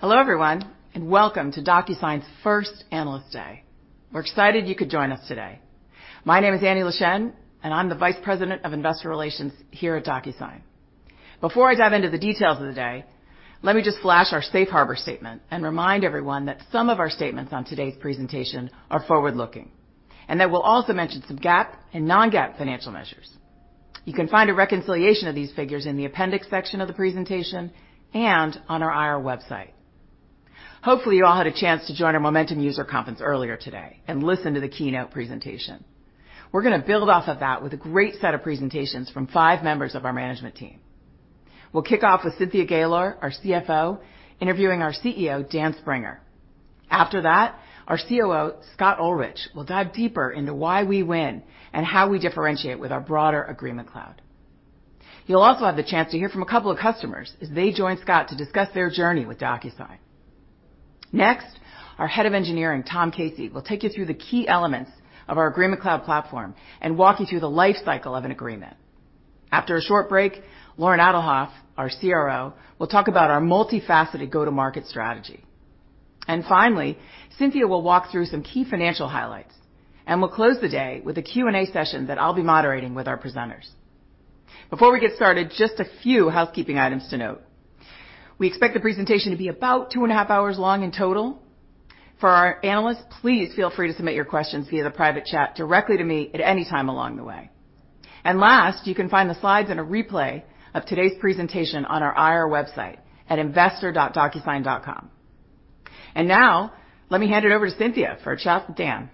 Hello, everyone, welcome to DocuSign's first Analyst Day. We're excited you could join us today. My name is Annie Leschin, I'm the Vice President of Investor Relations here at DocuSign. Before I dive into the details of the day, let me just flash our safe harbor statement and remind everyone that some of our statements on today's presentation are forward-looking, that we'll also mention some GAAP and non-GAAP financial measures. You can find a reconciliation of these figures in the appendix section of the presentation and on our IR website. Hopefully, you all had a chance to join our Momentum User Conference earlier today listen to the keynote presentation. We're going to build off of that with a great set of presentations from five members of our management team. We'll kick off with Cynthia Gaylor, our CFO, interviewing our CEO, Dan Springer. After that, our COO, Scott Olrich, will dive deeper into why we win and how we differentiate with our broader Agreement Cloud. You'll also have the chance to hear from a couple of customers as they join Scott to discuss their journey with DocuSign. Next, our Head of Engineering, Tom Casey, will take you through the key elements of our Agreement Cloud platform and walk you through the life cycle of an agreement. After a short break, Loren Alhadeff, our CRO, will talk about our multifaceted go-to-market strategy. Finally, Cynthia will walk through some key financial highlights, and we'll close the day with a Q&A session that I'll be moderating with our presenters. Before we get started, just a few housekeeping items to note. We expect the presentation to be about two and a half hours long in total. For our analysts, please feel free to submit your questions via the private chat directly to me at any time along the way. Last, you can find the slides and a replay of today's presentation on our IR website at investor.docusign.com. Now, let me hand it over to Cynthia for a chat with Dan.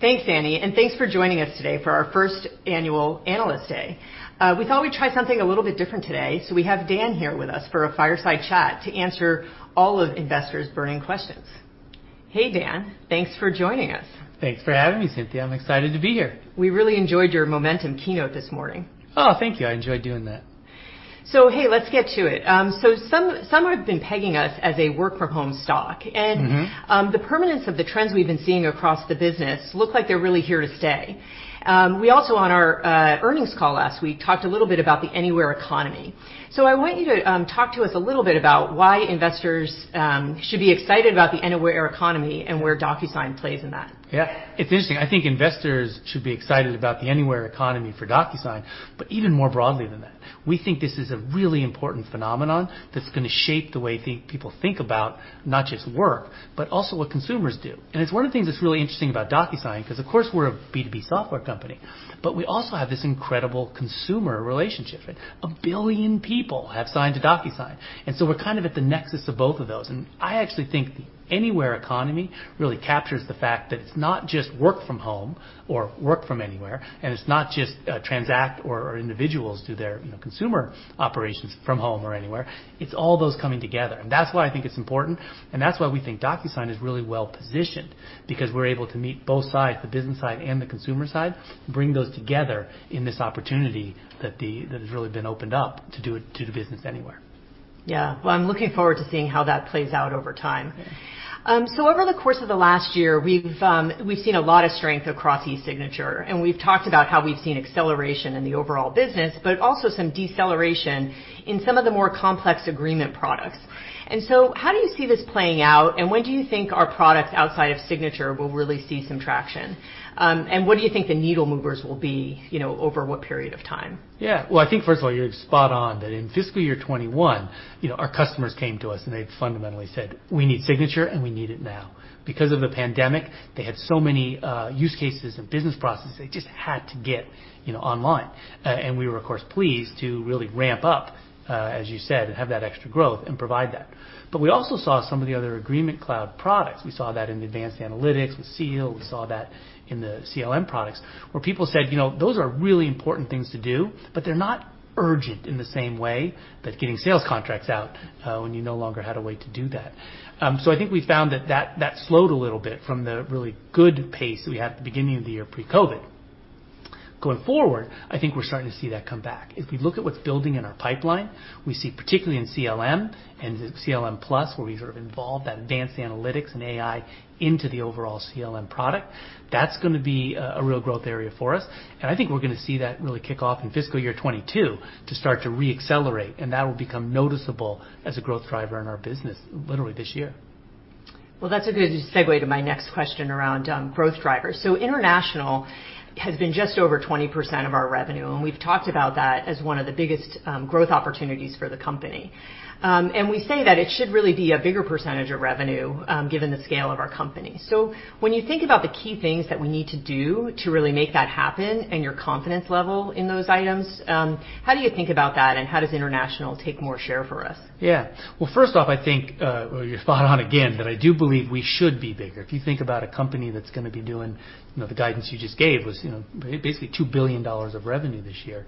Thanks, Annie, and thanks for joining us today for our first annual Analyst Day. We thought we'd try something a little bit different today, so we have Dan here with us for a fireside chat to answer all of investors' burning questions. Hey, Dan. Thanks for joining us. Thanks for having me, Cynthia. I'm excited to be here. We really enjoyed your Momentum keynote this morning. Oh, thank you. I enjoyed doing that. Hey, let's get to it. Some have been pegging us as a work from home stock. The permanence of the trends we've been seeing across the business look like they're really here to stay. We also, on our earnings call last week, talked a little bit about the anywhere economy. I want you to talk to us a little bit about why investors should be excited about the anywhere economy and where DocuSign plays in that. Yeah. It's interesting. I think investors should be excited about the anywhere economy for DocuSign, but even more broadly than that. We think this is a really important phenomenon that's going to shape the way people think about not just work, but also what consumers do. It's one of the things that's really interesting about DocuSign, because of course, we're a B2B software company, but we also have this incredible consumer relationship. A billion people have signed to DocuSign, we're kind of at the nexus of both of those. I actually think the anywhere economy really captures the fact that it's not just work from home or work from anywhere, it's not just transact or individuals do their consumer operations from home or anywhere. It's all those coming together. That's why I think it's important, and that's why we think DocuSign is really well-positioned because we're able to meet both sides, the business side and the consumer side, bring those together in this opportunity that has really been opened up to do the business anywhere. Yeah. Well, I'm looking forward to seeing how that plays out over time. Yeah. Over the course of the last year, we've seen a lot of strength across eSignature, and we've talked about how we've seen acceleration in the overall business, but also some deceleration in some of the more complex agreement products. How do you see this playing out, and when do you think our products outside of eSignature will really see some traction? What do you think the needle movers will be over what period of time? Yeah. Well, I think first of all, you're spot on that in fiscal year 2021, our customers came to us, and they fundamentally said, "We need eSignature, and we need it now." Because of the pandemic, they had so many use cases and business processes they just had to get online. We were, of course, pleased to really ramp up, as you said, and have that extra growth and provide that. We also saw some of the other Agreement Cloud products. We saw that in the advanced analytics with Seal. We saw that in the CLM products, where people said, "Those are really important things to do, but they're not urgent in the same way that getting sales contracts out when you no longer had a way to do that." I think we found that that slowed a little bit from the really good pace that we had at the beginning of the year pre-COVID. Going forward, I think we're starting to see that come back. If we look at what's building in our pipeline, we see, particularly in CLM and CLM+, where we sort of involved that advanced analytics and AI into the overall CLM product, that's going to be a real growth area for us. I think we're going to see that really kick off in fiscal year 2022 to start to re-accelerate, and that'll become noticeable as a growth driver in our business literally this year. Well, that's a good segue to my next question around growth drivers. International has been just over 20% of our revenue, and we've talked about that as one of the biggest growth opportunities for the company. We say that it should really be a bigger percentage of revenue given the scale of our company. When you think about the key things that we need to do to really make that happen and your confidence level in those items, how do you think about that, and how does international take more share for us? Yeah. Well, first off, I think you're spot on again that I do believe we should be bigger. If you think about a company that's going to be doing the guidance you just gave was basically $2 billion of revenue this year,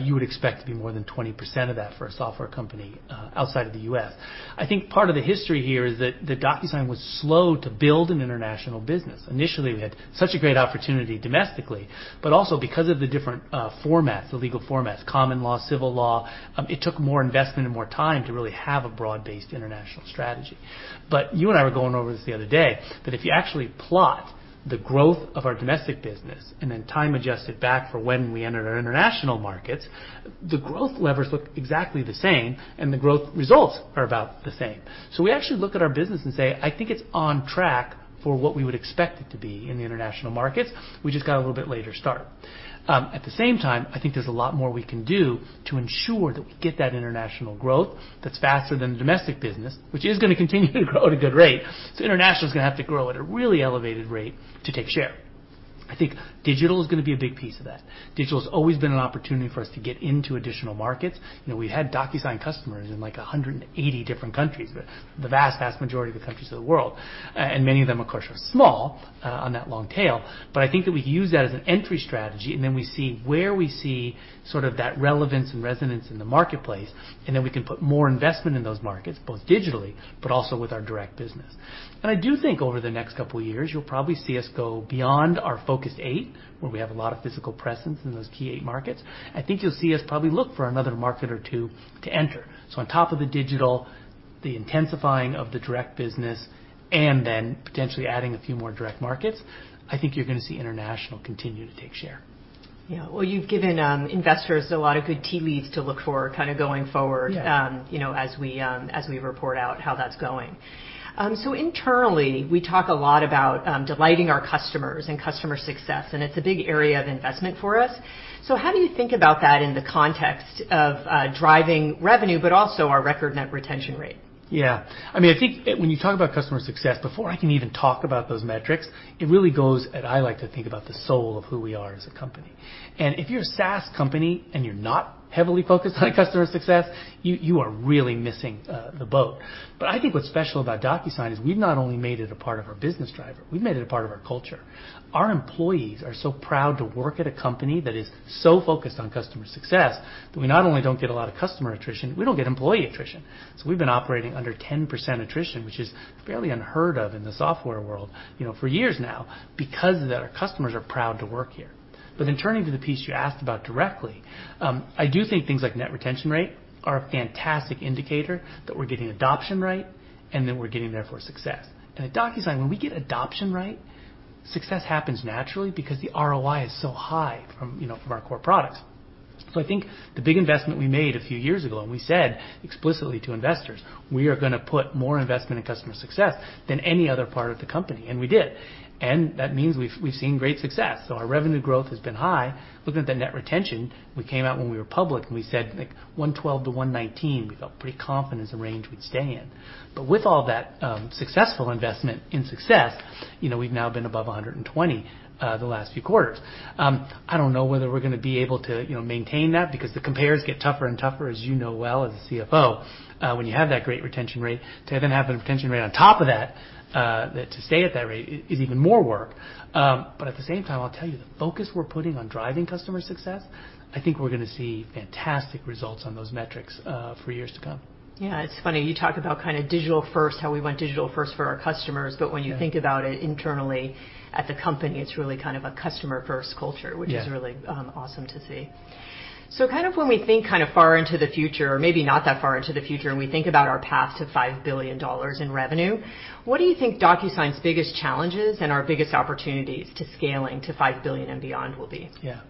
you would expect to be more than 20% of that for a software company outside of the U.S. I think part of the history here is that DocuSign was slow to build an international business. Initially, we had such a great opportunity domestically, but also because of the different formats, the legal formats, common law, civil law, it took more investment and more time to really have a broad-based international strategy. You and I were going over this the other day, that if you actually plot the growth of our domestic business and then time adjust it back for when we entered our international markets, the growth levers look exactly the same, and the growth results are about the same. We actually look at our business and say, "I think it's on track for what we would expect it to be in the international markets. We just got a little bit later start." At the same time, I think there's a lot more we can do to ensure that we get that international growth that's faster than the domestic business, which is going to continue to grow at a good rate. International is going to have to grow at a really elevated rate to take share. I think digital is going to be a big piece of that. Digital has always been an opportunity for us to get into additional markets. We've had DocuSign customers in like 180 different countries, the vast majority of the countries of the world. Many of them, of course, are small on that long tail. I think that we can use that as an entry strategy, and then we see where we see that relevance and resonance in the marketplace, and then we can put more investment in those markets, both digitally but also with our direct business. I do think over the next couple of years, you'll probably see us go beyond our Focus 8, where we have a lot of physical presence in those key eight markets. I think you'll see us probably look for another market or two to enter. On top of the digital, the intensifying of the direct business, and then potentially adding a few more direct markets, I think you're going to see international continue to take share. Yeah. Well, you've given investors a lot of good tea leaves to look for going forward. Yeah as we report out how that's going. Internally, we talk a lot about delighting our customers and customer success, and it's a big area of investment for us. How do you think about that in the context of driving revenue, but also our record net retention rate? I think when you talk about customer success, before I can even talk about those metrics, I like to think about the soul of who we are as a company. If you're a SaaS company and you're not heavily focused on customer success, you are really missing the boat. I think what's special about DocuSign is we've not only made it a part of our business driver, we've made it a part of our culture. Our employees are so proud to work at a company that is so focused on customer success, that we not only don't get a lot of customer attrition, we don't get employee attrition. We've been operating under 10% attrition, which is fairly unheard of in the software world for years now because our customers are proud to work here. Turning to the piece you asked about directly, I do think things like net retention rate are a fantastic indicator that we're getting adoption right and that we're getting there for success. At DocuSign, when we get adoption right, success happens naturally because the ROI is so high from our core products. I think the big investment we made a few years ago, and we said explicitly to investors, we are going to put more investment in customer success than any other part of the company, and we did. That means we've seen great success. Our revenue growth has been high. Looking at the net retention, we came out when we were public, and we said, like 112%-119%. We felt pretty confident it's the range we'd stay in. With all that successful investment in success, we've now been above 120% the last few quarters. I don't know whether we're going to be able to maintain that because the compares get tougher and tougher, as you know well as a CFO. When you have that great retention rate, to even have a retention rate on top of that, to stay at that rate, is even more work. At the same time, I'll tell you, the focus we're putting on driving customer success, I think we're going to see fantastic results on those metrics for years to come. Yeah, it's funny. You talk about Digital First, how we went Digital First for our customers. When you think about it internally at the company, it's really a customer-first culture. Yeah which is really awesome to see. When we think far into the future, or maybe not that far into the future, and we think about our path to $5 billion in revenue, what do you think DocuSign's biggest challenges and our biggest opportunities to scaling to $5 billion and beyond will be? Yeah.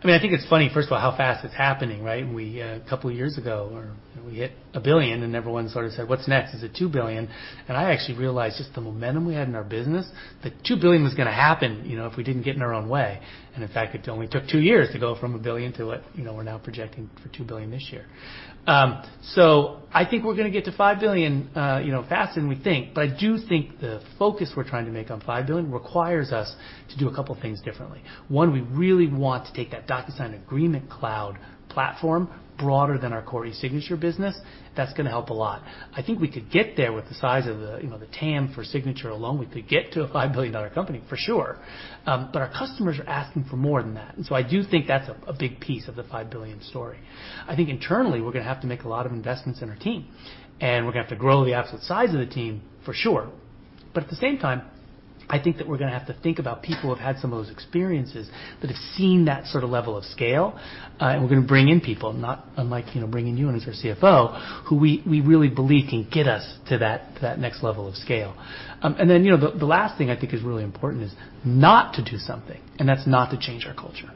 I think it's funny, first of all, how fast it's happening, right? A couple of years ago, we hit $1 billion, everyone said, "What's next? Is it $2 billion?" I actually realized just the momentum we had in our business, that $2 billion was going to happen if we didn't get in our own way. In fact, it only took two years to go from $1 billion to what we're now projecting for $2 billion this year. I think we're going to get to $5 billion faster than we think, but I do think the focus we're trying to make on $5 billion requires us to do a couple things differently. One, we really want to take that DocuSign Agreement Cloud platform broader than our core eSignature business. That's going to help a lot. I think we could get there with the size of the TAM for signature alone, we could get to a $5 billion company, for sure. Our customers are asking for more than that, and so I do think that's a big piece of the $5 billion story. I think internally, we're going to have to make a lot of investments in our team, and we're going to have to grow the absolute size of the team, for sure. At the same time, I think that we're going to have to think about people who have had some of those experiences that have seen that level of scale, and we're going to bring in people, not unlike bringing you in as our CFO, who we really believe can get us to that next level of scale. The last thing I think is really important is not to do something, and that's not to change our culture.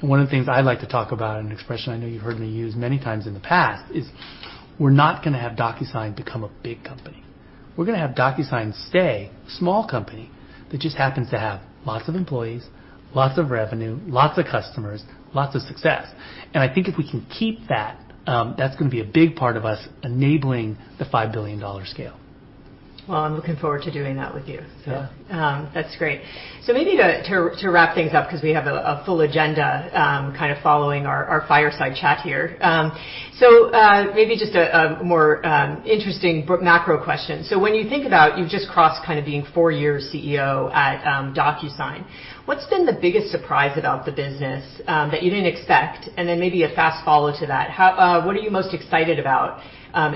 One of the things I like to talk about, and an expression I know you've heard me use many times in the past, is we're not going to have DocuSign become a big company. We're going to have DocuSign stay a small company that just happens to have lots of employees, lots of revenue, lots of customers, lots of success. I think if we can keep that's going to be a big part of us enabling the $5 billion scale. Well, I'm looking forward to doing that with you. Yeah. That's great. Maybe to wrap things up, because we have a full agenda following our fireside chat here. Maybe just a more interesting macro question. When you think about you've just crossed being four years CEO at DocuSign, what's been the biggest surprise about the business that you didn't expect? Then maybe a fast follow to that, what are you most excited about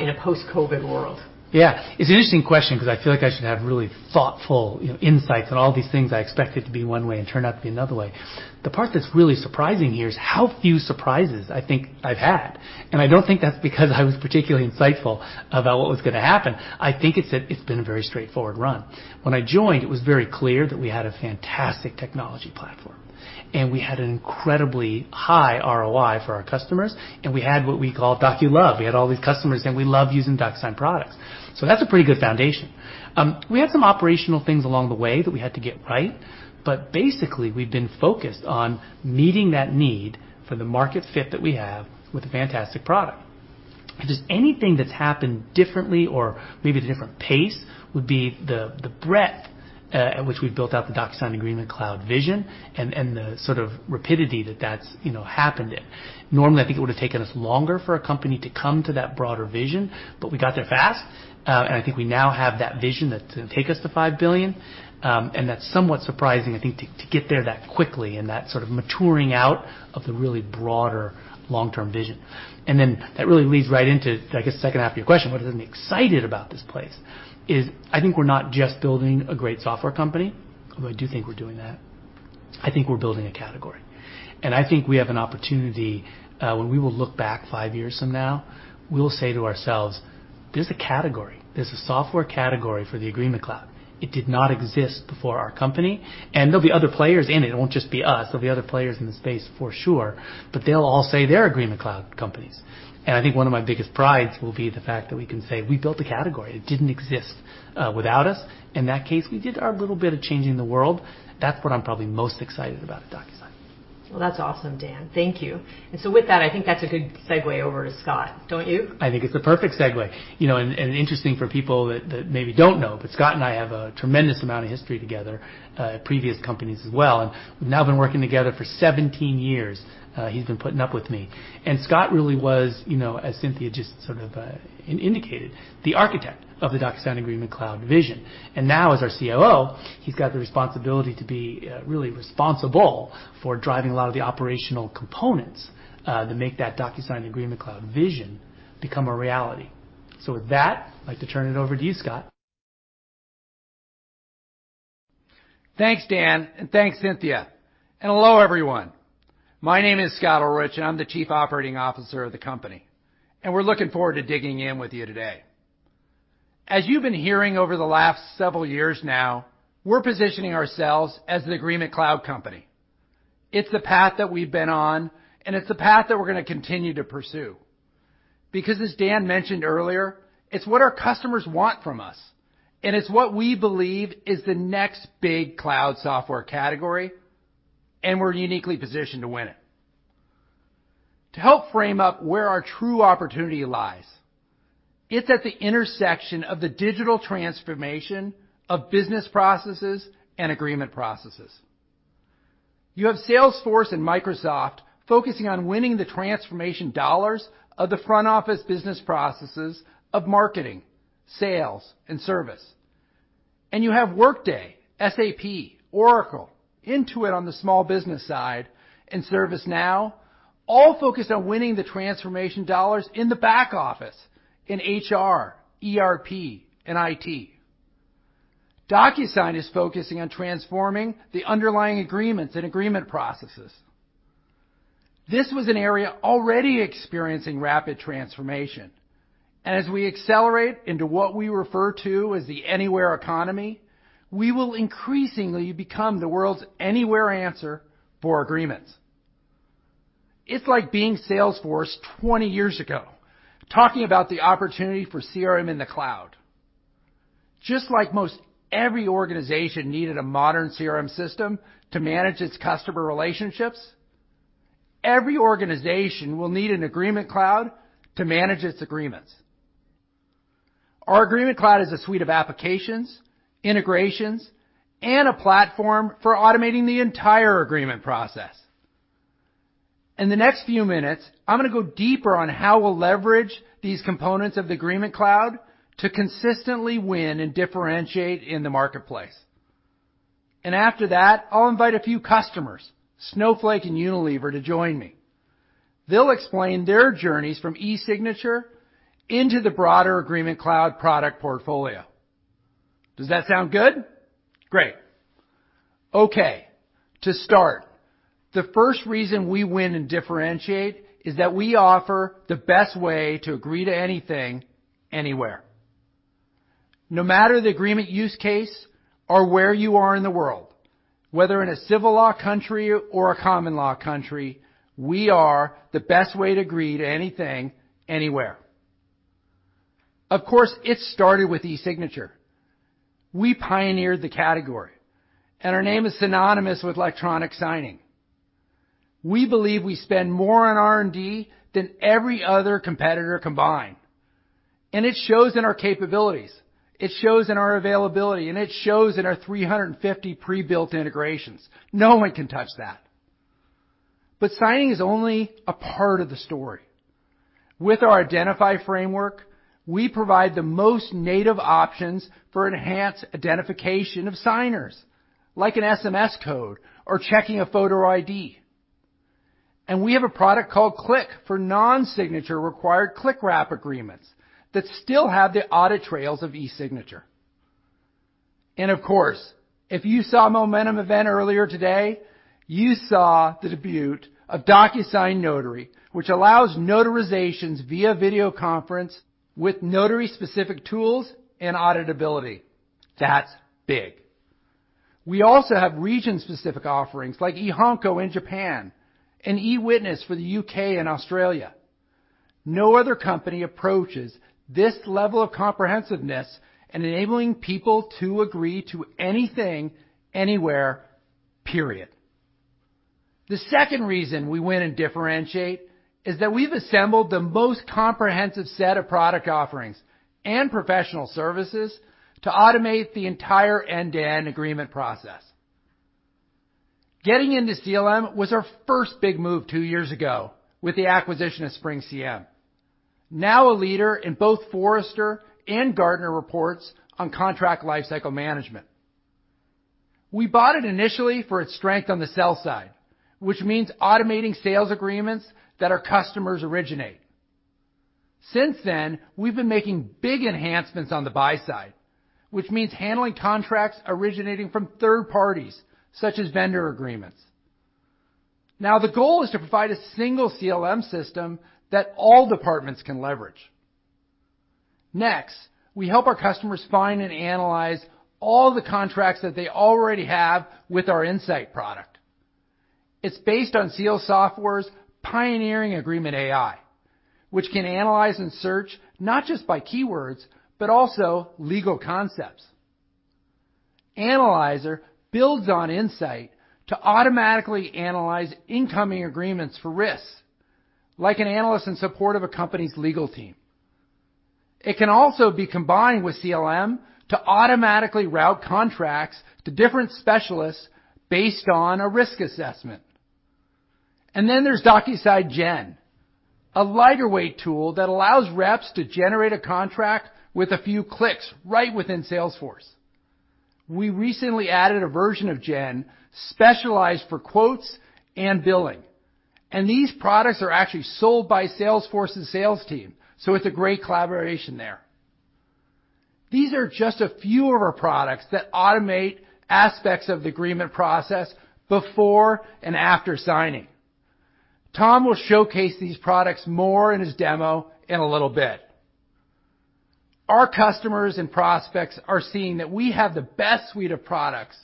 in a post-COVID world? Yeah. It's an interesting question because I feel like I should have really thoughtful insights on all these things I expected to be one way and turned out to be another way. The part that's really surprising here is how few surprises I think I've had, and I don't think that's because I was particularly insightful about what was going to happen. I think it's that it's been a very straightforward run. When I joined, it was very clear that we had a fantastic technology platform, and we had an incredibly high ROI for our customers, and we had what we call DocuLove. We had all these customers saying, "We love using DocuSign products." That's a pretty good foundation. We had some operational things along the way that we had to get right, basically, we've been focused on meeting that need for the market fit that we have with a fantastic product. If there's anything that's happened differently or maybe at a different pace, would be the breadth at which we've built out the DocuSign Agreement Cloud vision and the sort of rapidity that's happened in. Normally, I think it would've taken us longer for a company to come to that broader vision, we got there fast. I think we now have that vision that's going to take us to $5 billion. That's somewhat surprising, I think, to get there that quickly, and that sort of maturing out of the really broader long-term vision. That really leads right into, I guess, the second half of your question, what has me excited about this place is I think we're not just building a great software company, although I do think we're doing that. I think we're building a category. I think we have an opportunity, when we will look back five years from now, we'll say to ourselves, "There's a category. There's a software category for the Agreement Cloud. It did not exist before our company." There'll be other players in it. It won't just be us. There'll be other players in the space for sure, but they'll all say they're Agreement Cloud companies. I think one of my biggest prides will be the fact that we can say we built a category. It didn't exist without us. In that case, we did our little bit of changing the world. That's what I'm probably most excited about at DocuSign. Well, that's awesome, Dan. Thank you. With that, I think that's a good segue over to Scott, don't you? I think it's the perfect segue. Interesting for people that maybe don't know, but Scott and I have a tremendous amount of history together, previous companies as well, and we've now been working together for 17 years. He's been putting up with me. Scott really was, as Cynthia just sort of indicated, the architect of the DocuSign Agreement Cloud vision. Now as our COO, he's got the responsibility to be really responsible for driving a lot of the operational components to make that DocuSign Agreement Cloud vision become a reality. With that, I'd like to turn it over to you, Scott. Thanks, Dan, and thanks, Cynthia. Hello, everyone. My name is Scott Olrich, and I'm the Chief Operating Officer of the company. We're looking forward to digging in with you today. As you've been hearing over the last several years now, we're positioning ourselves as an Agreement Cloud company. It's the path that we've been on, and it's the path that we're going to continue to pursue. As Dan mentioned earlier, it's what our customers want from us, and it's what we believe is the next big cloud software category, and we're uniquely positioned to win it. To help frame up where our true opportunity lies, it's at the intersection of the digital transformation of business processes and agreement processes. You have Salesforce and Microsoft focusing on winning the transformation dollars of the front office business processes of marketing, sales, and service. You have Workday, SAP, Oracle, Intuit on the small business side, and ServiceNow, all focused on winning the transformation dollars in the back office in HR, ERP, and IT. DocuSign is focusing on transforming the underlying agreements and agreement processes. This was an area already experiencing rapid transformation. As we accelerate into what we refer to as the anywhere economy, we will increasingly become the world's anywhere answer for agreements. It's like being Salesforce 20 years ago, talking about the opportunity for CRM in the cloud. Just like most every organization needed a modern CRM system to manage its customer relationships, every organization will need an Agreement Cloud to manage its agreements. Our Agreement Cloud is a suite of applications, integrations, and a platform for automating the entire agreement process. In the next few minutes, I'm going to go deeper on how we'll leverage these components of the Agreement Cloud to consistently win and differentiate in the marketplace. After that, I'll invite a few customers, Snowflake and Unilever, to join me. They'll explain their journeys from eSignature into the broader Agreement Cloud product portfolio. Does that sound good? Great. Okay. To start, the first reason we win and differentiate is that we offer the best way to agree to anything, anywhere. No matter the agreement use case or where you are in the world, whether in a civil law country or a common law country, we are the best way to agree to anything, anywhere. Of course, it started with eSignature. We pioneered the category, and our name is synonymous with electronic signing. We believe we spend more on R&D than every other competitor combined, and it shows in our capabilities. It shows in our availability, and it shows in our 350 pre-built integrations. No one can touch that. Signing is only a part of the story. With our Identify framework, we provide the most native options for enhanced identification of signers, like an SMS code or checking a photo ID. We have a product called Click for non-signature required clickwrap agreements that still have the audit trails of eSignature. Of course, if you saw Momentum event earlier today, you saw the debut of DocuSign Notary, which allows notarizations via video conference with Notary-specific tools and auditability. That's big. We also have region-specific offerings like eHanko in Japan and eWitness for the U.K. and Australia. No other company approaches this level of comprehensiveness in enabling people to agree to anything, anywhere, period. The second reason we win and differentiate is that we've assembled the most comprehensive set of product offerings and professional services to automate the entire end-to-end agreement process. Getting into CLM was our first big move two years ago with the acquisition of SpringCM, now a leader in both Forrester and Gartner reports on contract lifecycle management. We bought it initially for its strength on the sell side, which means automating sales agreements that our customers originate. Since then, we've been making big enhancements on the buy side, which means handling contracts originating from third parties, such as vendor agreements. The goal is to provide a single CLM system that all departments can leverage. We help our customers find and analyze all the contracts that they already have with our Insight product. It's based on Seal Software's pioneering agreement AI, which can analyze and search not just by keywords, but also legal concepts. Analyzer builds on Insight to automatically analyze incoming agreements for risks, like an analyst in support of a company's legal team. It can also be combined with CLM to automatically route contracts to different specialists based on a risk assessment. Then there's DocuSign Gen, a lighter-weight tool that allows reps to generate a contract with a few clicks right within Salesforce. We recently added a version of Gen specialized for quotes and billing. These products are actually sold by Salesforce's sales team, so it's a great collaboration there. These are just a few of our products that automate aspects of the agreement process before and after signing. Tom will showcase these products more in his demo in a little bit. Our customers and prospects are seeing that we have the best suite of products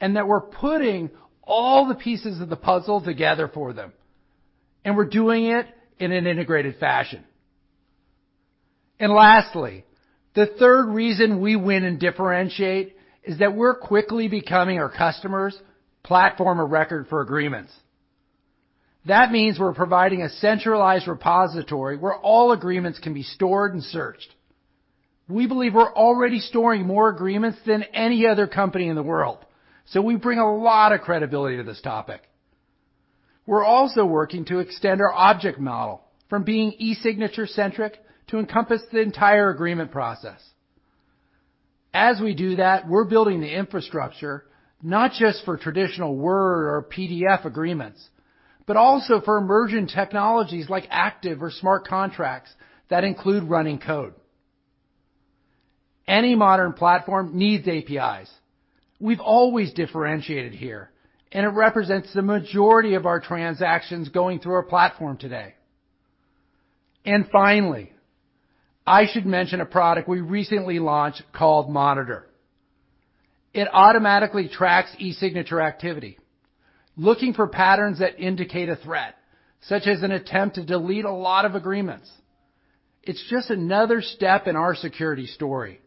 and that we're putting all the pieces of the puzzle together for them, and we're doing it in an integrated fashion. The third reason we win and differentiate is that we're quickly becoming our customers' platform of record for agreements. That means we're providing a centralized repository where all agreements can be stored and searched. We believe we're already storing more agreements than any other company in the world, so we bring a lot of credibility to this topic. We're also working to extend our object model from being eSignature centric to encompass the entire agreement process. As we do that, we're building the infrastructure, not just for traditional Word or PDF agreements, but also for emerging technologies like active or smart contracts that include running code. Any modern platform needs APIs. We've always differentiated here, and it represents the majority of our transactions going through our platform today. Finally, I should mention a product we recently launched called Monitor. It automatically tracks eSignature activity, looking for patterns that indicate a threat, such as an attempt to delete a lot of agreements. It's just another step in our security story,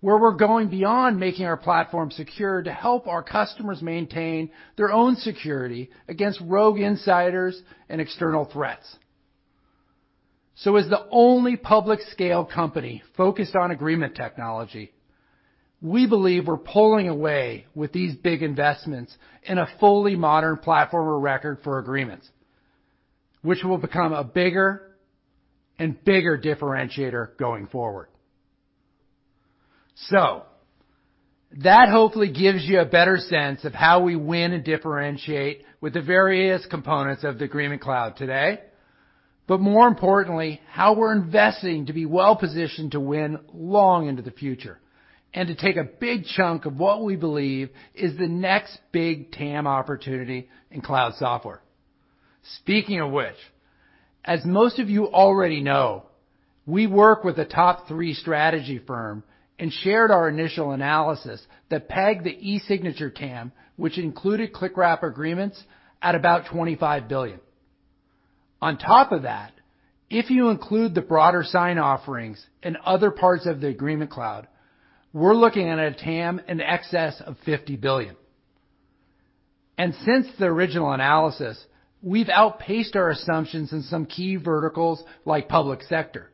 where we're going beyond making our platform secure to help our customers maintain their own security against rogue insiders and external threats. As the only public scale company focused on agreement technology, we believe we're pulling away with these big investments in a fully modern platform of record for agreements, which will become a bigger and bigger differentiator going forward. That hopefully gives you a better sense of how we win and differentiate with the various components of the Agreement Cloud today, but more importantly, how we're investing to be well-positioned to win long into the future and to take a big chunk of what we believe is the next big TAM opportunity in cloud software. Speaking of which, as most of you already know, we work with a top three strategy firm and shared our initial analysis that pegged the esignature TAM, which included clickwrap agreements, at about $25 billion. On top of that, if you include the broader sign offerings and other parts of the Agreement Cloud, we're looking at a TAM in excess of $50 billion. Since the original analysis, we've outpaced our assumptions in some key verticals like public sector.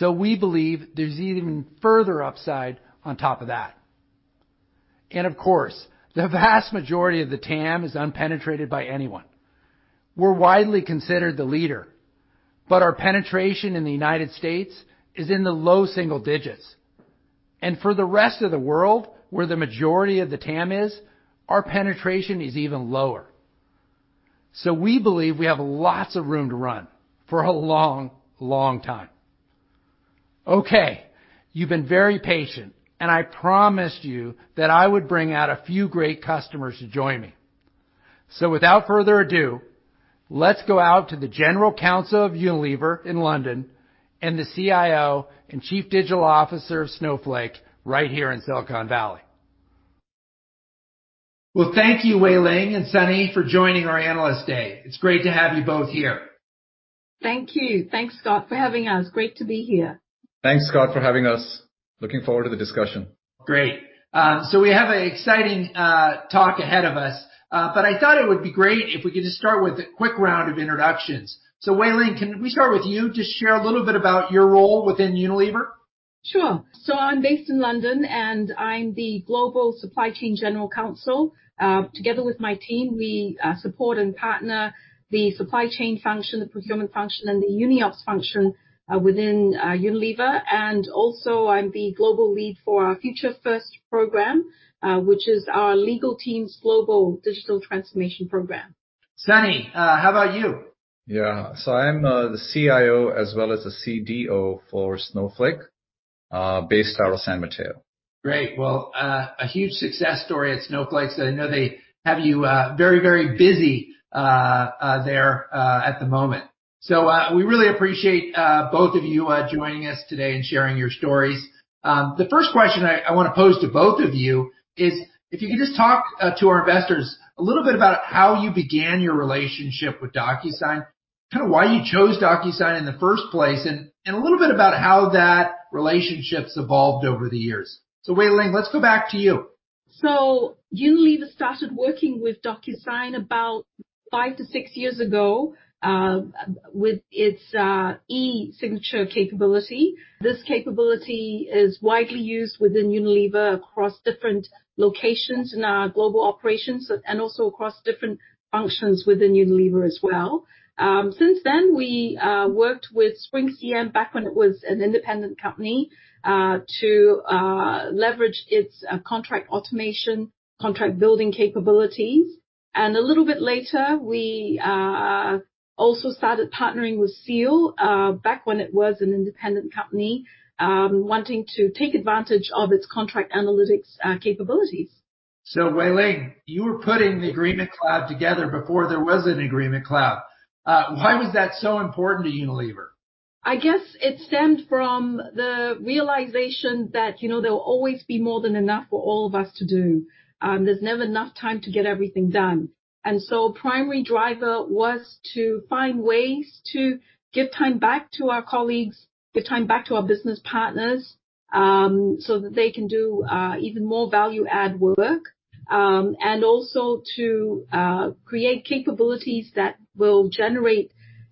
We believe there's even further upside on top of that. Of course, the vast majority of the TAM is unpenetrated by anyone. We're widely considered the leader, but our penetration in the U.S. is in the low single digits. For the rest of the world, where the majority of the TAM is, our penetration is even lower. We believe we have lots of room to run for a long, long time. Okay. You've been very patient, and I promised you that I would bring out a few great customers to join me. Without further ado, let's go out to the General Counsel of Unilever in London and the CIO and Chief Digital Officer of Snowflake right here in Silicon Valley. Well, thank you, Wei Ling and Sunny, for joining our Analyst Day. It's great to have you both here. Thank you. Thanks, Scott, for having us. Great to be here. Thanks, Scott, for having us. Looking forward to the discussion. Great. We have an exciting talk ahead of us. I thought it would be great if we could just start with a quick round of introductions. Wei Ling, can we start with you? Just share a little bit about your role within Unilever. Sure. I'm based in London, and I'm the global supply chain general counsel. Together with my team, we support and partner the supply chain function, the procurement function, and the UniOps function within Unilever. Also I'm the global lead for our Future Fit program, which is our legal team's global digital transformation program. Sunny, how about you? I'm the CIO as well as the CDO for Snowflake, based out of San Mateo. Great. Well, a huge success story at Snowflake. I know they have you very busy there at the moment. We really appreciate both of you joining us today and sharing your stories. The first question I want to pose to both of you is if you could just talk to our investors a little bit about how you began your relationship with DocuSign, kind of why you chose DocuSign in the first place, and a little bit about how that relationship's evolved over the years. Wei Ling, let's go back to you. Unilever started working with DocuSign about five to six years ago with its eSignature capability. This capability is widely used within Unilever across different locations in our global operations and also across different functions within Unilever as well. Since then, we worked with SpringCM back when it was an independent company to leverage its contract automation, contract building capabilities. A little bit later, we also started partnering with Seal back when it was an independent company, wanting to take advantage of its contract analytics capabilities. Wei Ling, you were putting the Agreement Cloud together before there was an Agreement Cloud. Why was that so important to Unilever? I guess it stemmed from the realization that there will always be more than enough for all of us to do. There's never enough time to get everything done. A primary driver was to find ways to give time back to our colleagues, give time back to our business partners so that they can do even more value add work. Also to create capabilities that will generate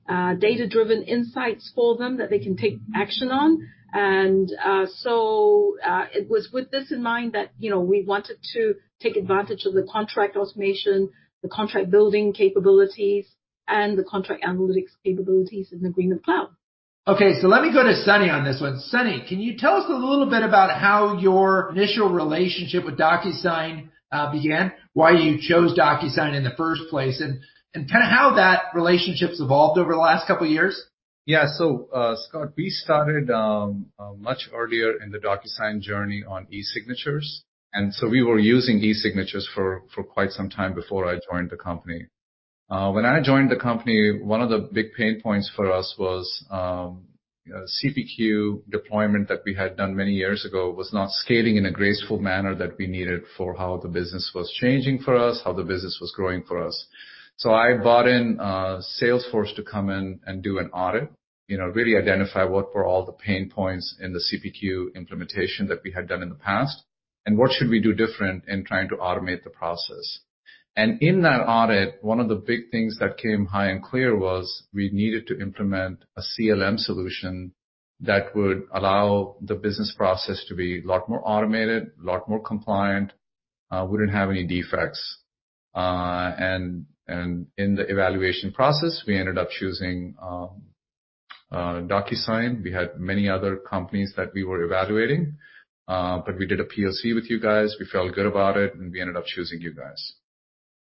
data-driven insights for them that they can take action on. It was with this in mind that we wanted to take advantage of the contract automation, the contract building capabilities, and the contract analytics capabilities in Agreement Cloud. Okay, let me go to Sunny on this one. Sunny, can you tell us a little bit about how your initial relationship with DocuSign began, why you chose DocuSign in the first place, and how that relationship's evolved over the last couple of years? Yeah. Scott, we started much earlier in the DocuSign journey on eSignatures. We were using eSignatures for quite some time before I joined the company. When I joined the company, one of the big pain points for us was CPQ deployment that we had done many years ago was not scaling in a graceful manner that we needed for how the business was changing for us, how the business was growing for us. I brought in Salesforce to come in and do an audit. Really identify what were all the pain points in the CPQ implementation that we had done in the past, and what should we do different in trying to automate the process. In that audit, one of the big things that came high and clear was we needed to implement a CLM solution that would allow the business process to be a lot more automated, a lot more compliant, wouldn't have any defects. In the evaluation process, we ended up choosing DocuSign. We had many other companies that we were evaluating. We did a POC with you guys. We felt good about it, and we ended up choosing you guys.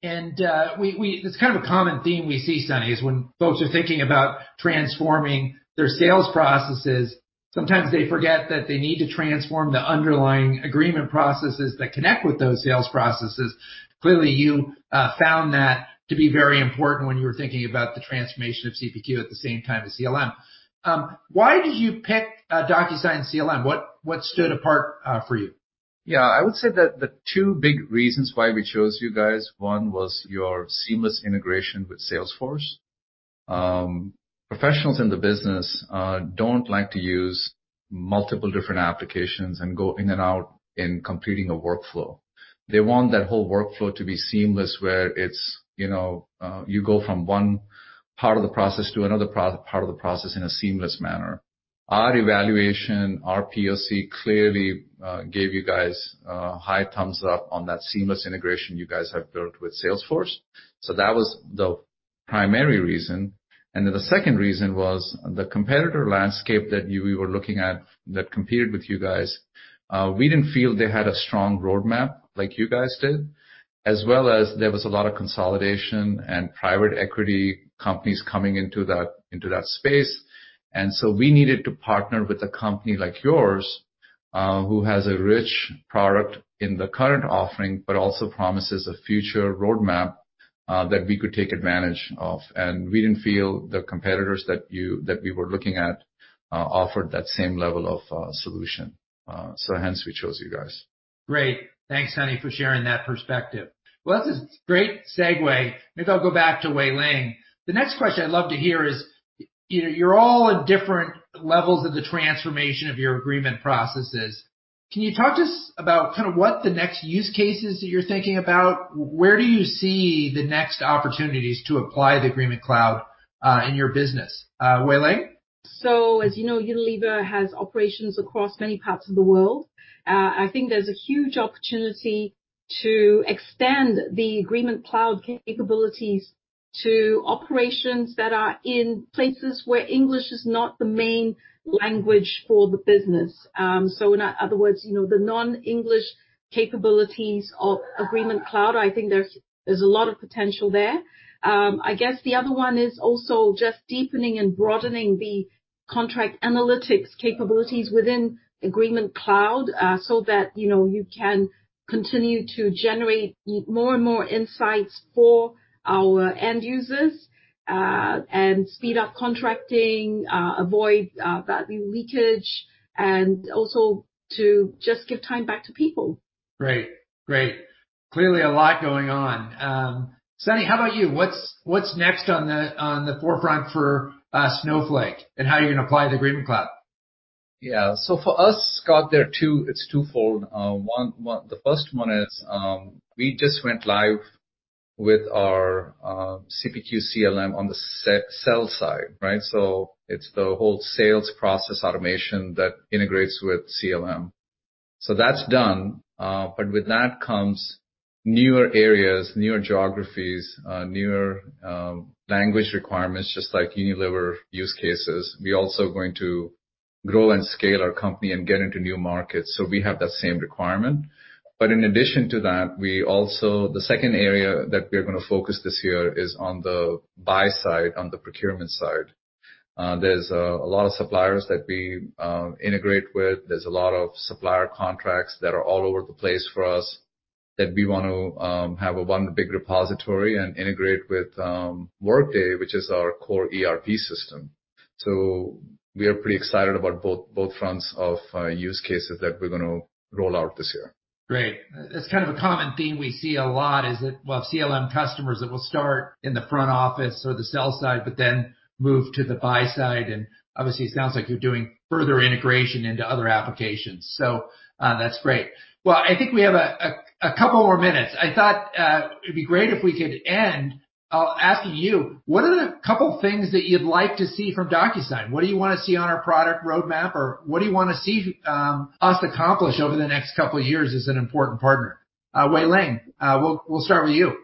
It's kind of a common theme we see, Sunny, is when folks are thinking about transforming their sales processes, sometimes they forget that they need to transform the underlying agreement processes that connect with those sales processes. Clearly, you found that to be very important when you were thinking about the transformation of CPQ at the same time as CLM. Why did you pick DocuSign CLM? What stood apart for you? I would say that the two big reasons why we chose you guys, one was your seamless integration with Salesforce. Professionals in the business don't like to use multiple different applications and go in and out in completing a workflow. They want that whole workflow to be seamless where you go from one part of the process to another part of the process in a seamless manner. Our evaluation, our POC clearly gave you guys a high thumbs up on that seamless integration you guys have built with Salesforce. That was the primary reason. The second reason was the competitor landscape that we were looking at that competed with you guys. We didn't feel they had a strong roadmap like you guys did, as well as there was a lot of consolidation and private equity companies coming into that space. We needed to partner with a company like yours who has a rich product in the current offering, but also promises a future roadmap that we could take advantage of. We didn't feel the competitors that we were looking at offered that same level of solution. Hence we chose you guys. Great. Thanks, Sunny, for sharing that perspective. Well, this is great segue. Maybe I'll go back to Wei Ling. The next question I'd love to hear is, you're all at different levels of the transformation of your agreement processes. Can you talk to us about what the next use cases that you're thinking about? Where do you see the next opportunities to apply the Agreement Cloud in your business? Wei Ling? As you know, Unilever has operations across many parts of the world. I think there's a huge opportunity to extend the Agreement Cloud capabilities to operations that are in places where English is not the main language for the business. In other words, the non-English capabilities of Agreement Cloud, I think there's a lot of potential there. I guess the other one is also just deepening and broadening the contract analytics capabilities within Agreement Cloud, so that you can continue to generate more and more insights for our end users, and speed up contracting, avoid value leakage, and also to just give time back to people. Great. Clearly a lot going on. Sunny, how about you? What's next on the forefront for Snowflake and how you're going to apply the Agreement Cloud? For us, Scott, it's twofold. The first one is, we just went live with our CPQ CLM on the sell side, right? It's the whole sales process automation that integrates with CLM. That's done, but with that comes newer areas, newer geographies, newer language requirements, just like Unilever use cases. We're also going to grow and scale our company and get into new markets, so we have that same requirement. In addition to that, the second area that we are going to focus this year is on the buy side, on the procurement side. There's a lot of suppliers that we integrate with. There's a lot of supplier contracts that are all over the place for us that we want to have a one big repository and integrate with Workday, which is our core ERP system. We are pretty excited about both fronts of use cases that we're going to roll out this year. Great. That's kind of a common theme we see a lot, is that we'll have CLM customers that will start in the front office or the sell side, but then move to the buy side, and obviously, it sounds like you're doing further integration into other applications. That's great. Well, I think we have a couple more minutes. I thought it'd be great if we could end. I'll ask you, what are the couple things that you'd like to see from DocuSign? What do you want to see on our product roadmap, or what do you want to see us accomplish over the next couple of years as an important partner? Wei Ling, we'll start with you.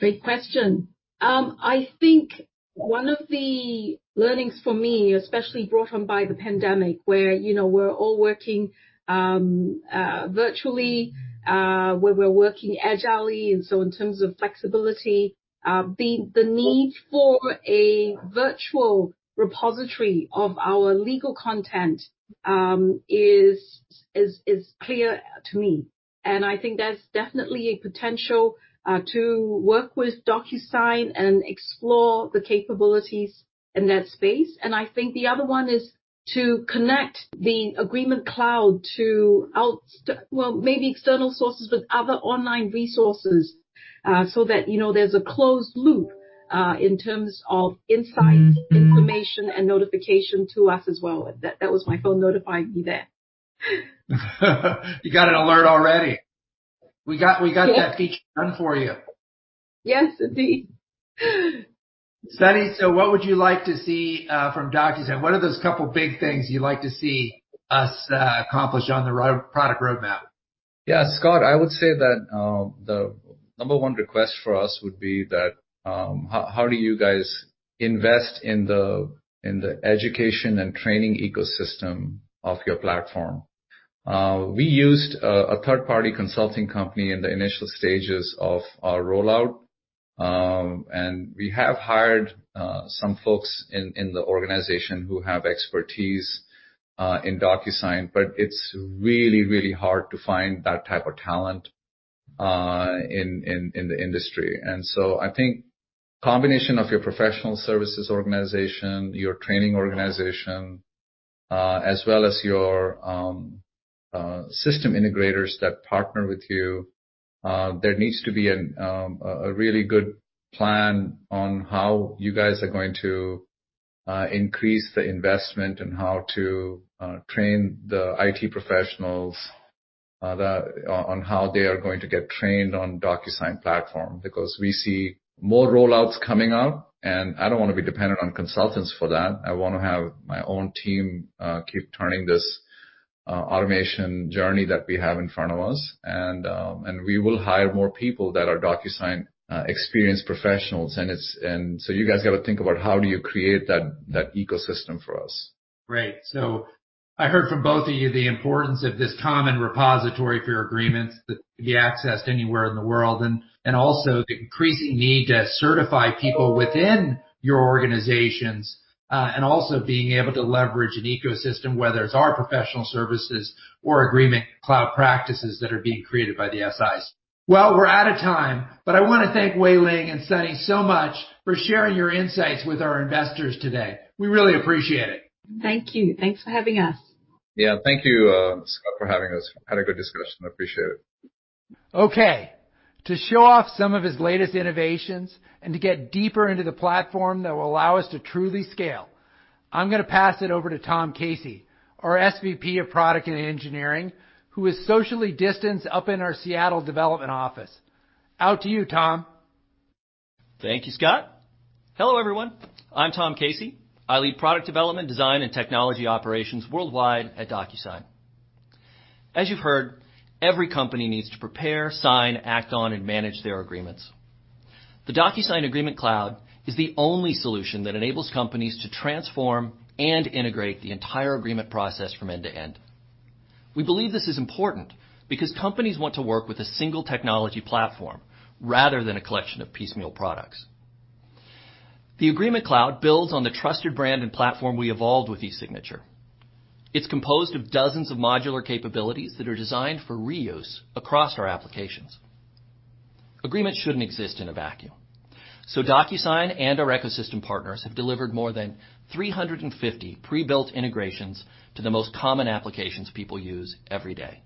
Great question. I think one of the learnings for me, especially brought on by the pandemic, where we're all working virtually, where we're working agilely, in terms of flexibility, the need for a virtual repository of our legal content is clear to me. I think there's definitely a potential to work with DocuSign and explore the capabilities in that space. I think the other one is to connect the Agreement Cloud to maybe external sources, but other online resources, so that there's a closed loop, in terms of insights, information and notification to us as well. That was my phone notifying me there. You got an alert already. We got that feature done for you. Yes, indeed. Sunny, what would you like to see from DocuSign? What are those couple big things you'd like to see us accomplish on the product roadmap? Yeah, Scott, I would say that the number one request for us would be that, how do you guys invest in the education and training ecosystem of your platform? We used a third-party consulting company in the initial stages of our rollout. We have hired some folks in the organization who have expertise in DocuSign, but it's really hard to find that type of talent in the industry. I think combination of your professional services organization, your training organization, as well as your system integrators that partner with you, there needs to be a really good plan on how you guys are going to increase the investment and how to train the IT professionals on how they are going to get trained on DocuSign platform. We see more roll-outs coming up, and I don't want to be dependent on consultants for that. I want to have my own team keep turning this automation journey that we have in front of us. We will hire more people that are DocuSign experienced professionals. You guys got to think about how do you create that ecosystem for us. Great. I heard from both of you the importance of this common repository for your agreements that can be accessed anywhere in the world, and also the increasing need to certify people within your organizations. Also being able to leverage an ecosystem, whether it's our professional services or Agreement Cloud practices that are being created by the SIs. Well, we're out of time, but I want to thank Wei Ling and Sunny so much for sharing your insights with our investors today. We really appreciate it. Thank you. Thanks for having us. Yeah. Thank you, Scott, for having us. Had a good discussion. I appreciate it. Okay. To show off some of his latest innovations and to get deeper into the platform that will allow us to truly scale, I'm going to pass it over to Tom Casey, our SVP of Product and Engineering, who is socially distanced up in our Seattle development office. Out to you, Tom. Thank you, Scott. Hello, everyone. I'm Tom Casey. I lead product development, design, and technology operations worldwide at DocuSign. As you've heard, every company needs to prepare, sign, act on, and manage their agreements. The DocuSign Agreement Cloud is the only solution that enables companies to transform and integrate the entire agreement process from end to end. We believe this is important because companies want to work with a single technology platform rather than a collection of piecemeal products. The Agreement Cloud builds on the trusted brand and platform we evolved with eSignature. It's composed of dozens of modular capabilities that are designed for reuse across our applications. Agreements shouldn't exist in a vacuum. DocuSign and our ecosystem partners have delivered more than 350 pre-built integrations to the most common applications people use every day.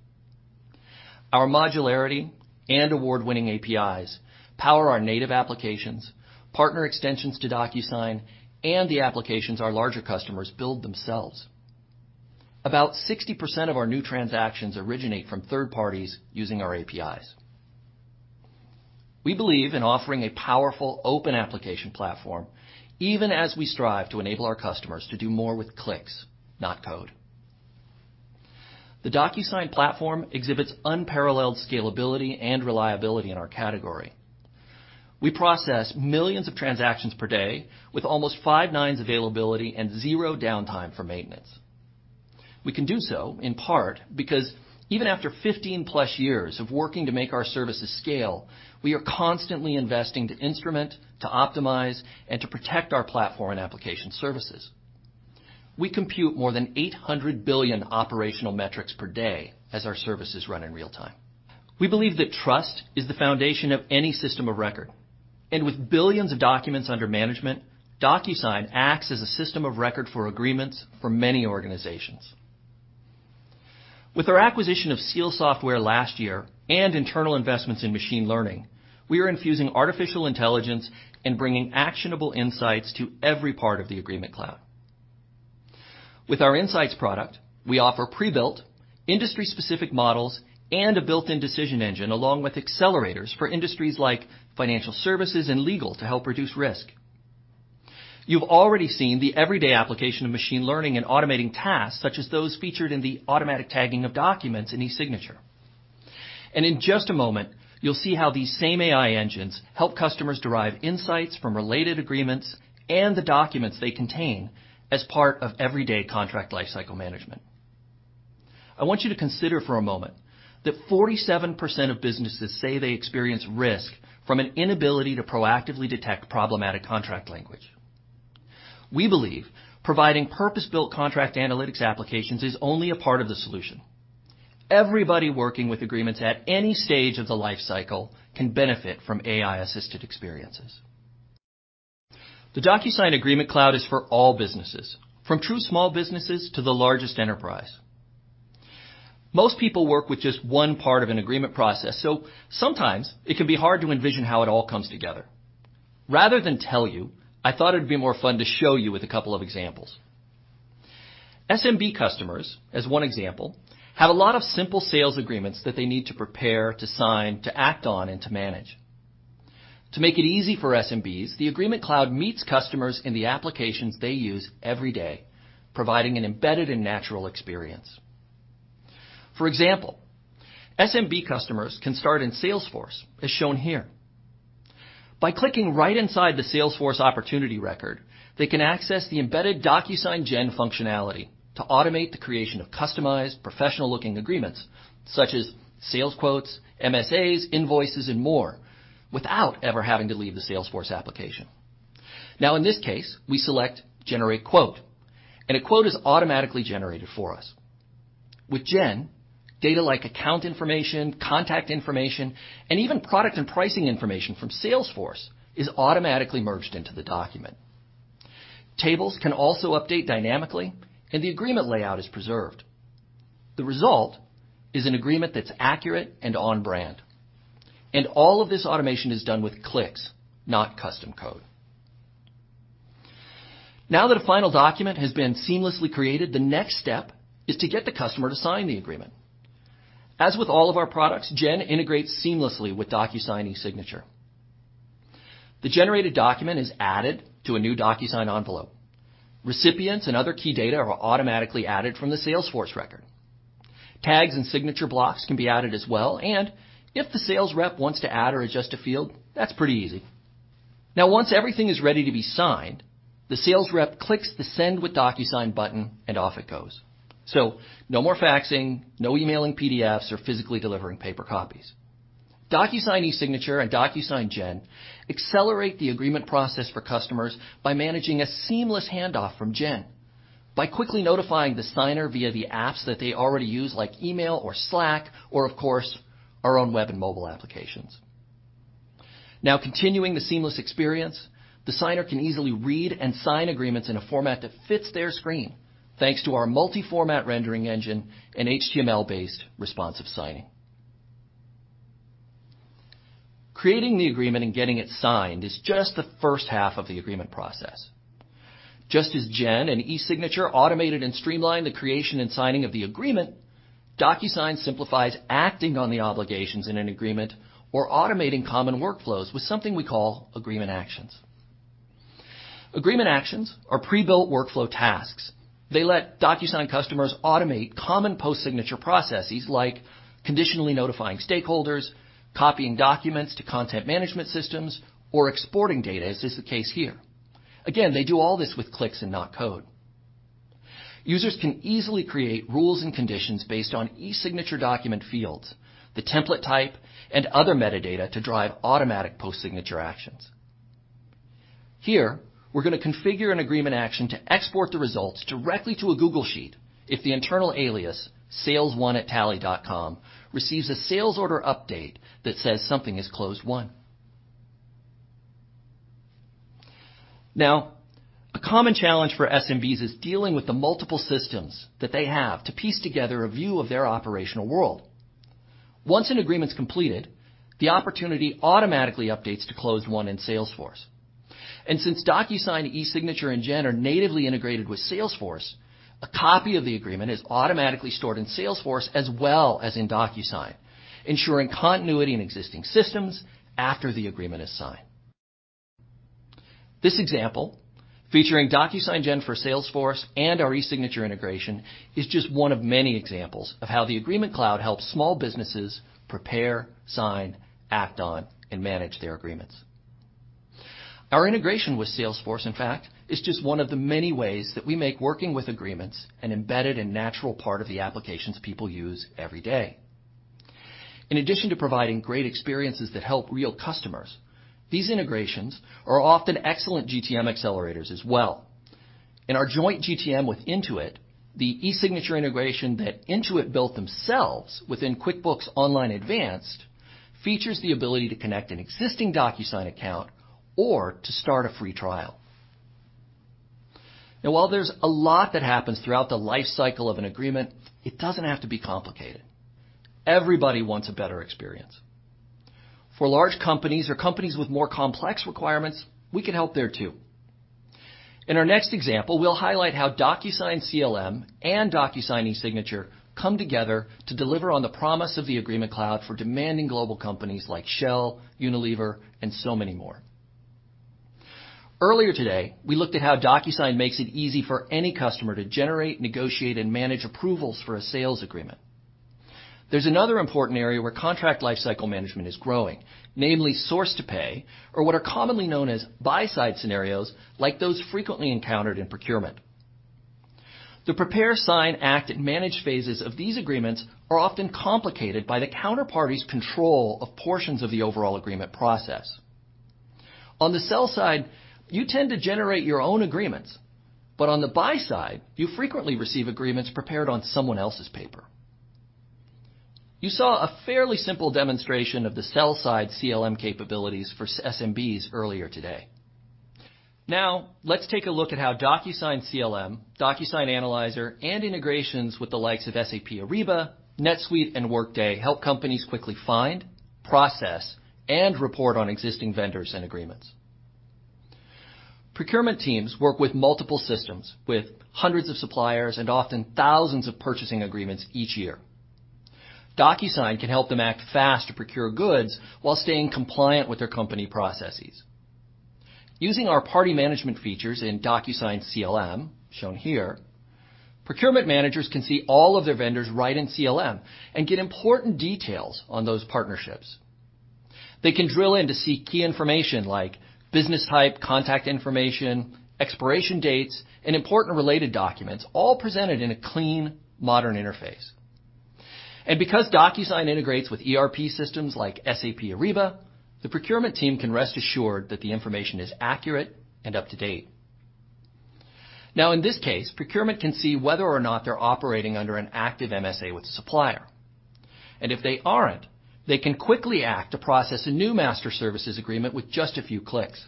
Our modularity and award-winning APIs power our native applications, partner extensions to DocuSign, and the applications our larger customers build themselves. About 60% of our new transactions originate from third parties using our APIs. We believe in offering a powerful open application platform, even as we strive to enable our customers to do more with clicks, not code. The DocuSign platform exhibits unparalleled scalability and reliability in our category. We process millions of transactions per day with almost five nines availability and zero downtime for maintenance. We can do so in part because even after 15+ years of working to make our services scale, we are constantly investing to instrument, to optimize, and to protect our platform and application services. We compute more than 800 billion operational metrics per day as our services run in real time. We believe that trust is the foundation of any system of record. With billions of documents under management, DocuSign acts as a system of record for agreements for many organizations. With our acquisition of Seal Software last year and internal investments in machine learning, we are infusing artificial intelligence and bringing actionable insights to every part of the Agreement Cloud. With our Insight product, we offer pre-built industry-specific models and a built-in decision engine, along with accelerators for industries like financial services and legal to help reduce risk. You've already seen the everyday application of machine learning and automating tasks, such as those featured in the automatic tagging of documents in eSignature. In just a moment, you'll see how these same AI engines help customers derive insights from related agreements and the documents they contain as part of everyday Contract Lifecycle Management. I want you to consider for a moment that 47% of businesses say they experience risk from an inability to proactively detect problematic contract language. We believe providing purpose-built contract analytics applications is only a part of the solution. Everybody working with agreements at any stage of the life cycle can benefit from AI-assisted experiences. The DocuSign Agreement Cloud is for all businesses, from true small businesses to the largest enterprise. Most people work with just one part of an agreement process, so sometimes it can be hard to envision how it all comes together. Rather than tell you, I thought it'd be more fun to show you with a couple of examples. SMB customers, as one example, have a lot of simple sales agreements that they need to prepare, to sign, to act on, and to manage. To make it easy for SMBs, the Agreement Cloud meets customers in the applications they use every day, providing an embedded and natural experience. For example, SMB customers can start in Salesforce, as shown here. By clicking right inside the Salesforce opportunity record, they can access the embedded DocuSign Gen functionality to automate the creation of customized, professional-looking agreements such as sales quotes, MSAs, invoices, and more, without ever having to leave the Salesforce application. Now in this case, we select generate quote, and a quote is automatically generated for us. With Gen, data like account information, contact information, and even product and pricing information from Salesforce is automatically merged into the document. Tables can also update dynamically, and the agreement layout is preserved. The result is an agreement that's accurate and on-brand. All of this automation is done with clicks, not custom code. Now that a final document has been seamlessly created, the next step is to get the customer to sign the agreement. As with all of our products, Gen integrates seamlessly with DocuSign eSignature. The generated document is added to a new DocuSign envelope. Recipients and other key data are automatically added from the Salesforce record. Tags and signature blocks can be added as well, and if the sales rep wants to add or adjust a field, that's pretty easy. Once everything is ready to be signed, the sales rep clicks the send with DocuSign button, and off it goes. No more faxing, no emailing PDFs or physically delivering paper copies. DocuSign eSignature and DocuSign Gen accelerate the agreement process for customers by managing a seamless handoff from Gen by quickly notifying the signer via the apps that they already use, like email or Slack, or of course, our own web and mobile applications. Continuing the seamless experience, the signer can easily read and sign agreements in a format that fits their screen, thanks to our multi-format rendering engine and HTML-based Responsive Signing. Creating the agreement and getting it signed is just the first half of the agreement process. Just as Gen and eSignature automated and streamlined the creation and signing of the agreement, DocuSign simplifies acting on the obligations in an agreement or automating common workflows with something we call agreement actions. Agreement actions are pre-built workflow tasks. They let DocuSign customers automate common post-signature processes like conditionally notifying stakeholders, copying documents to content management systems, or exporting data, as is the case here. They do all this with clicks and not code. Users can easily create rules and conditions based on eSignature document fields, the template type, and other metadata to drive automatic post-signature actions. Here, we're going to configure an agreement action to export the results directly to a Google Sheet if the internal alias salesone@tally.com receives a sales order update that says something is closed won. A common challenge for SMBs is dealing with the multiple systems that they have to piece together a view of their operational world. Once an agreement's completed, the opportunity automatically updates to closed won in Salesforce. Since DocuSign eSignature and Gen are natively integrated with Salesforce, a copy of the agreement is automatically stored in Salesforce as well as in DocuSign, ensuring continuity in existing systems after the agreement is signed. This example, featuring DocuSign Gen for Salesforce and our eSignature integration, is just one of many examples of how the Agreement Cloud helps small businesses prepare, sign, act on, and manage their agreements. Our integration with Salesforce, in fact, is just one of the many ways that we make working with agreements an embedded and natural part of the applications people use every day. In addition to providing great experiences that help real customers, these integrations are often excellent GTM accelerators as well. In our joint GTM with Intuit, the eSignature integration that Intuit built themselves within QuickBooks Online Advanced features the ability to connect an existing DocuSign account or to start a free trial. While there's a lot that happens throughout the life cycle of an agreement, it doesn't have to be complicated. Everybody wants a better experience. For large companies or companies with more complex requirements, we can help there too. In our next example, we'll highlight how DocuSign CLM and DocuSign eSignature come together to deliver on the promise of the Agreement Cloud for demanding global companies like Shell, Unilever, and so many more. Earlier today, we looked at how DocuSign makes it easy for any customer to generate, negotiate, and manage approvals for a sales agreement. There's another important area where contract lifecycle management is growing, namely source-to-pay or what are commonly known as buy-side scenarios like those frequently encountered in procurement. The prepare, sign, act, and manage phases of these agreements are often complicated by the counterparty's control of portions of the overall agreement process. On the sell side, you tend to generate your own agreements, but on the buy side, you frequently receive agreements prepared on someone else's paper. You saw a fairly simple demonstration of the sell-side CLM capabilities for SMBs earlier today. Now let's take a look at how DocuSign CLM, DocuSign Analyzer, and integrations with the likes of SAP Ariba, NetSuite, and Workday help companies quickly find, process, and report on existing vendors and agreements. Procurement teams work with multiple systems, with hundreds of suppliers and often thousands of purchasing agreements each year. DocuSign can help them act fast to procure goods while staying compliant with their company processes. Using our party management features in DocuSign CLM, shown here, procurement managers can see all of their vendors right in CLM and get important details on those partnerships. They can drill in to see key information like business type, contact information, expiration dates, and important related documents, all presented in a clean, modern interface. Because DocuSign integrates with ERP systems like SAP Ariba, the procurement team can rest assured that the information is accurate and up to date. Now, in this case, procurement can see whether or not they're operating under an active MSA with a supplier. If they aren't, they can quickly act to process a new master services agreement with just a few clicks.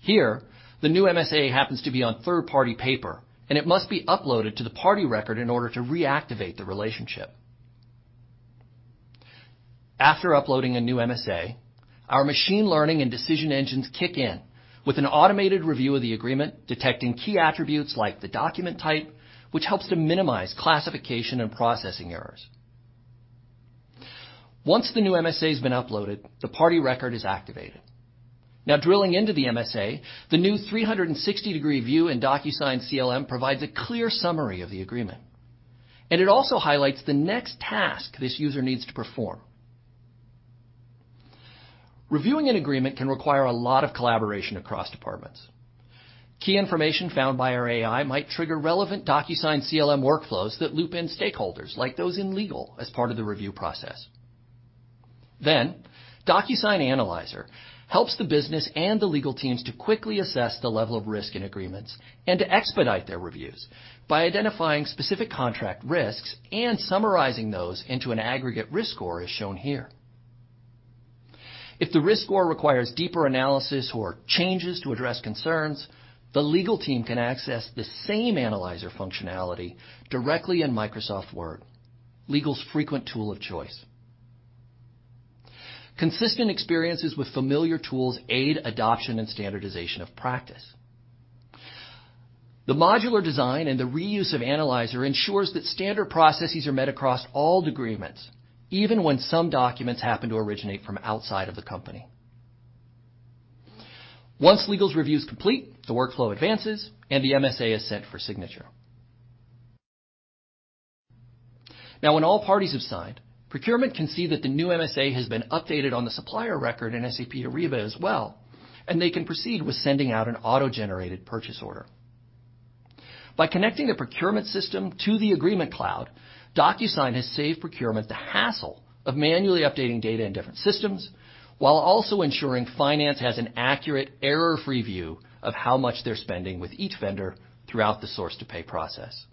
Here, the new MSA happens to be on third-party paper, and it must be uploaded to the party record in order to reactivate the relationship. After uploading a new MSA, our machine learning and decision engines kick in with an automated review of the agreement, detecting key attributes like the document type, which helps to minimize classification and processing errors. Once the new MSA has been uploaded, the party record is activated. Now drilling into the MSA, the new 360-degree view in DocuSign CLM provides a clear summary of the agreement, and it also highlights the next task this user needs to perform. Reviewing an agreement can require a lot of collaboration across departments. Key information found by our AI might trigger relevant DocuSign CLM workflows that loop in stakeholders like those in legal as part of the review process. DocuSign Analyzer helps the business and the legal teams to quickly assess the level of risk in agreements and to expedite their reviews by identifying specific contract risks and summarizing those into an aggregate risk score, as shown here. If the risk score requires deeper analysis or changes to address concerns, the legal team can access the same Analyzer functionality directly in Microsoft Word, legal's frequent tool of choice. Consistent experiences with familiar tools aid adoption and standardization of practice. The modular design and the reuse of Analyzer ensures that standard processes are met across all agreements, even when some documents happen to originate from outside of the company. Once legal's review's complete, the workflow advances, and the MSA is sent for signature. Now when all parties have signed, procurement can see that the new MSA has been updated on the supplier record in SAP Ariba as well, and they can proceed with sending out an auto-generated purchase order. By connecting the procurement system to the Agreement Cloud, DocuSign has saved procurement the hassle of manually updating data in different systems, while also ensuring finance has an accurate, error-free view of how much they're spending with each vendor throughout the source to pay process.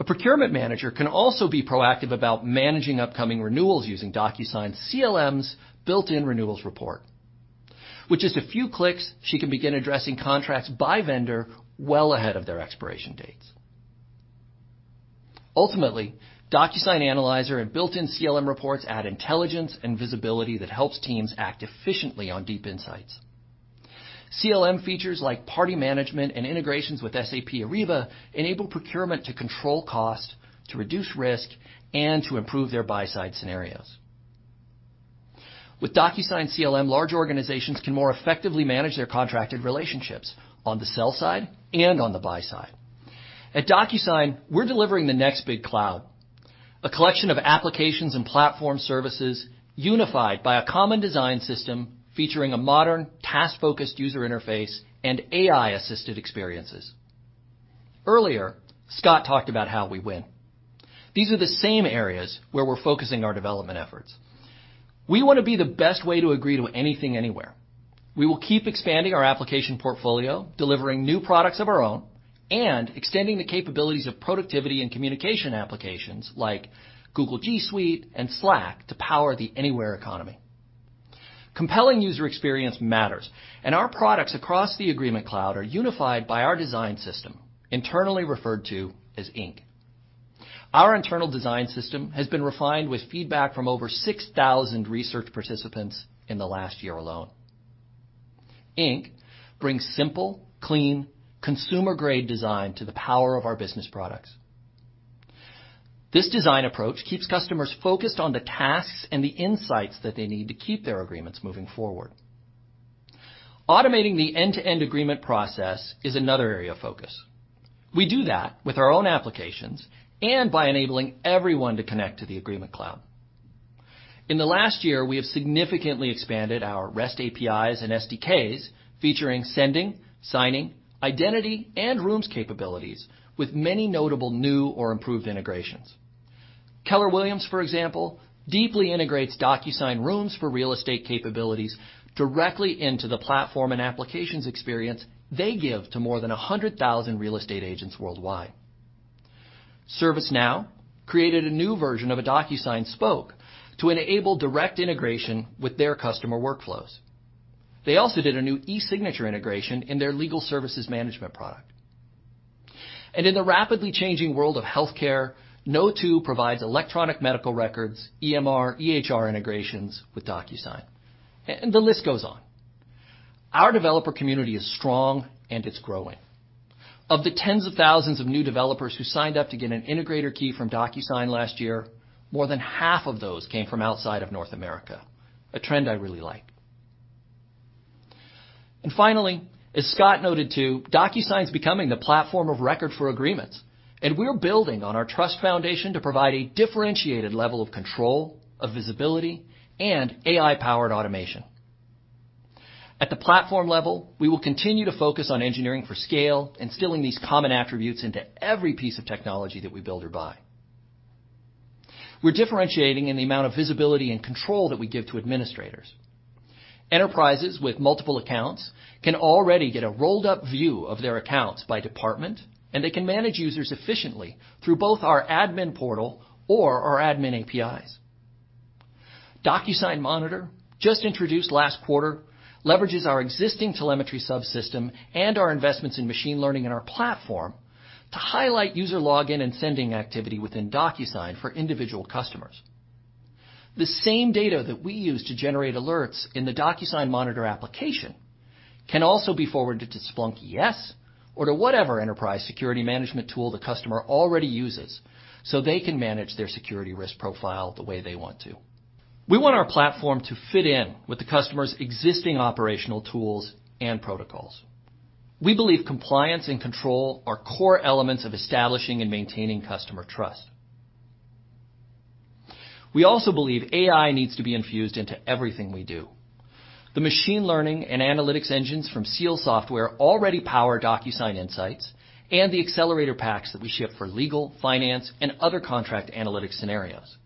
A procurement manager can also be proactive about managing upcoming renewals using DocuSign CLM's built-in renewals report. With just a few clicks, she can begin addressing contracts by vendor well ahead of their expiration dates. Ultimately, DocuSign Analyzer and built-in CLM reports add intelligence and visibility that helps teams act efficiently on deep insights. CLM features like party management and integrations with SAP Ariba enable procurement to control cost, to reduce risk, and to improve their buy-side scenarios. With DocuSign CLM, large organizations can more effectively manage their contracted relationships on the sell side and on the buy side. At DocuSign, we're delivering the next big cloud, a collection of applications and platform services unified by a common design system featuring a modern task-focused user interface and AI-assisted experiences. Earlier, Scott talked about how we win. These are the same areas where we're focusing our development efforts. We want to be the best way to agree to anything anywhere. We will keep expanding our application portfolio, delivering new products of our own, and extending the capabilities of productivity and communication applications like Google G Suite and Slack to power the anywhere economy. Compelling user experience matters, and our products across the Agreement Cloud are unified by our design system, internally referred to as Ink. Our internal design system has been refined with feedback from over 6,000 research participants in the last year alone. Ink brings simple, clean, consumer-grade design to the power of our business products. This design approach keeps customers focused on the tasks and the insights that they need to keep their agreements moving forward. Automating the end-to-end agreement process is another area of focus. We do that with our own applications and by enabling everyone to connect to the Agreement Cloud. In the last year, we have significantly expanded our REST APIs and SDKs, featuring sending, signing, identity, and rooms capabilities with many notable new or improved integrations. Keller Williams, for example, deeply integrates DocuSign Rooms for Real Estate capabilities directly into the platform and applications experience they give to more than 100,000 real estate agents worldwide. ServiceNow created a new version of a DocuSign Spoke to enable direct integration with their customer workflows. They also did a new eSignature integration in their legal services management product. In the rapidly changing world of healthcare, Kno2 provides electronic medical records, EMR, EHR integrations with DocuSign. The list goes on. Our developer community is strong, and it's growing. Of the tens of thousands of new developers who signed up to get an integrator key from DocuSign last year, more than half of those came from outside of North America, a trend I really like. Finally, as Scott noted too, DocuSign's becoming the platform of record for agreements, and we're building on our trust foundation to provide a differentiated level of control, of visibility, and AI-powered automation. At the platform level, we will continue to focus on engineering for scale, instilling these common attributes into every piece of technology that we build or buy. We're differentiating in the amount of visibility and control that we give to administrators. Enterprises with multiple accounts can already get a rolled-up view of their accounts by department, and they can manage users efficiently through both our admin portal or our admin APIs. DocuSign Monitor, just introduced last quarter, leverages our existing telemetry subsystem and our investments in machine learning in our platform to highlight user login and sending activity within DocuSign for individual customers. The same data that we use to generate alerts in the DocuSign Monitor application can also be forwarded to Splunk ES or to whatever enterprise security management tool the customer already uses so they can manage their security risk profile the way they want to. We want our platform to fit in with the customer's existing operational tools and protocols. We believe compliance and control are core elements of establishing and maintaining customer trust. We also believe AI needs to be infused into everything we do. The machine learning and analytics engines from Seal Software already power DocuSign Insight and the accelerator packs that we ship for legal, finance, and other contract analytics scenarios.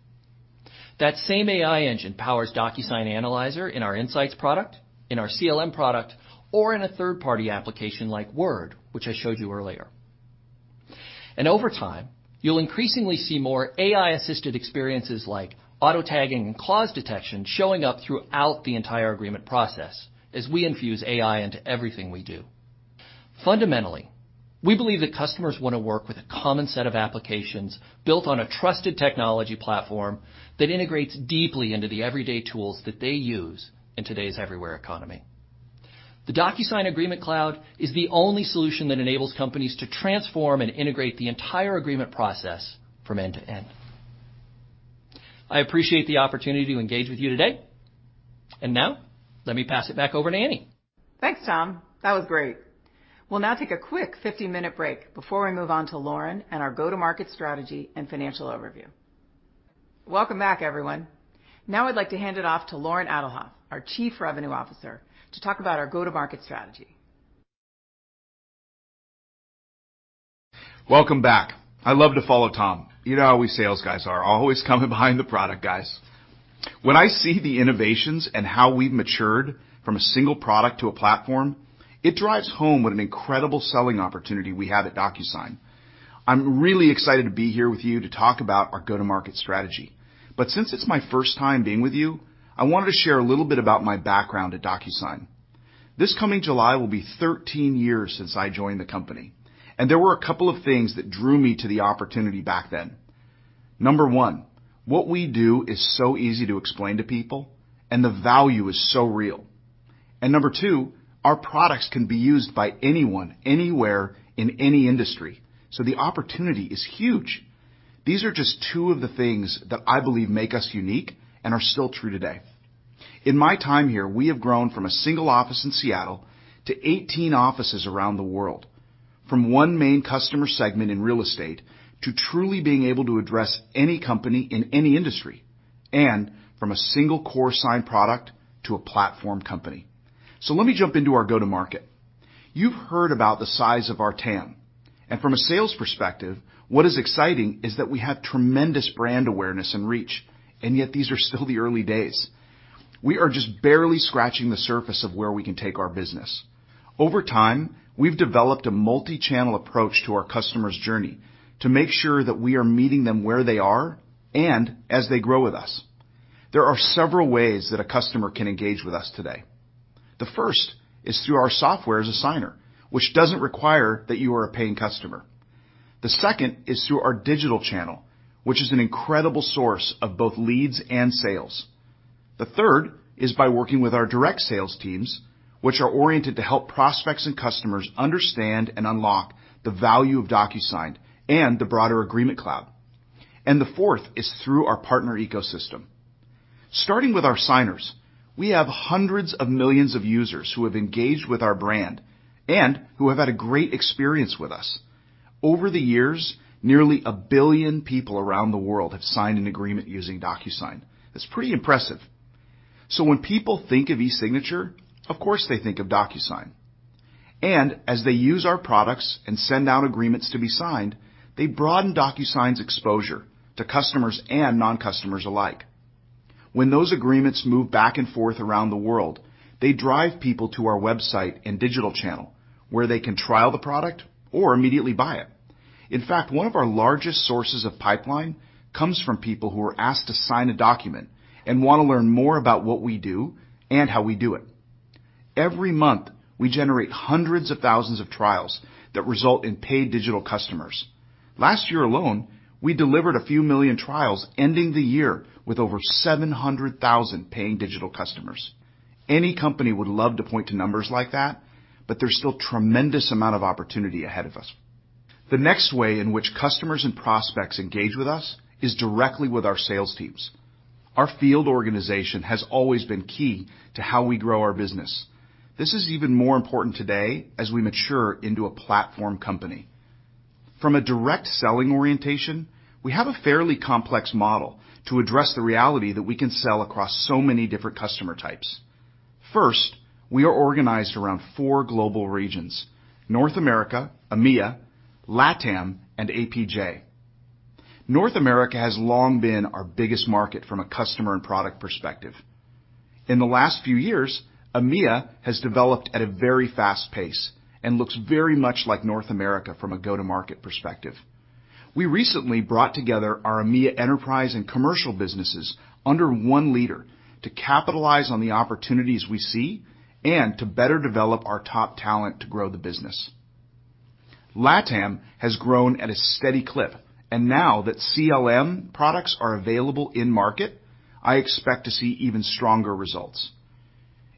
That same AI engine powers DocuSign Analyzer in our Insights product, in our CLM product, or in a third-party application like Word, which I showed you earlier. Over time, you'll increasingly see more AI-assisted experiences like auto-tagging and clause detection showing up throughout the entire agreement process as we infuse AI into everything we do. Fundamentally, we believe that customers want to work with a common set of applications built on a trusted technology platform that integrates deeply into the everyday tools that they use in today's everywhere economy. The DocuSign Agreement Cloud is the only solution that enables companies to transform and integrate the entire agreement process from end to end. I appreciate the opportunity to engage with you today. Now, let me pass it back over to Annie. Thanks, Tom. That was great. We'll now take a quick 15-minute break before we move on to Loren and our go-to-market strategy and financial overview. Welcome back, everyone. I'd like to hand it off to Loren Alhadeff, our Chief Revenue Officer, to talk about our go-to-market strategy. Welcome back. I love to follow Tom. You know how we sales guys are, always coming behind the product guys. When I see the innovations and how we've matured from a single product to a platform, it drives home what an incredible selling opportunity we have at DocuSign. I'm really excited to be here with you to talk about our go-to-market strategy. Since it's my first time being with you, I wanted to share a little bit about my background at DocuSign. This coming July will be 13 years since I joined the company, and there were a couple of things that drew me to the opportunity back then. Number one, what we do is so easy to explain to people, and the value is so real. Number two, our products can be used by anyone, anywhere, in any industry, so the opportunity is huge. These are just two of the things that I believe make us unique and are still true today. In my time here, we have grown from a single office in Seattle to 18 offices around the world, from one main customer segment in real estate to truly being able to address any company in any industry, and from a single core sign product to a platform company. Let me jump into our go-to-market. You've heard about the size of our TAM, and from a sales perspective, what is exciting is that we have tremendous brand awareness and reach, and yet these are still the early days. We are just barely scratching the surface of where we can take our business. Over time, we've developed a multi-channel approach to our customer's journey to make sure that we are meeting them where they are and as they grow with us. There are several ways that a customer can engage with us today. The first is through our software as a signer, which doesn't require that you are a paying customer. The second is through our digital channel, which is an incredible source of both leads and sales. The third is by working with our direct sales teams, which are oriented to help prospects and customers understand and unlock the value of DocuSign and the broader Agreement Cloud. The fourth is through our partner ecosystem. Starting with our signers, we have hundreds of millions of users who have engaged with our brand and who have had a great experience with us. Over the years, nearly a billion people around the world have signed an agreement using DocuSign. That's pretty impressive. When people think of eSignature, of course they think of DocuSign. As they use our products and send out agreements to be signed, they broaden DocuSign's exposure to customers and non-customers alike. When those agreements move back and forth around the world, they drive people to our website and digital channel, where they can trial the product or immediately buy it. In fact, one of our largest sources of pipeline comes from people who are asked to sign a document and want to learn more about what we do and how we do it. Every month, we generate hundreds of thousands of trials that result in paid digital customers. Last year alone, we delivered a few million trials ending the year with over 700,000 paying digital customers. Any company would love to point to numbers like that, but there's still tremendous amount of opportunity ahead of us. The next way in which customers and prospects engage with us is directly with our sales teams. Our field organization has always been key to how we grow our business. This is even more important today as we mature into a platform company. From a direct selling orientation, we have a fairly complex model to address the reality that we can sell across so many different customer types. First, we are organized around four global regions, North America, EMEA, LATAM, and APJ. North America has long been our biggest market from a customer and product perspective. In the last few years, EMEA has developed at a very fast pace and looks very much like North America from a go-to-market perspective. We recently brought together our EMEA enterprise and commercial businesses under one leader to capitalize on the opportunities we see and to better develop our top talent to grow the business. LATAM has grown at a steady clip, and now that CLM products are available in market, I expect to see even stronger results.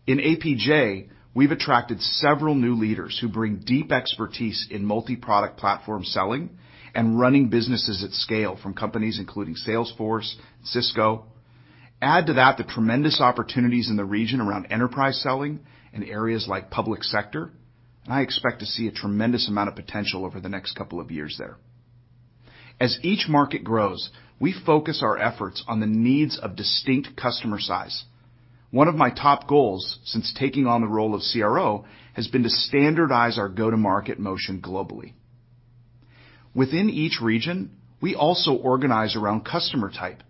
In APJ, we've attracted several new leaders who bring deep expertise in multi-product platform selling and running businesses at scale from companies including Salesforce, Cisco. Add to that the tremendous opportunities in the region around enterprise selling in areas like public sector, and I expect to see a tremendous amount of potential over the next couple of years there. As each market grows, we focus our efforts on the needs of distinct customer size. One of my top goals since taking on the role of CRO has been to standardize our go-to-market motion globally. Within each region, we also organize around customer type.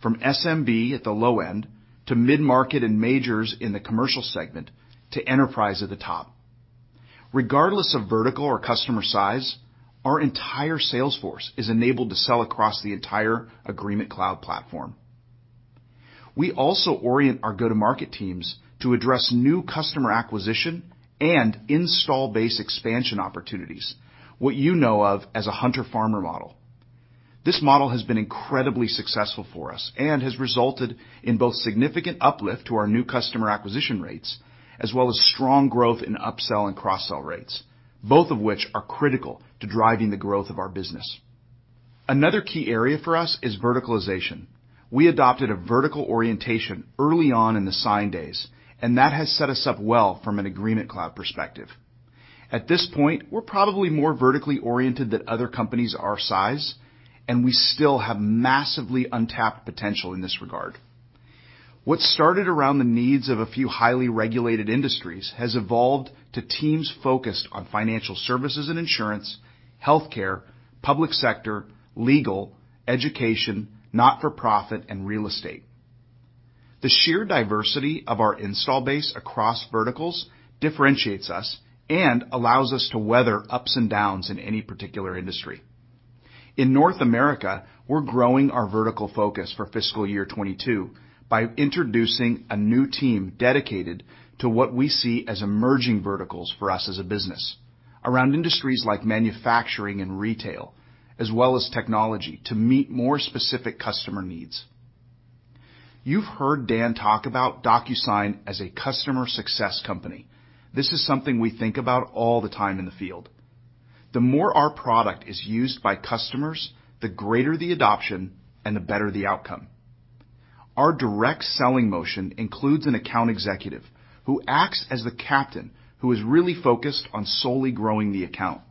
From SMB at the low end to mid-market and majors in the commercial segment to enterprise at the top. Regardless of vertical or customer size, our entire sales force is enabled to sell across the entire Agreement Cloud platform. We also orient our go-to-market teams to address new customer acquisition and install base expansion opportunities, what you know of as a hunter/farmer model. This model has been incredibly successful for us and has resulted in both significant uplift to our new customer acquisition rates, as well as strong growth in upsell and cross-sell rates, both of which are critical to driving the growth of our business. Another key area for us is verticalization. We adopted a vertical orientation early on in the sign days, and that has set us up well from an Agreement Cloud perspective. At this point, we're probably more vertically oriented than other companies our size, and we still have massively untapped potential in this regard. What started around the needs of a few highly regulated industries has evolved to teams focused on financial services and insurance, healthcare, public sector, legal, education, not-for-profit, and real estate. The sheer diversity of our install base across verticals differentiates us and allows us to weather ups and downs in any particular industry. In North America, we're growing our vertical focus for fiscal year 2022 by introducing a new team dedicated to what we see as emerging verticals for us as a business, around industries like manufacturing and retail, as well as technology to meet more specific customer needs. You've heard Dan talk about DocuSign as a customer success company. This is something we think about all the time in the field. The more our product is used by customers, the greater the adoption and the better the outcome. Our direct selling motion includes an account executive who acts as the captain, who is really focused on solely growing the account.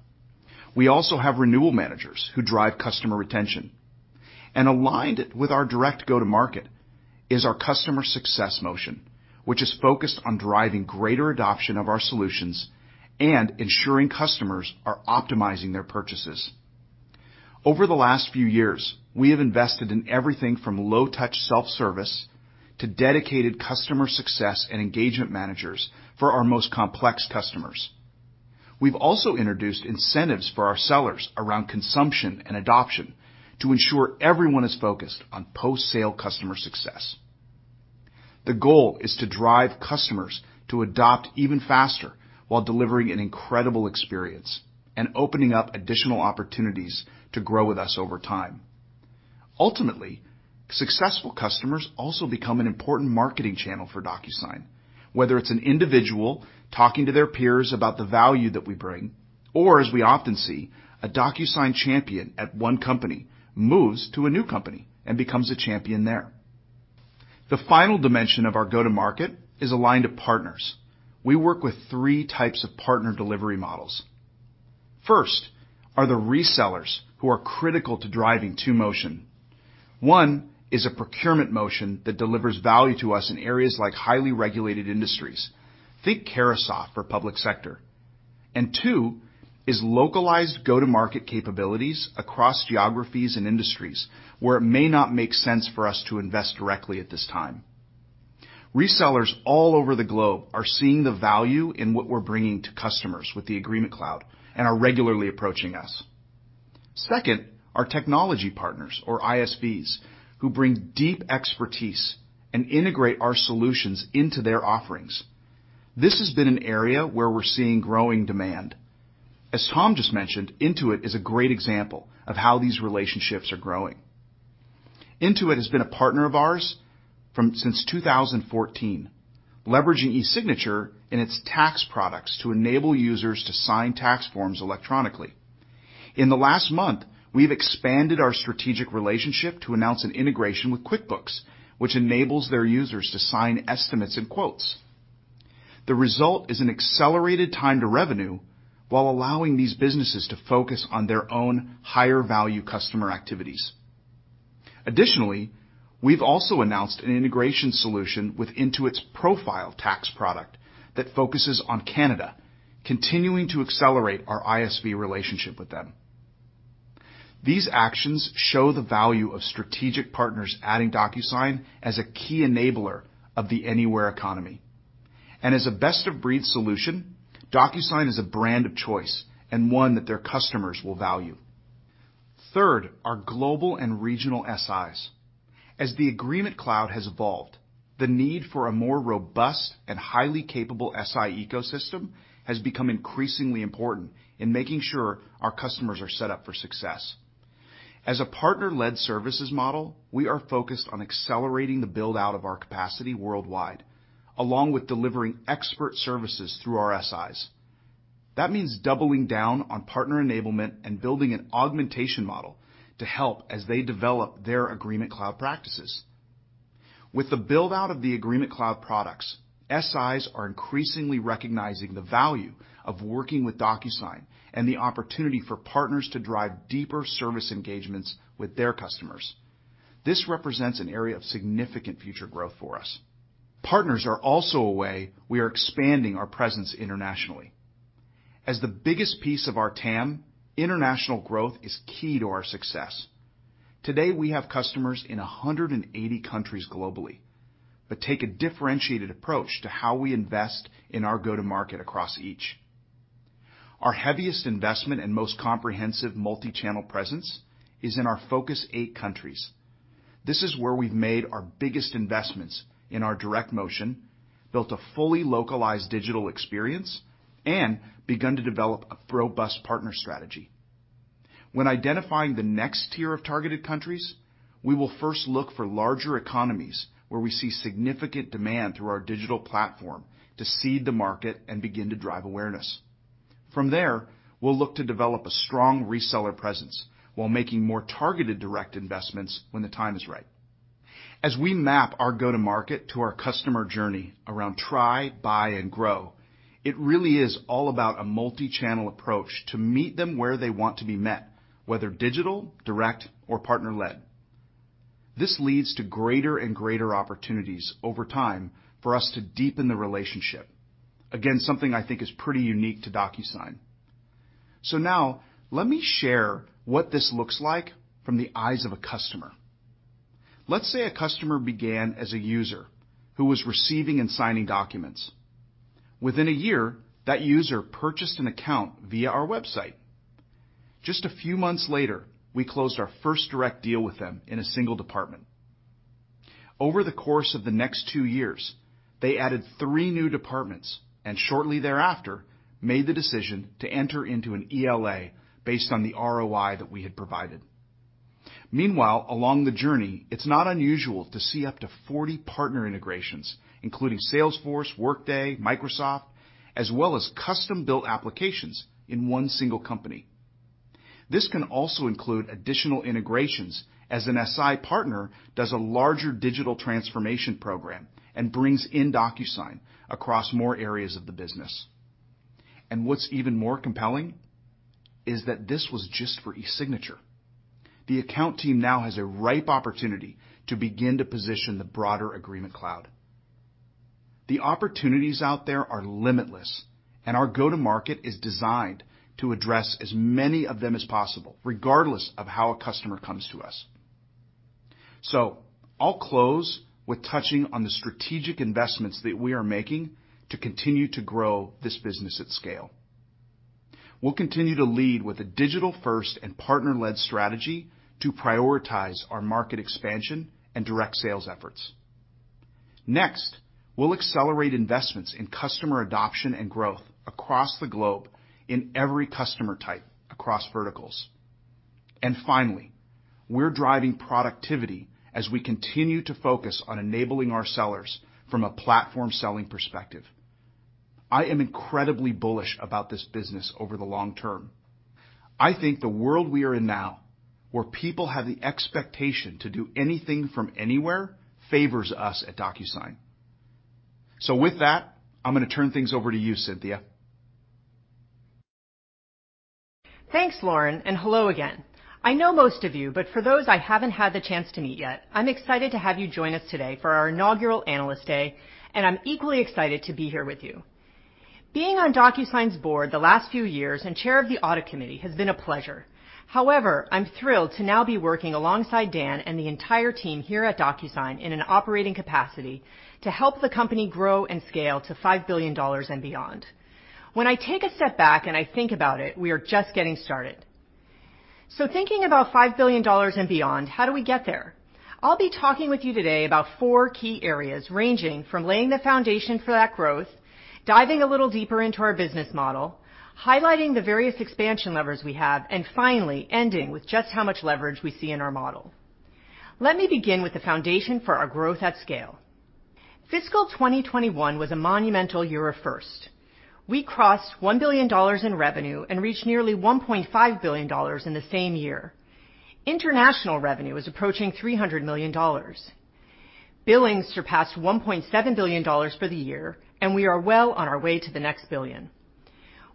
We also have renewal managers who drive customer retention. Aligned with our direct go-to market is our customer success motion, which is focused on driving greater adoption of our solutions and ensuring customers are optimizing their purchases. Over the last few years, we have invested in everything from low-touch self-service to dedicated customer success and engagement managers for our most complex customers. We've also introduced incentives for our sellers around consumption and adoption to ensure everyone is focused on post-sale customer success. The goal is to drive customers to adopt even faster while delivering an incredible experience and opening up additional opportunities to grow with us over time. Ultimately, successful customers also become an important marketing channel for DocuSign, whether it's an individual talking to their peers about the value that we bring, or, as we often see, a DocuSign champion at one company moves to a new company and becomes a champion there. The final dimension of our go-to market is aligned to partners. We work with three types of partner delivery models. First are the resellers who are critical to driving two motion. One is a procurement motion that delivers value to us in areas like highly regulated industries. Think Carahsoft for public sector. Two is localized go-to-market capabilities across geographies and industries where it may not make sense for us to invest directly at this time. Resellers all over the globe are seeing the value in what we're bringing to customers with the Agreement Cloud and are regularly approaching us. Second are technology partners, or ISVs, who bring deep expertise and integrate our solutions into their offerings. This has been an area where we're seeing growing demand. As Tom just mentioned, Intuit is a great example of how these relationships are growing. Intuit has been a partner of ours since 2014, leveraging eSignature in its tax products to enable users to sign tax forms electronically. In the last month, we've expanded our strategic relationship to announce an integration with QuickBooks, which enables their users to sign estimates and quotes. The result is an accelerated time to revenue while allowing these businesses to focus on their own higher-value customer activities. Additionally, we've also announced an integration solution with Intuit's ProFile Tax product that focuses on Canada, continuing to accelerate our ISV relationship with them. These actions show the value of strategic partners adding DocuSign as a key enabler of the anywhere economy. As a best-of-breed solution, DocuSign is a brand of choice and one that their customers will value. Third are global and regional SIs. As the Agreement Cloud has evolved, the need for a more robust and highly capable SI ecosystem has become increasingly important in making sure our customers are set up for success. As a partner-led services model, we are focused on accelerating the build-out of our capacity worldwide, along with delivering expert services through our SIs. That means doubling down on partner enablement and building an augmentation model to help as they develop their Agreement Cloud practices. With the build-out of the Agreement Cloud products, SIs are increasingly recognizing the value of working with DocuSign and the opportunity for partners to drive deeper service engagements with their customers. This represents an area of significant future growth for us. Partners are also a way we are expanding our presence internationally. As the biggest piece of our TAM, international growth is key to our success. Today, we have customers in 180 countries globally, but take a differentiated approach to how we invest in our go-to-market across each. Our heaviest investment and most comprehensive multi-channel presence is in our Focus 8 countries. This is where we've made our biggest investments in our direct motion, built a fully localized digital experience, and begun to develop a robust partner strategy. When identifying the next tier of targeted countries, we will first look for larger economies where we see significant demand through our digital platform to seed the market and begin to drive awareness. From there, we'll look to develop a strong reseller presence while making more targeted direct investments when the time is right. As we map our go-to-market to our customer journey around try, buy, and grow, it really is all about a multi-channel approach to meet them where they want to be met, whether digital, direct, or partner-led. This leads to greater and greater opportunities over time for us to deepen the relationship. Again, something I think is pretty unique to DocuSign. Now, let me share what this looks like from the eyes of a customer. Let's say a customer began as a user who was receiving and signing documents. Within a year, that user purchased an account via our website. Just a few months later, we closed our first direct deal with them in a single department. Over the course of the next two years, they added three new departments, and shortly thereafter, made the decision to enter into an ELA based on the ROI that we had provided. Meanwhile, along the journey, it's not unusual to see up to 40 partner integrations, including Salesforce, Workday, Microsoft, as well as custom-built applications in one single company. This can also include additional integrations as an SI partner does a larger digital transformation program and brings in DocuSign across more areas of the business. What's even more compelling is that this was just for eSignature. The account team now has a ripe opportunity to begin to position the broader Agreement Cloud. The opportunities out there are limitless, and our go-to-market is designed to address as many of them as possible, regardless of how a customer comes to us. I'll close with touching on the strategic investments that we are making to continue to grow this business at scale. We'll continue to lead with a digital-first and partner-led strategy to prioritize our market expansion and direct sales efforts. We'll accelerate investments in customer adoption and growth across the globe in every customer type across verticals. Finally, we're driving productivity as we continue to focus on enabling our sellers from a platform-selling perspective. I am incredibly bullish about this business over the long term. I think the world we are in now, where people have the expectation to do anything from anywhere, favors us at DocuSign. With that, I'm going to turn things over to you, Cynthia. Thanks, Loren, and hello again. I know most of you, but for those I haven't had the chance to meet yet, I'm excited to have you join us today for our inaugural Analyst Day, and I'm equally excited to be here with you. Being on DocuSign's board the last few years and chair of the audit committee has been a pleasure. However, I'm thrilled to now be working alongside Dan and the entire team here at DocuSign in an operating capacity to help the company grow and scale to $5 billion and beyond. When I take a step back and I think about it, we are just getting started. Thinking about $5 billion and beyond, how do we get there? I'll be talking with you today about four key areas, ranging from laying the foundation for that growth, diving a little deeper into our business model, highlighting the various expansion levers we have, and finally ending with just how much leverage we see in our model. Let me begin with the foundation for our growth at scale. Fiscal year 2021 was a monumental year of firsts. We crossed $1 billion in revenue and reached nearly $1.5 billion in the same year. International revenue is approaching $300 million. Billings surpassed $1.7 billion for the year, and we are well on our way to the next billion.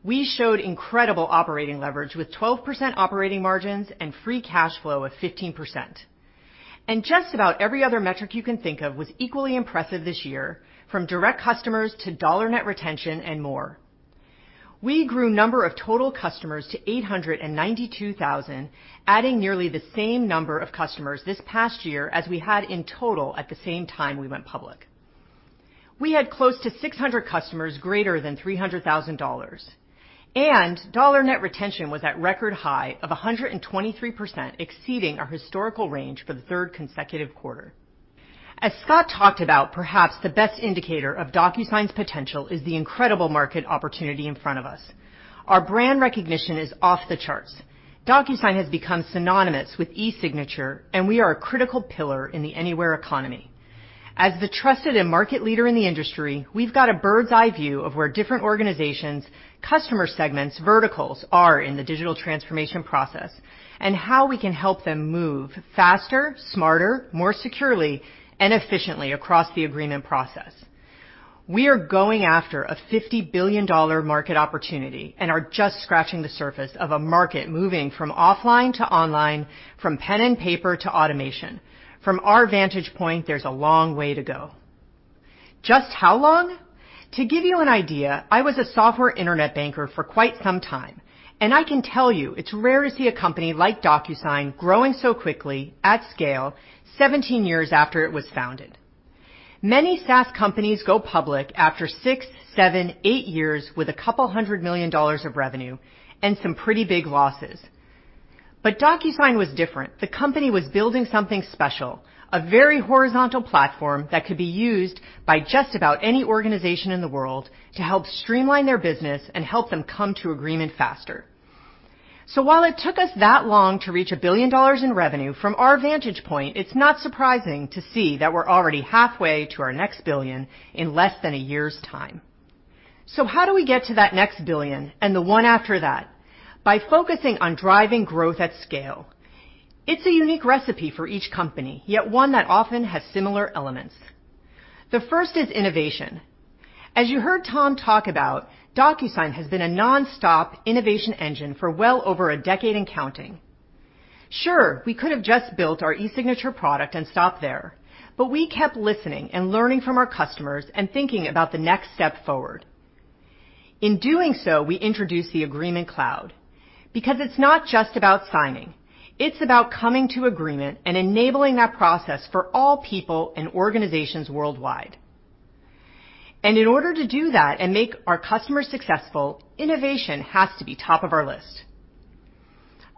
We showed incredible operating leverage with 12% operating margins and free cash flow of 15%. Just about every other metric you can think of was equally impressive this year, from direct customers to dollar net retention and more. We grew number of total customers to 892,000, adding nearly the same number of customers this past year as we had in total at the same time we went public. We had close to 600 customers greater than $300,000, and dollar net retention was at record high of 123%, exceeding our historical range for the third consecutive quarter. As Scott talked about, perhaps the best indicator of DocuSign's potential is the incredible market opportunity in front of us. Our brand recognition is off the charts. DocuSign has become synonymous with eSignature, and we are a critical pillar in the anywhere economy. As the trusted and market leader in the industry, we've got a bird's eye view of where different organizations, customer segments, verticals are in the digital transformation process and how we can help them move faster, smarter, more securely, and efficiently across the agreement process. We are going after a $50 billion market opportunity and are just scratching the surface of a market moving from offline to online, from pen and paper to automation. From our vantage point, there's a long way to go. Just how long? To give you an idea, I was a software internet banker for quite some time, and I can tell you it's rare to see a company like DocuSign growing so quickly at scale 17 years after it was founded. Many SaaS companies go public after six, seven, eight years with a couple of hundred million dollars of revenue and some pretty big losses. DocuSign was different. The company was building something special, a very horizontal platform that could be used by just about any organization in the world to help streamline their business and help them come to agreement faster. While it took us that long to reach $1 billion in revenue, from our vantage point, it's not surprising to see that we're already halfway to our next $1 billion in less than a year's time. How do we get to that next $1 billion and the one after that? By focusing on driving growth at scale. It's a unique recipe for each company, yet one that often has similar elements. The first is innovation. As you heard Tom talk about, DocuSign has been a nonstop innovation engine for well over a decade and counting. Sure, we could have just built our eSignature product and stopped there, but we kept listening and learning from our customers and thinking about the next step forward. In doing so, we introduced the Agreement Cloud because it's not just about signing, it's about coming to agreement and enabling that process for all people and organizations worldwide. In order to do that and make our customers successful, innovation has to be top of our list.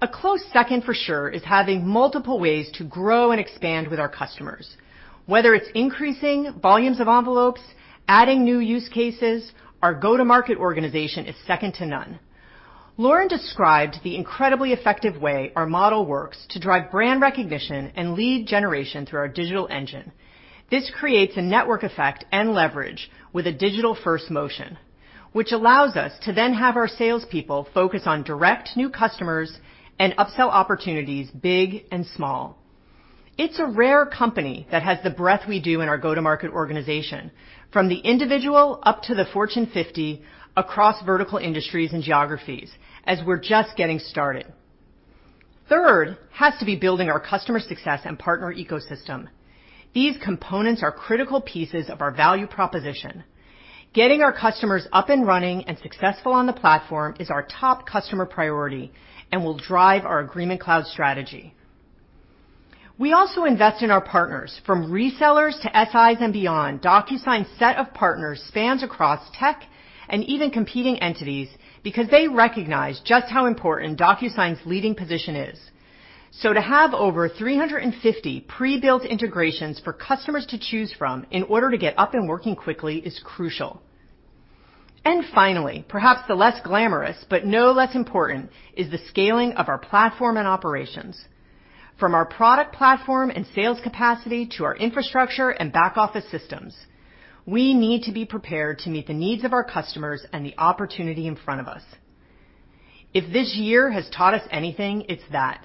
A close second for sure is having multiple ways to grow and expand with our customers. Whether it's increasing volumes of envelopes, adding new use cases, our go-to-market organization is second to none. Loren described the incredibly effective way our model works to drive brand recognition and lead generation through our digital engine. This creates a network effect and leverage with a digital-first motion, which allows us to then have our salespeople focus on direct new customers and upsell opportunities big and small. It's a rare company that has the breadth we do in our go-to-market organization, from the individual up to the Fortune 50 across vertical industries and geographies, as we're just getting started. Third has to be building our customer success and partner ecosystem. These components are critical pieces of our value proposition. Getting our customers up and running and successful on the platform is our top customer priority and will drive our Agreement Cloud strategy. We also invest in our partners from resellers to SIs and beyond. DocuSign's set of partners spans across tech and even competing entities because they recognize just how important DocuSign's leading position is. To have over 350 pre-built integrations for customers to choose from in order to get up and working quickly is crucial. Finally, perhaps the less glamorous but no less important is the scaling of our platform and operations. From our product platform and sales capacity to our infrastructure and back office systems, we need to be prepared to meet the needs of our customers and the opportunity in front of us. If this year has taught us anything, it's that.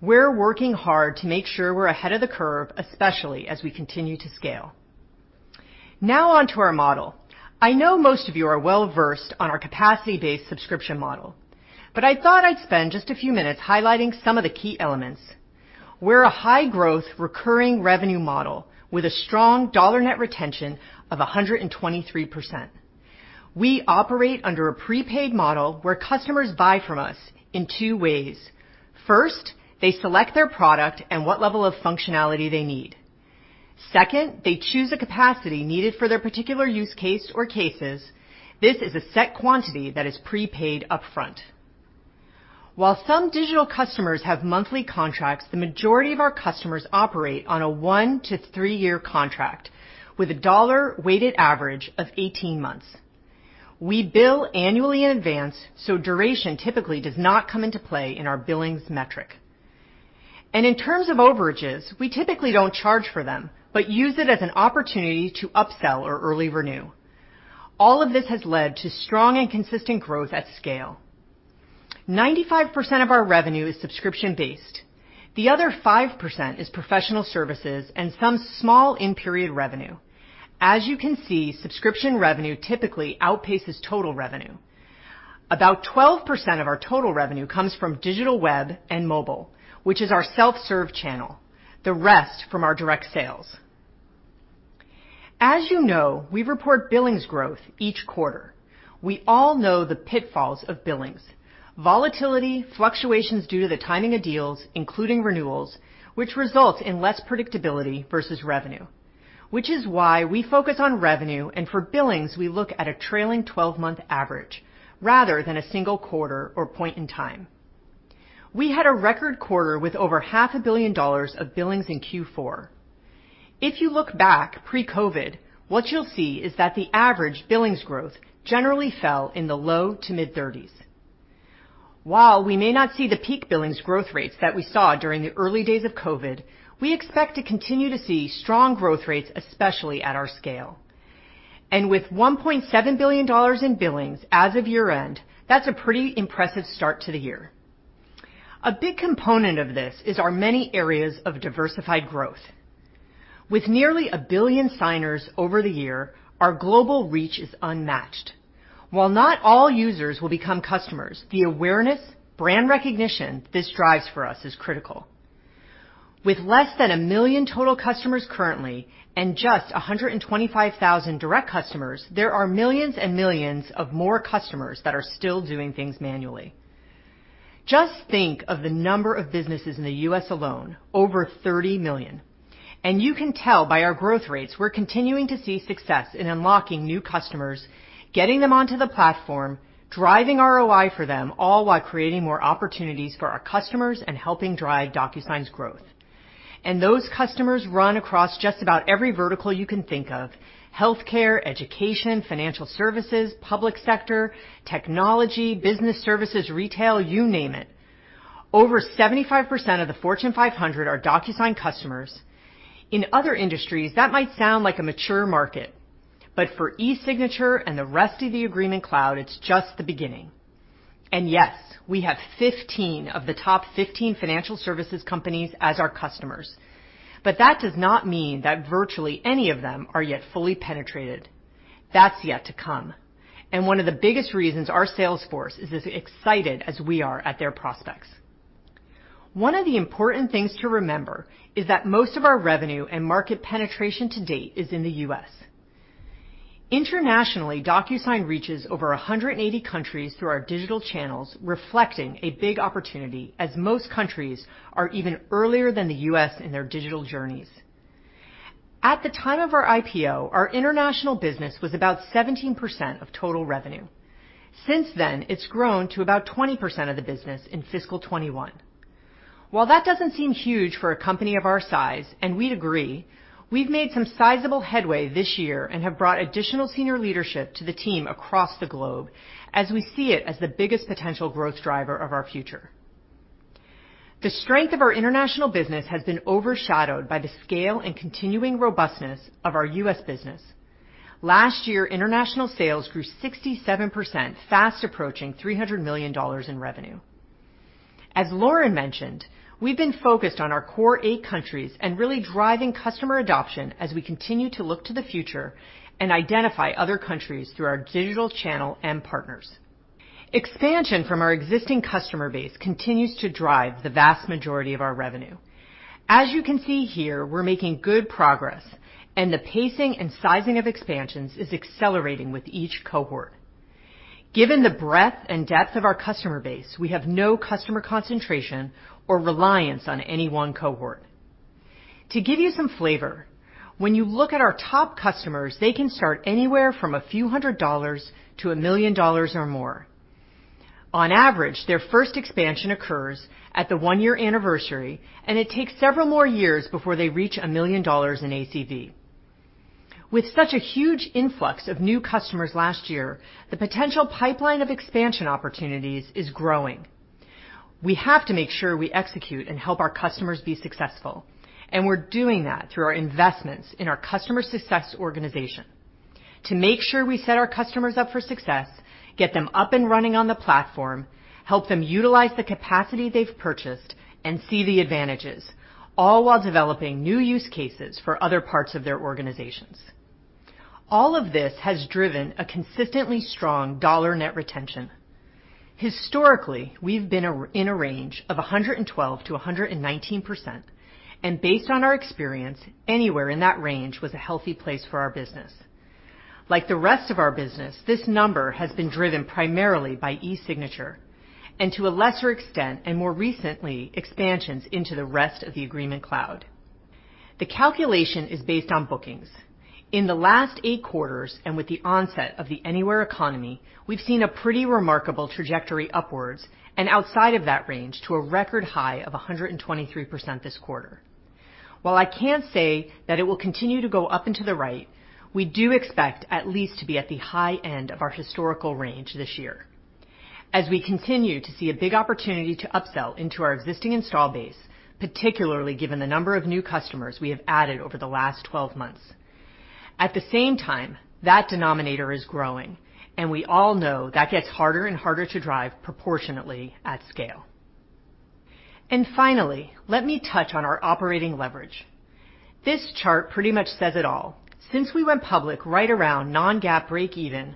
We're working hard to make sure we're ahead of the curve, especially as we continue to scale. Now on to our model. I know most of you are well-versed on our capacity-based subscription model, but I thought I'd spend just a few minutes highlighting some of the key elements. We're a high-growth recurring revenue model with a strong dollar net retention of 123%. We operate under a prepaid model where customers buy from us in two ways. First, they select their product and what level of functionality they need. Second, they choose a capacity needed for their particular use case or cases. This is a set quantity that is prepaid upfront. While some digital customers have monthly contracts, the majority of our customers operate on a one to three-year contract with a dollar weighted average of 18 months. We bill annually in advance, duration typically does not come into play in our billings metric. In terms of overages, we typically don't charge for them, but use it as an opportunity to upsell or early renew. All of this has led to strong and consistent growth at scale. 95% of our revenue is subscription-based. The other 5% is professional services and some small in-period revenue. As you can see, subscription revenue typically outpaces total revenue. About 12% of our total revenue comes from digital, web, and mobile, which is our self-serve channel, the rest from our direct sales. As you know, we report billings growth each quarter. We all know the pitfalls of billings, volatility, fluctuations due to the timing of deals, including renewals, which results in less predictability versus revenue, which is why we focus on revenue, and for billings, we look at a trailing 12-month average rather than a single quarter or point in time. We had a record quarter with over half a billion dollars of billings in Q4. If you look back pre-COVID, what you'll see is that the average billings growth generally fell in the low to mid-30s. While we may not see the peak billings growth rates that we saw during the early days of COVID, we expect to continue to see strong growth rates, especially at our scale. With $1.7 billion in billings as of year-end, that's a pretty impressive start to the year. A big component of this is our many areas of diversified growth. With nearly 1 billion signers over the year, our global reach is unmatched. While not all users will become customers, the awareness, brand recognition this drives for us is critical. With less than 1 million total customers currently and just 125,000 direct customers, there are millions and millions of more customers that are still doing things manually. Just think of the number of businesses in the U.S. alone, over 30 million, you can tell by our growth rates we're continuing to see success in unlocking new customers, getting them onto the platform, driving ROI for them, all while creating more opportunities for our customers and helping drive DocuSign's growth. Those customers run across just about every vertical you can think of, healthcare, education, financial services, public sector, technology, business services, retail, you name it. Over 75% of the Fortune 500 are DocuSign customers. In other industries, that might sound like a mature market, but for eSignature and the rest of the Agreement Cloud, it's just the beginning. Yes, we have 15 of the top 15 financial services companies as our customers, but that does not mean that virtually any of them are yet fully penetrated. That's yet to come, one of the biggest reasons our sales force is as excited as we are at their prospects. One of the important things to remember is that most of our revenue and market penetration to date is in the U.S. Internationally, DocuSign reaches over 180 countries through our digital channels, reflecting a big opportunity as most countries are even earlier than the U.S. in their digital journeys. At the time of our IPO, our international business was about 17% of total revenue. Since then, it's grown to about 20% of the business in fiscal 2021. While that doesn't seem huge for a company of our size, and we'd agree, we've made some sizable headway this year and have brought additional senior leadership to the team across the globe as we see it as the biggest potential growth driver of our future. The strength of our international business has been overshadowed by the scale and continuing robustness of our U.S. business. Last year, international sales grew 67%, fast approaching $300 million in revenue. As Loren mentioned, we've been focused on our Focus 8 countries and really driving customer adoption as we continue to look to the future and identify other countries through our digital channel and partners. Expansion from our existing customer base continues to drive the vast majority of our revenue. As you can see here, we're making good progress, and the pacing and sizing of expansions is accelerating with each cohort. Given the breadth and depth of our customer base, we have no customer concentration or reliance on any one cohort. To give you some flavor, when you look at our top customers, they can start anywhere from a few hundred dollars to $1 million or more. On average, their first expansion occurs at the one-year anniversary, and it takes several more years before they reach $1 million in ACV. With such a huge influx of new customers last year, the potential pipeline of expansion opportunities is growing. We have to make sure we execute and help our customers be successful, and we're doing that through our investments in our customer success organization to make sure we set our customers up for success, get them up and running on the platform, help them utilize the capacity they've purchased, and see the advantages, all while developing new use cases for other parts of their organizations. All of this has driven a consistently strong dollar net retention. Historically, we've been in a range of 112%-119%, and based on our experience, anywhere in that range was a healthy place for our business. Like the rest of our business, this number has been driven primarily by eSignature, and to a lesser extent and more recently, expansions into the rest of the Agreement Cloud. The calculation is based on bookings. In the last eight quarters, and with the onset of the Anywhere Economy, we've seen a pretty remarkable trajectory upwards and outside of that range to a record high of 123% this quarter. While I can't say that it will continue to go up and to the right, we do expect at least to be at the high end of our historical range this year as we continue to see a big opportunity to upsell into our existing install base, particularly given the number of new customers we have added over the last 12 months. At the same time, that denominator is growing, and we all know that gets harder and harder to drive proportionately at scale. Finally, let me touch on our operating leverage. This chart pretty much says it all. Since we went public right around non-GAAP breakeven,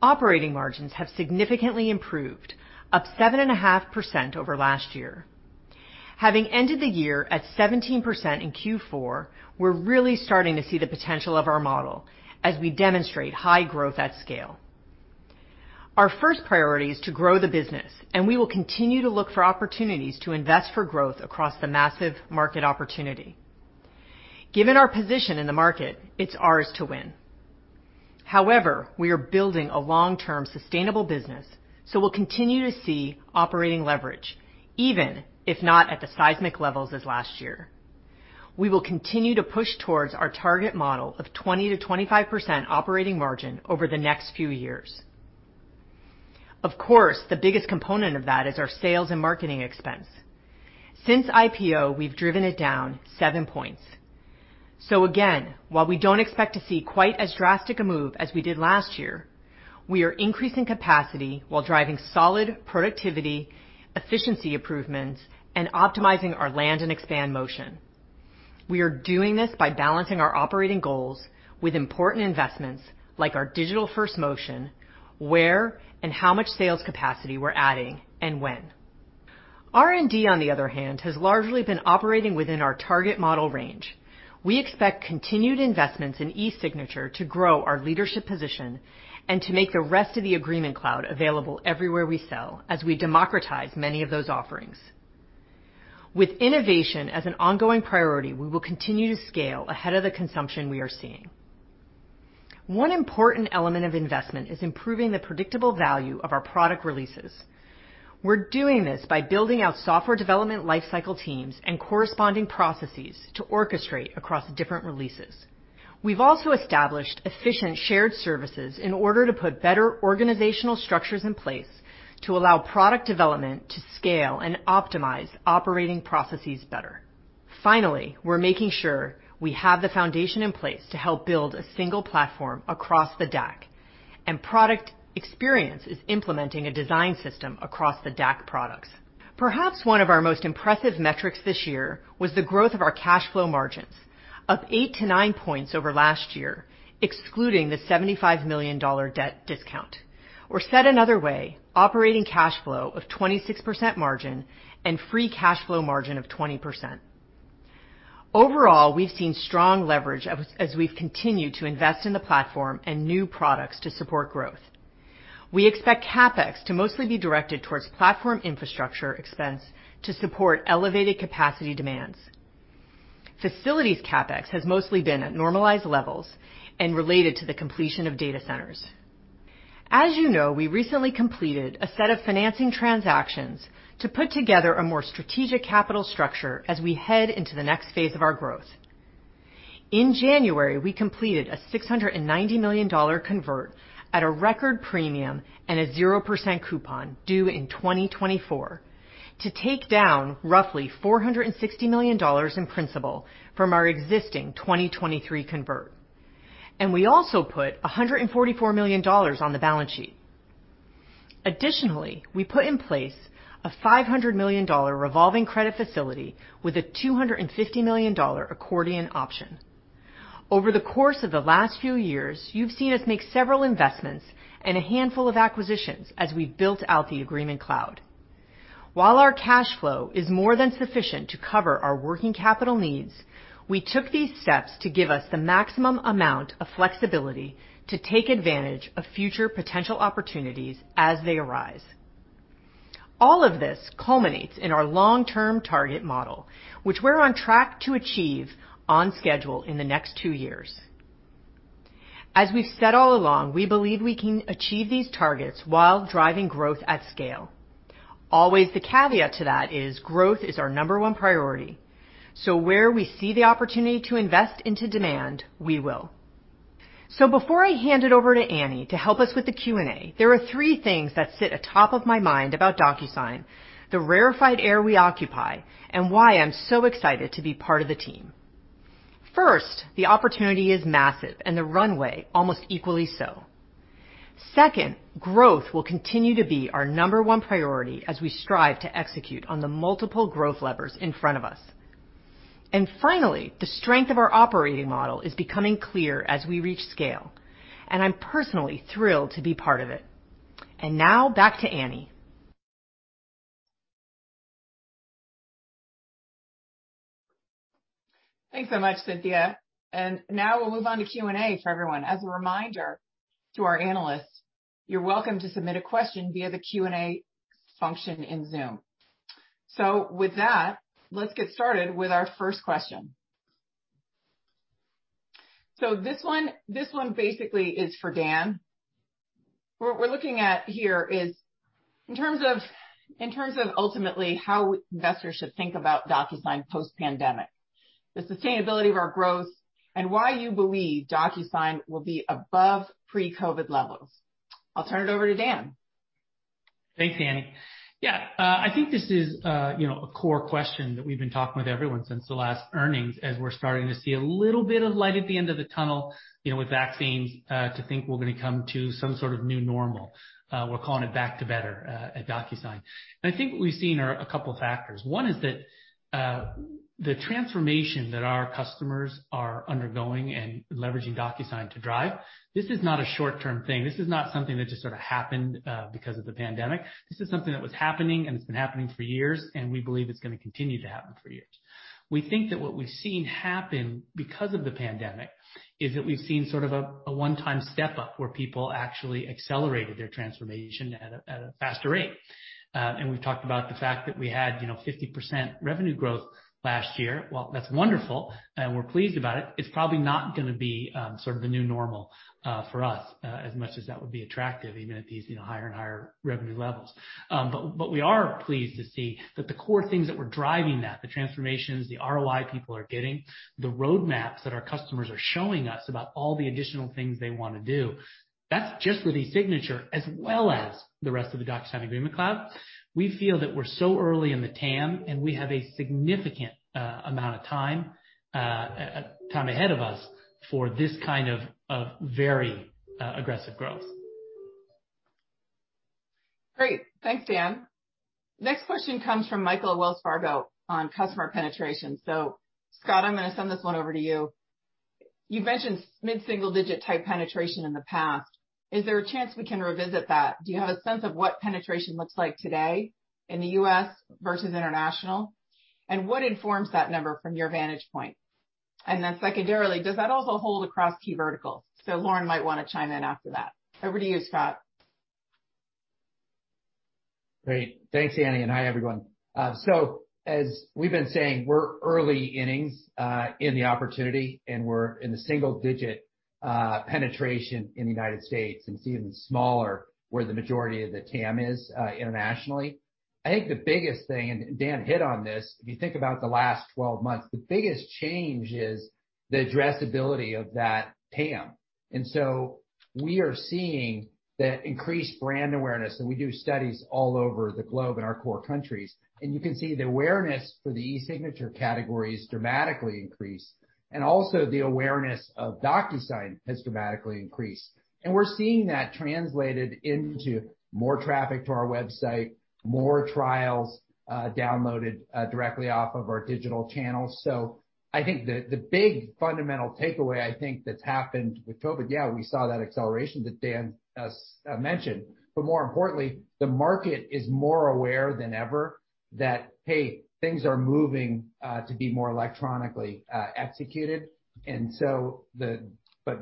operating margins have significantly improved, up 7.5% over last year. Having ended the year at 17% in Q4, we're really starting to see the potential of our model as we demonstrate high growth at scale. Our first priority is to grow the business, and we will continue to look for opportunities to invest for growth across the massive market opportunity. Given our position in the market, it's ours to win. However, we are building a long-term sustainable business, so we'll continue to see operating leverage, even if not at the seismic levels as last year. We will continue to push towards our target model of 20%-25% operating margin over the next few years. Of course, the biggest component of that is our sales and marketing expense. Since IPO, we've driven it down seven points. Again, while we don't expect to see quite as drastic a move as we did last year, we are increasing capacity while driving solid productivity, efficiency improvements, and optimizing our land and expand motion. We are doing this by balancing our operating goals with important investments like our Digital First motion, where and how much sales capacity we're adding and when. R&D, on the other hand, has largely been operating within our target model range. We expect continued investments in eSignature to grow our leadership position and to make the rest of the Agreement Cloud available everywhere we sell as we democratize many of those offerings. With innovation as an ongoing priority, we will continue to scale ahead of the consumption we are seeing. One important element of investment is improving the predictable value of our product releases. We're doing this by building out software development life cycle teams and corresponding processes to orchestrate across different releases. We've also established efficient shared services in order to put better organizational structures in place to allow product development to scale and optimize operating processes better. We're making sure we have the foundation in place to help build a single platform across the DAC, and product experience is implementing a design system across the DAC products. Perhaps one of our most impressive metrics this year was the growth of our cash flow margins, up 8 to 9 points over last year, excluding the $75 million debt discount. Said another way, operating cash flow of 26% margin and free cash flow margin of 20%. Overall, we've seen strong leverage as we've continued to invest in the platform and new products to support growth. We expect CapEx to mostly be directed towards platform infrastructure expense to support elevated capacity demands. Facilities CapEx has mostly been at normalized levels and related to the completion of data centers. As you know, we recently completed a set of financing transactions to put together a more strategic capital structure as we head into the next phase of our growth. In January, we completed a $690 million convert at a record premium and a 0% coupon due in 2024 to take down roughly $460 million in principal from our existing 2023 convert. We also put $144 million on the balance sheet. Additionally, we put in place a $500 million revolving credit facility with a $250 million accordion option. Over the course of the last few years, you've seen us make several investments and a handful of acquisitions as we built out the Agreement Cloud. While our cash flow is more than sufficient to cover our working capital needs, we took these steps to give us the maximum amount of flexibility to take advantage of future potential opportunities as they arise. All of this culminates in our long-term target model, which we're on track to achieve on schedule in the next two years. As we've said all along, we believe we can achieve these targets while driving growth at scale. Always the caveat to that is growth is our number one priority, so where we see the opportunity to invest into demand, we will. Before I hand it over to Annie to help us with the Q&A, there are three things that sit atop of my mind about DocuSign, the rarefied air we occupy, and why I'm so excited to be part of the team. First, the opportunity is massive and the runway almost equally so. Second, growth will continue to be our number one priority as we strive to execute on the multiple growth levers in front of us. Finally, the strength of our operating model is becoming clear as we reach scale, and I'm personally thrilled to be part of it. Now back to Annie. Thanks so much, Cynthia. Now we'll move on to Q&A for everyone. As a reminder to our analysts, you're welcome to submit a question via the Q&A function in Zoom. With that, let's get started with our first question. This one basically is for Dan. What we're looking at here is in terms of ultimately how investors should think about DocuSign post-pandemic, the sustainability of our growth, and why you believe DocuSign will be above pre-COVID levels. I'll turn it over to Dan. Thanks, Annie. Yeah. I think this is a core question that we've been talking with everyone since the last earnings, as we're starting to see a little bit of light at the end of the tunnel, with vaccines, to think we're going to come to some sort of new normal. We're calling it back to better at DocuSign. I think what we've seen are a couple factors. One is that the transformation that our customers are undergoing and leveraging DocuSign to drive, this is not a short-term thing. This is not something that just sort of happened because of the pandemic. This is something that was happening, and it's been happening for years, and we believe it's going to continue to happen for years. We think that what we've seen happen because of the pandemic is that we've seen sort of a one-time step-up where people actually accelerated their transformation at a faster rate. We've talked about the fact that we had 50% revenue growth last year. While that's wonderful and we're pleased about it's probably not going to be sort of the new normal for us, as much as that would be attractive even at these higher and higher revenue levels. We are pleased to see that the core things that were driving that, the transformations, the ROI people are getting, the roadmaps that our customers are showing us about all the additional things they want to do, that's just with eSignature as well as the rest of the DocuSign Agreement Cloud. We feel that we're so early in the TAM and we have a significant amount of time ahead of us for this kind of very aggressive growth. Great. Thanks, Dan. Next question comes from Michael at Wells Fargo on customer penetration. Scott, I'm gonna send this one over to you. You've mentioned mid-single digit type penetration in the past. Is there a chance we can revisit that? Do you have a sense of what penetration looks like today in the U.S. versus international? What informs that number from your vantage point? Secondarily, does that also hold across key verticals? Loren might wanna chime in after that. Over to you, Scott. Great. Thanks, Annie, and hi, everyone. As we've been saying, we're early innings in the opportunity, and we're in the single-digit penetration in the U.S., and it's even smaller where the majority of the TAM is internationally. I think the biggest thing, and Dan hit on this, if you think about the last 12 months, the biggest change is the addressability of that TAM. We are seeing the increased brand awareness, and we do studies all over the globe in our core countries, and you can see the awareness for the eSignature category is dramatically increased. Also the awareness of DocuSign has dramatically increased. We're seeing that translated into more traffic to our website, more trials downloaded directly off of our digital channels. I think the big fundamental takeaway, I think that's happened with COVID, yeah, we saw that acceleration that Dan mentioned, but more importantly, the market is more aware than ever that, hey, things are moving to be more electronically executed.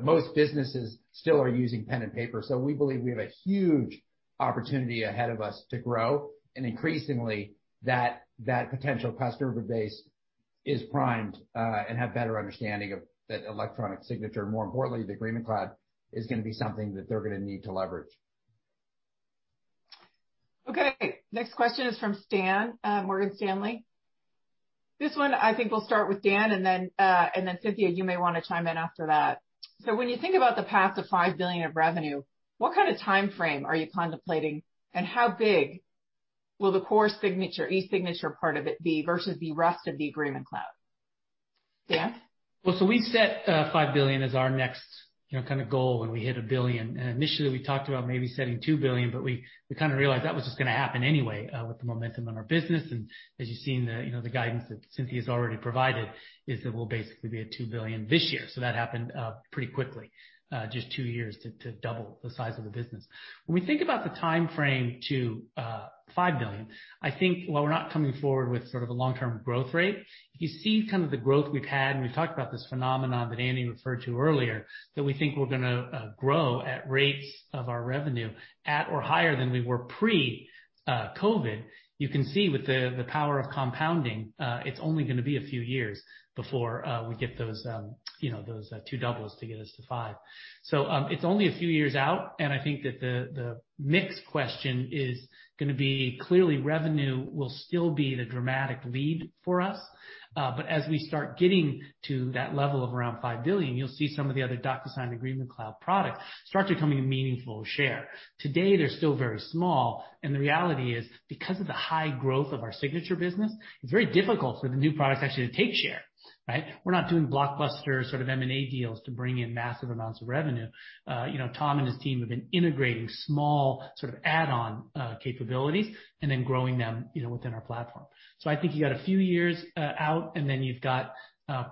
Most businesses still are using pen and paper, we believe we have a huge opportunity ahead of us to grow. Increasingly, that potential customer base is primed and have better understanding of that electronic signature. More importantly, the Agreement Cloud is going to be something that they're going to need to leverage. Okay. Next question is from Stan, Morgan Stanley. This one, I think we'll start with Dan, and then, and then Cynthia, you may wanna chime in after that. When you think about the path to $5 billion of revenue, what kind of timeframe are you contemplating, and how big will the core signature, eSignature part of it be versus the rest of the Agreement Cloud? Dan? We set $5 billion as our next, you know, kind of goal when we hit $1 billion. Initially, we talked about maybe setting $2 billion, but we kinda realized that was just gonna happen anyway, with the momentum in our business. As you've seen the, you know, the guidance that Cynthia's already provided, is that we'll basically be at $2 billion this year. That happened pretty quickly, just two years to double the size of the business. When we think about the timeframe to $5 billion, I think while we're not coming forward with sort of a long-term growth rate, you see kind of the growth we've had, and we've talked about this phenomenon that Annie referred to earlier, that we think we're gonna grow at rates of our revenue at or higher than we were pre-COVID. You can see with the power of compounding, it's only gonna be a few years before we get those, you know, those two doubles to get us to five. It's only a few years out, and I think that the mix question is gonna be clearly revenue will still be the dramatic lead for us. As we start getting to that level of around $5 billion, you'll see some of the other DocuSign Agreement Cloud products start to become a meaningful share. Today, they're still very small, and the reality is, because of the high growth of our signature business, it's very difficult for the new products actually to take share, right? We're not doing blockbuster sort of M&A deals to bring in massive amounts of revenue. You know, Tom and his team have been integrating small sort of add-on capabilities and then growing them, you know, within our platform. I think you got a few years out, and then you've got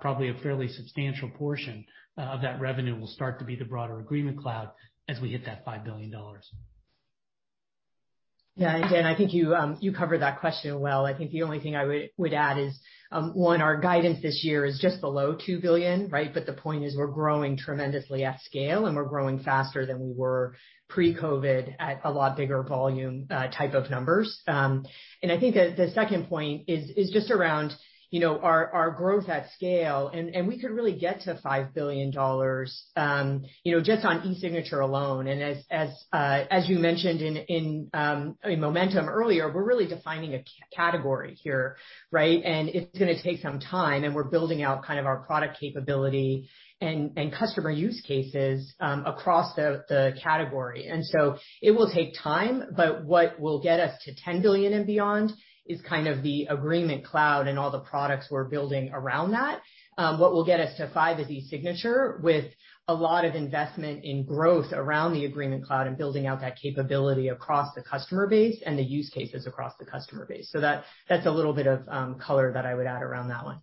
probably a fairly substantial portion of that revenue will start to be the broader Agreement Cloud as we hit that $5 billion. Yeah, Dan, I think you covered that question well. I think the only thing I would add is, one, our guidance this year is just below $2 billion, right? The point is, we're growing tremendously at scale, and we're growing faster than we were pre-COVID at a lot bigger volume, type of numbers. I think the second point is just around, you know, our growth at scale, and we could really get to $5 billion, you know, just on eSignature alone. As you mentioned in, I mean, Momentum earlier, we're really defining a category here, right? It's gonna take some time, and we're building out kind of our product capability and customer use cases across the category. It will take time, but what will get us to $10 billion and beyond is kind of the Agreement Cloud and all the products we're building around that. What will get us to five is eSignature with a lot of investment in growth around the Agreement Cloud and building out that capability across the customer base and the use cases across the customer base. That's a little bit of color that I would add around that one.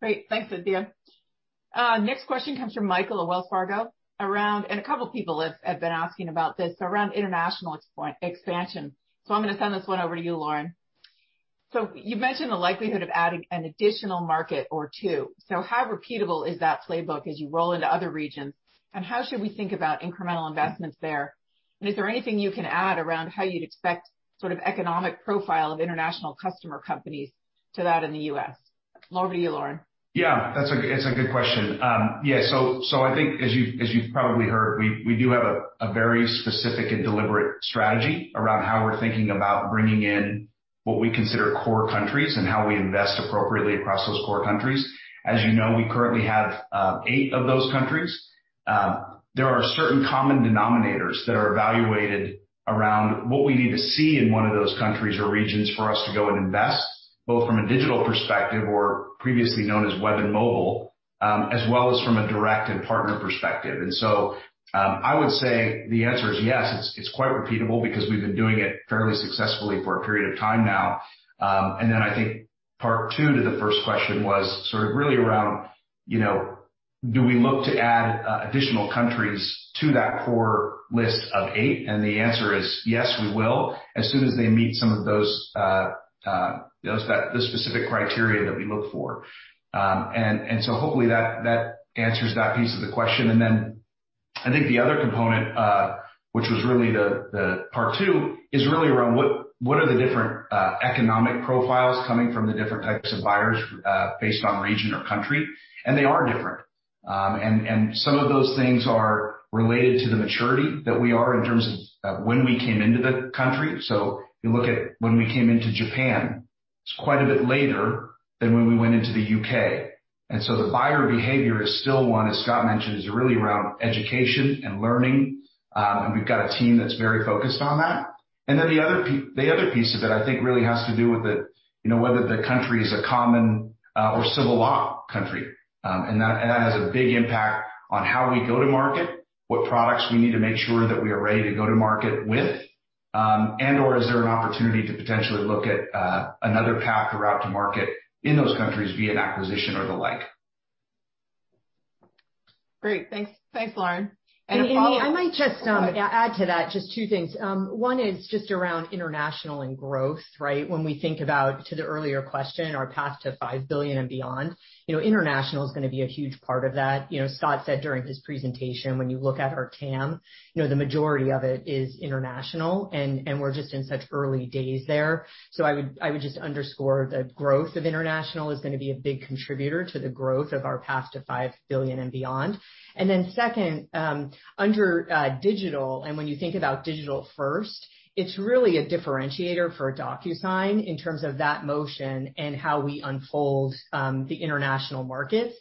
Great. Thanks, Cynthia. Next question comes from Michael at Wells Fargo around, and a couple people have been asking about this, around international expansion. I'm gonna send this one over to you, Loren. You've mentioned the likelihood of adding an additional market or two. How repeatable is that playbook as you roll into other regions, and how should we think about incremental investments there? Is there anything you can add around how you'd expect sort of economic profile of international customer companies to that in the U.S.? Over to you, Loren. That's a good question. I think as you've probably heard, we do have a very specific and deliberate strategy around how we're thinking about bringing in what we consider core countries and how we invest appropriately across those core countries. As you know, we currently have eight of those countries. There are certain common denominators that are evaluated around what we need to see in one of those countries or regions for us to go and invest, both from a digital perspective, or previously known as web and mobile. As well as from a direct and partner perspective. I would say the answer is yes, it's quite repeatable because we've been doing it fairly successfully for a period of time now. I think part two to the first question was sort of really around, do we look to add additional countries to that core list of eight. The answer is yes, we will, as soon as they meet some of those specific criteria that we look for. Hopefully that answers that piece of the question. I think the other component, which was really the part two, is really around what are the different economic profiles coming from the different types of buyers based on region or country, and they are different. Some of those things are related to the maturity that we are in terms of when we came into the country. If you look at when we came into Japan, it's quite a bit later than when we went into the U.K. The buyer behavior is still one, as Scott mentioned, is really around education and learning. We've got a team that's very focused on that. Then the other piece of it, I think, really has to do with whether the country is a common or civil law country. That has a big impact on how we go to market, what products we need to make sure that we are ready to go to market with, and/or is there an opportunity to potentially look at another path or route to market in those countries via an acquisition or the like. Great. Thanks, Loren. Annie, I might just add to that just two things. One is just around international and growth, right? When we think about, to the earlier question, our path to $5 billion and beyond, international is going to be a huge part of that. Scott said during his presentation, when you look at our TAM, the majority of it is international, and we're just in such early days there. I would just underscore the growth of international is going to be a big contributor to the growth of our path to $5 billion and beyond. Second, under digital, when you think about Digital First, it's really a differentiator for DocuSign in terms of that motion and how we unfold the international markets.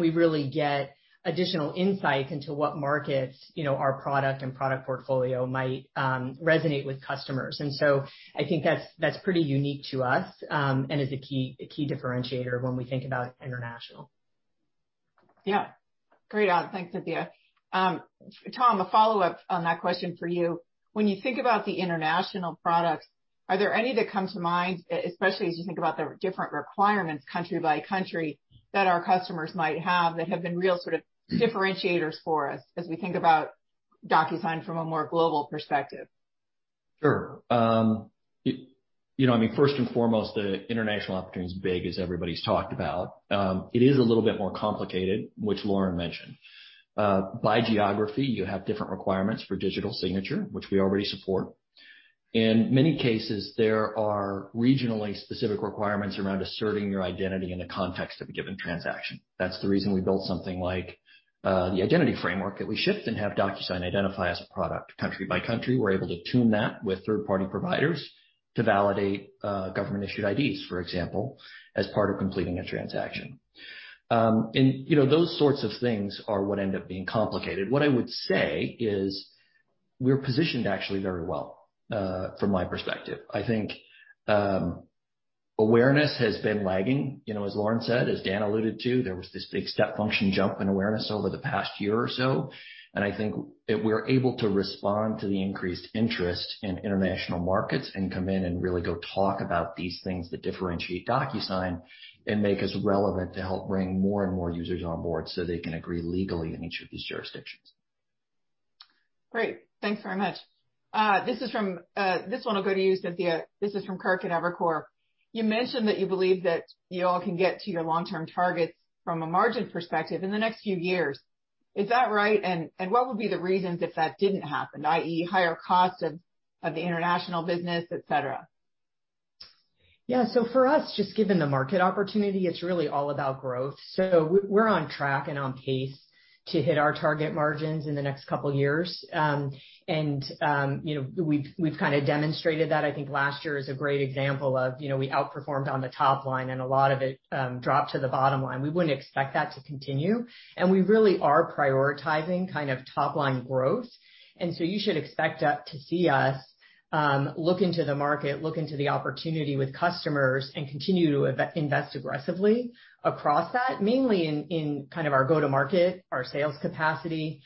We really get additional insights into what markets our product and product portfolio might resonate with customers. I think that's pretty unique to us, and is a key differentiator when we think about international. Yeah. Great add. Thanks, Cynthia. Tom, a follow-up on that question for you. When you think about the international products, are there any that come to mind, especially as you think about the different requirements country by country, that our customers might have that have been real sort of differentiators for us as we think about DocuSign from a more global perspective? Sure. First and foremost, the international opportunity is big, as everybody's talked about. It is a little bit more complicated, which Loren mentioned. By geography, you have different requirements for digital signature, which we already support. In many cases, there are regionally specific requirements around asserting your identity in the context of a given transaction. That's the reason we built something like the identity framework that we ship and have DocuSign Identify as a product country by country. We're able to tune that with third-party providers to validate government-issued IDs, for example, as part of completing a transaction. Those sorts of things are what end up being complicated. What I would say is we're positioned actually very well, from my perspective. I think awareness has been lagging. As Loren said, as Dan alluded to, there was this big step function jump in awareness over the past year or so. I think that we're able to respond to the increased interest in international markets and come in and really go talk about these things that differentiate DocuSign and make us relevant to help bring more and more users on board so they can agree legally in each of these jurisdictions. Great. Thanks very much. This one will go to you, Cynthia. This is from Kirk at Evercore. You mentioned that you believe that you all can get to your long-term targets from a margin perspective in the next few years. Is that right? What would be the reasons if that didn't happen, i.e., higher cost of the international business, et cetera? For us, just given the market opportunity, it's really all about growth. We're on track and on pace to hit our target margins in the next couple of years. We've kind of demonstrated that. I think last year is a great example of we outperformed on the top line and a lot of it dropped to the bottom line. We wouldn't expect that to continue, and we really are prioritizing top line growth. You should expect to see us look into the market, look into the opportunity with customers, and continue to invest aggressively across that, mainly in kind of our go-to-market, our sales capacity.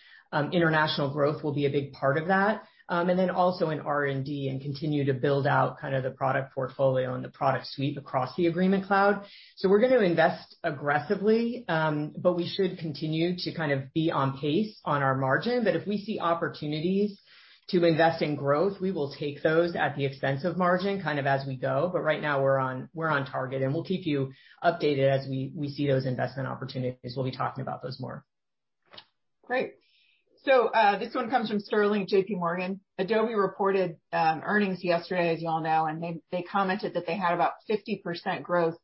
International growth will be a big part of that. Also in R&D and continue to build out the product portfolio and the product suite across the Agreement Cloud. We're going to invest aggressively, but we should continue to kind of be on pace on our margin, but if we see opportunities to invest in growth, we will take those at the expense of margin, kind of as we go. Right now we're on target, and we'll keep you updated as we see those investment opportunities. We'll be talking about those more. Great. This one comes from Sterling, JPMorgan. Adobe reported earnings yesterday, as you all know, and they commented that they had about 50% growth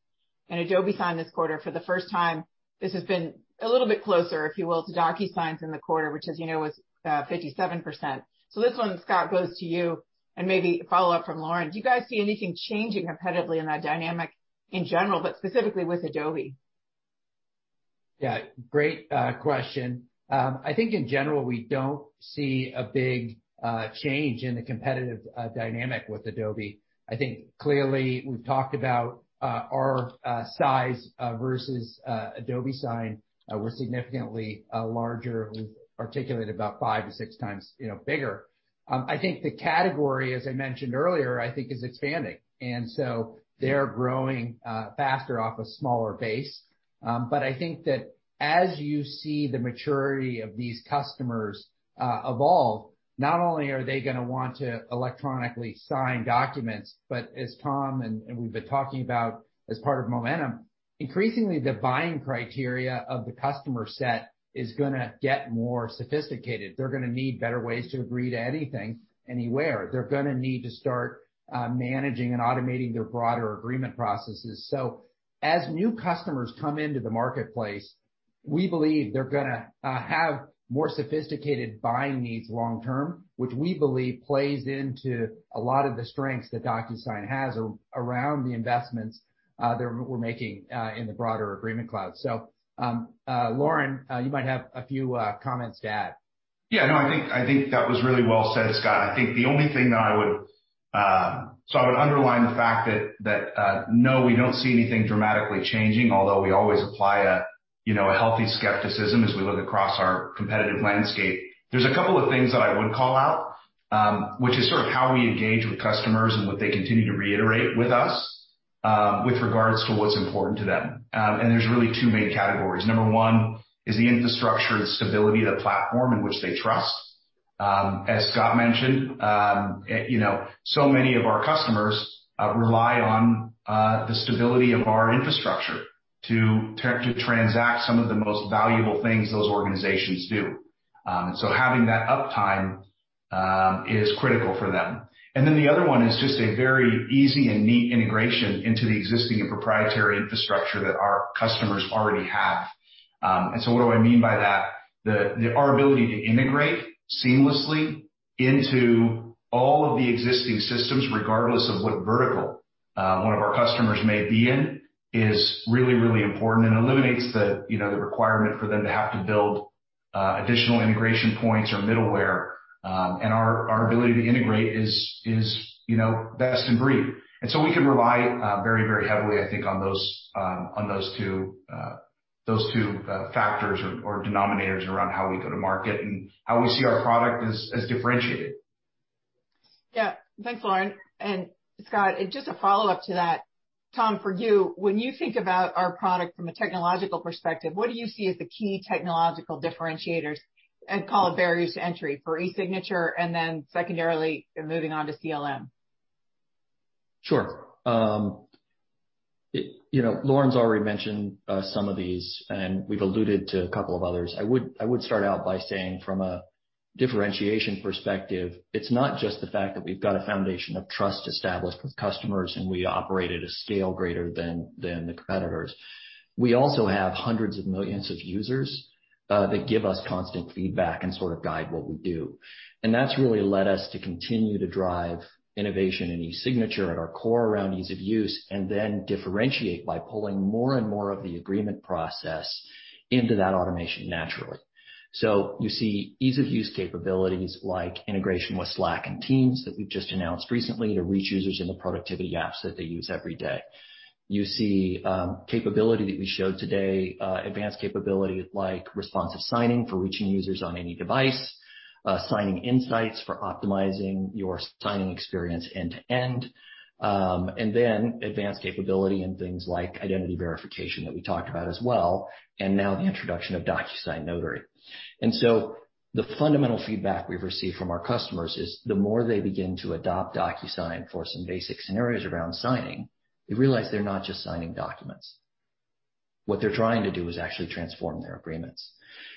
in Adobe Sign this quarter for the first time. This has been a little bit closer, if you will, to DocuSign's in the quarter, which, as you know, was 57%. This one, Scott, goes to you, and maybe a follow-up from Loren. Do you guys see anything changing competitively in that dynamic in general, but specifically with Adobe? Yeah, great question. I think in general, we don't see a big change in the competitive dynamic with Adobe. I think clearly we've talked about our size versus Adobe Sign. We're significantly larger. We've articulated about five to six times bigger. I think the category, as I mentioned earlier, I think is expanding. They're growing faster off a smaller base. I think that as you see the maturity of these customers evolve, not only are they going to want to electronically sign documents, but as Tom, and we've been talking about as part of Momentum, increasingly the buying criteria of the customer set is going to get more sophisticated. They're going to need better ways to agree to anything, anywhere. They're going to need to start managing and automating their broader agreement processes. As new customers come into the marketplace, we believe they're going to have more sophisticated buying needs long term, which we believe plays into a lot of the strengths that DocuSign has around the investments that we're making in the broader Agreement Cloud. Loren, you might have a few comments to add. Yeah, no, I think that was really well said, Scott. I think the only thing that I would underline the fact that, no, we don't see anything dramatically changing, although we always apply a healthy skepticism as we look across our competitive landscape. There's a couple of things that I would call out, which is sort of how we engage with customers and what they continue to reiterate with us, with regards to what's important to them. There's really two main categories. Number one is the infrastructure and stability of the platform in which they trust. As Scott mentioned, so many of our customers rely on the stability of our infrastructure to transact some of the most valuable things those organizations do. Having that uptime is critical for them. The other one is just a very easy and neat integration into the existing and proprietary infrastructure that our customers already have. What do I mean by that? Our ability to integrate seamlessly into all of the existing systems, regardless of what vertical one of our customers may be in, is really, really important and eliminates the requirement for them to have to build additional integration points or middleware. Our ability to integrate is best in breed. We can rely very, very heavily, I think, on those two factors or denominators around how we go to market and how we see our product as differentiated. Yeah. Thanks, Loren. Scott, just a follow-up to that, Tom, for you, when you think about our product from a technological perspective, what do you see as the key technological differentiators and call it barriers to entry for eSignature, and then secondarily, moving on to CLM? Sure. Loren's already mentioned some of these, and we've alluded to a couple of others. I would start out by saying from a differentiation perspective, it's not just the fact that we've got a foundation of trust established with customers and we operate at a scale greater than the competitors. We also have hundreds of millions of users that give us constant feedback and sort of guide what we do. That's really led us to continue to drive innovation in eSignature at our core around ease of use, and then differentiate by pulling more and more of the agreement process into that automation naturally. You see ease-of-use capabilities like integration with Slack and Teams that we've just announced recently to reach users in the productivity apps that they use every day. You see capability that we showed today, advanced capability like responsive signing for reaching users on any device, Signing Insights for optimizing your signing experience end to end, then advanced capability in things like identity verification that we talked about as well, now the introduction of DocuSign Notary. The fundamental feedback we've received from our customers is the more they begin to adopt DocuSign for some basic scenarios around signing, they realize they're not just signing documents. What they're trying to do is actually transform their agreements.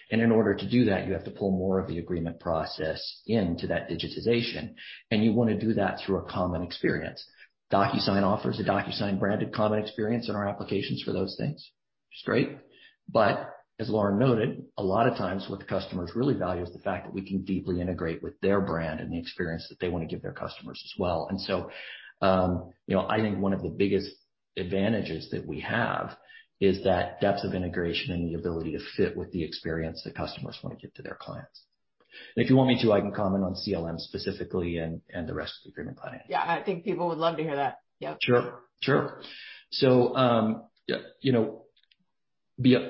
In order to do that, you have to pull more of the agreement process into that digitization, you want to do that through a common experience. DocuSign offers a DocuSign-branded common experience in our applications for those things. Straight. As Loren noted, a lot of times what the customers really value is the fact that we can deeply integrate with their brand and the experience that they want to give their customers as well. I think one of the biggest advantages that we have is that depth of integration and the ability to fit with the experience that customers want to give to their clients. If you want me to, I can comment on CLM specifically and the rest of the Agreement Cloud. Yeah, I think people would love to hear that. Yep. Sure.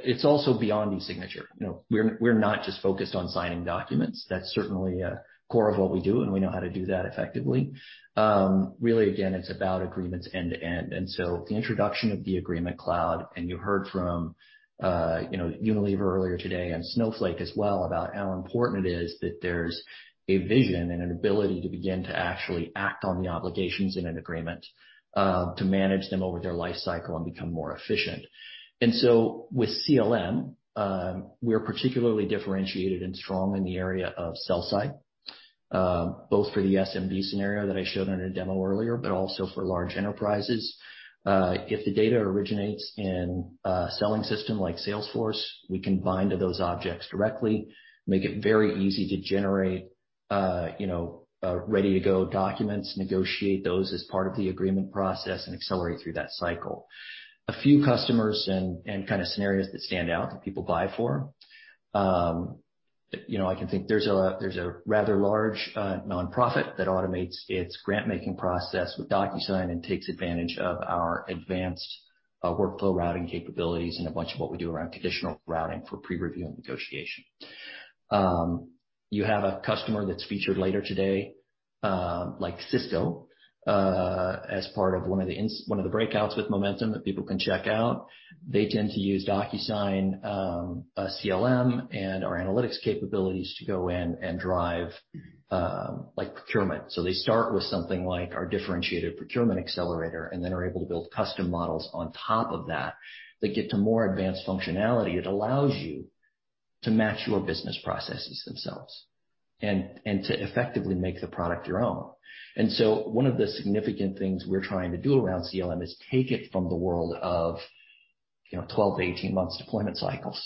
It's also beyond eSignature. We're not just focused on signing documents. That's certainly a core of what we do, and we know how to do that effectively. Really, again, it's about agreements end to end. The introduction of the Agreement Cloud, and you heard from Unilever earlier today and Snowflake as well about how important it is that there's a vision and an ability to begin to actually act on the obligations in an agreement, to manage them over their life cycle and become more efficient. With CLM, we're particularly differentiated and strong in the area of sell side, both for the SMB scenario that I showed on a demo earlier, but also for large enterprises. If the data originates in a selling system like Salesforce, we can bind to those objects directly, make it very easy to generate ready-to-go documents, negotiate those as part of the agreement process, and accelerate through that cycle. A few customers and kind of scenarios that stand out that people buy for. I can think there's a rather large nonprofit that automates its grant-making process with DocuSign and takes advantage of our advanced workflow routing capabilities and a bunch of what we do around traditional routing for pre-review and negotiation. You have a customer that's featured later today, like Cisco, as part of one of the breakouts with Momentum that people can check out. They tend to use DocuSign CLM and our analytics capabilities to go in and drive procurement. They start with something like our differentiated Procurement Accelerator and then are able to build custom models on top of that get to more advanced functionality. It allows you to match your business processes themselves and to effectively make the product your own. One of the significant things we're trying to do around CLM is take it from the world of 12-18 months deployment cycles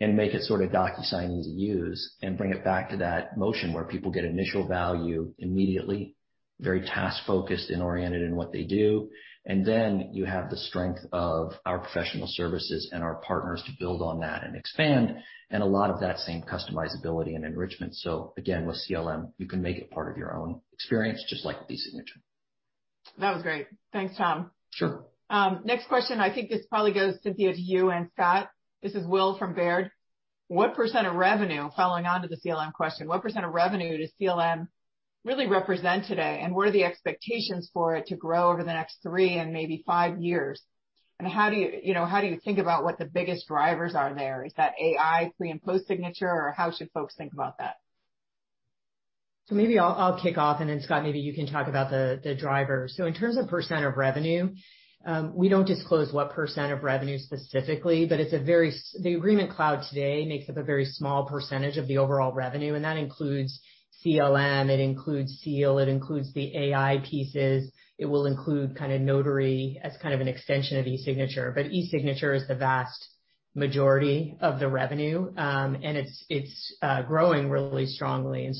and make it sort of DocuSign easy use and bring it back to that motion where people get initial value immediately, very task-focused and oriented in what they do. You have the strength of our professional services and our partners to build on that and expand, and a lot of that same customizability and enrichment. Again, with CLM, you can make it part of your own experience, just like with eSignature. That was great. Thanks, Tom. Sure. Next question, I think this probably goes, Cynthia, to you and Scott. This is Will from Baird. Following on to the CLM question, percent of revenue does CLM really represent today, and what are the expectations for it to grow over the next three and maybe five years? How do you think about what the biggest drivers are there? Is that AI pre and post signature, or how should folks think about that? Maybe I'll kick off, and then Scott, maybe you can talk about the driver. In terms of percent of revenue, we don't disclose what percent of revenue specifically, but the Agreement Cloud today makes up a very small percentage of the overall revenue, and that includes CLM, it includes Seal, it includes the AI pieces. It will include notary as kind of an extension of eSignature. eSignature is the vast majority of the revenue, and it's growing really strongly.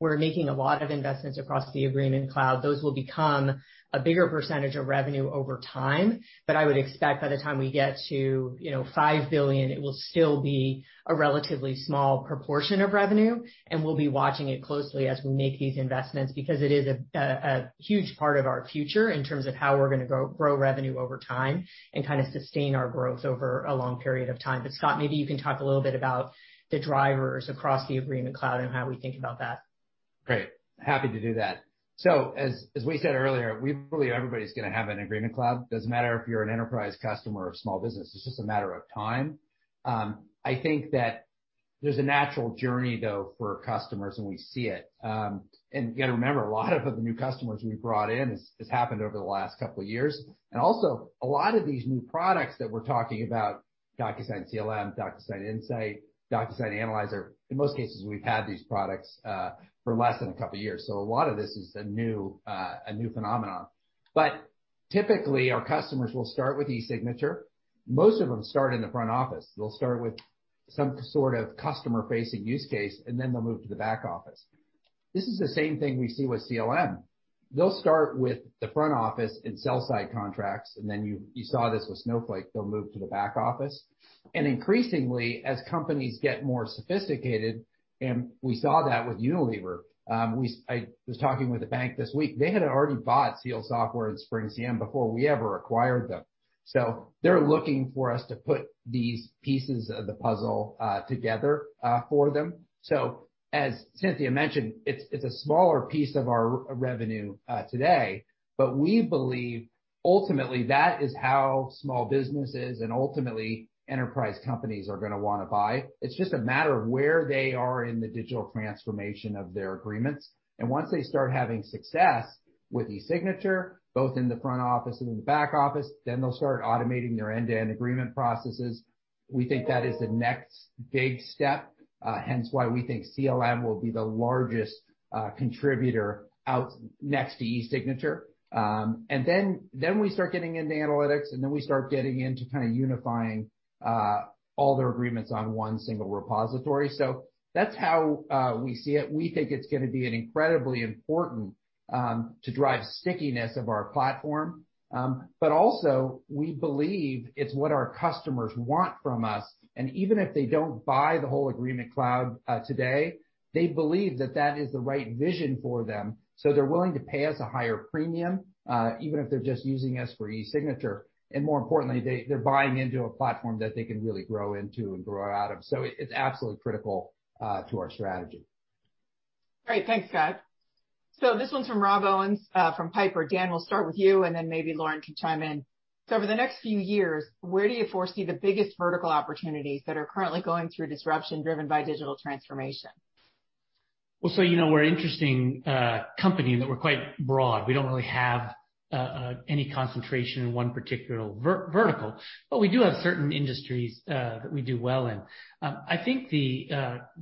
We're making a lot of investments across the Agreement Cloud. Those will become a bigger percentage of revenue over time. I would expect by the time we get to $5 billion, it will still be a relatively small proportion of revenue, and we'll be watching it closely as we make these investments, because it is a huge part of our future in terms of how we're going to grow revenue over time and kind of sustain our growth over a long period of time. Scott, maybe you can talk a little bit about the drivers across the Agreement Cloud and how we think about that. Great, happy to do that. As we said earlier, we believe everybody's going to have an Agreement Cloud. Doesn't matter if you're an enterprise customer or small business, it's just a matter of time. I think that there's a natural journey, though, for customers, and we see it. You got to remember, a lot of the new customers we brought in has happened over the last couple of years. Also, a lot of these new products that we're talking about, DocuSign CLM, DocuSign Insight, DocuSign Analyzer, in most cases, we've had these products for less than a couple of years. A lot of this is a new phenomenon. Typically, our customers will start with eSignature. Most of them start in the front office. They'll start with some sort of customer-facing use case, and then they'll move to the back office. This is the same thing we see with CLM. They'll start with the front office and sell-side contracts. You saw this with Snowflake, they'll move to the back office. Increasingly, as companies get more sophisticated, we saw that with Unilever. I was talking with a bank this week. They had already bought Seal Software and SpringCM before we ever acquired them. They're looking for us to put these pieces of the puzzle together for them. As Cynthia mentioned, it's a smaller piece of our revenue today, but we believe ultimately that is how small businesses and ultimately enterprise companies are going to want to buy. It's just a matter of where they are in the digital transformation of their agreements. Once they start having success with eSignature, both in the front office and in the back office, they'll start automating their end-to-end agreement processes. We think that is the next big step, hence why we think CLM will be the largest contributor out next to eSignature. Then we start getting into analytics, and then we start getting into kind of unifying all their agreements on one single repository. That's how we see it. We think it's going to be incredibly important to drive stickiness of our platform. Also, we believe it's what our customers want from us, and even if they don't buy the whole Agreement Cloud today, they believe that that is the right vision for them, so they're willing to pay us a higher premium, even if they're just using us for eSignature. More importantly, they're buying into a platform that they can really grow into and grow out of. It's absolutely critical to our strategy. Great. Thanks, Scott. This one's from Rob Owens from Piper. Dan, we'll start with you, and then maybe Loren can chime in. Over the next few years, where do you foresee the biggest vertical opportunities that are currently going through disruption driven by digital transformation? We're an interesting company in that we're quite broad. We don't really have any concentration in one particular vertical, but we do have certain industries that we do well in. I think the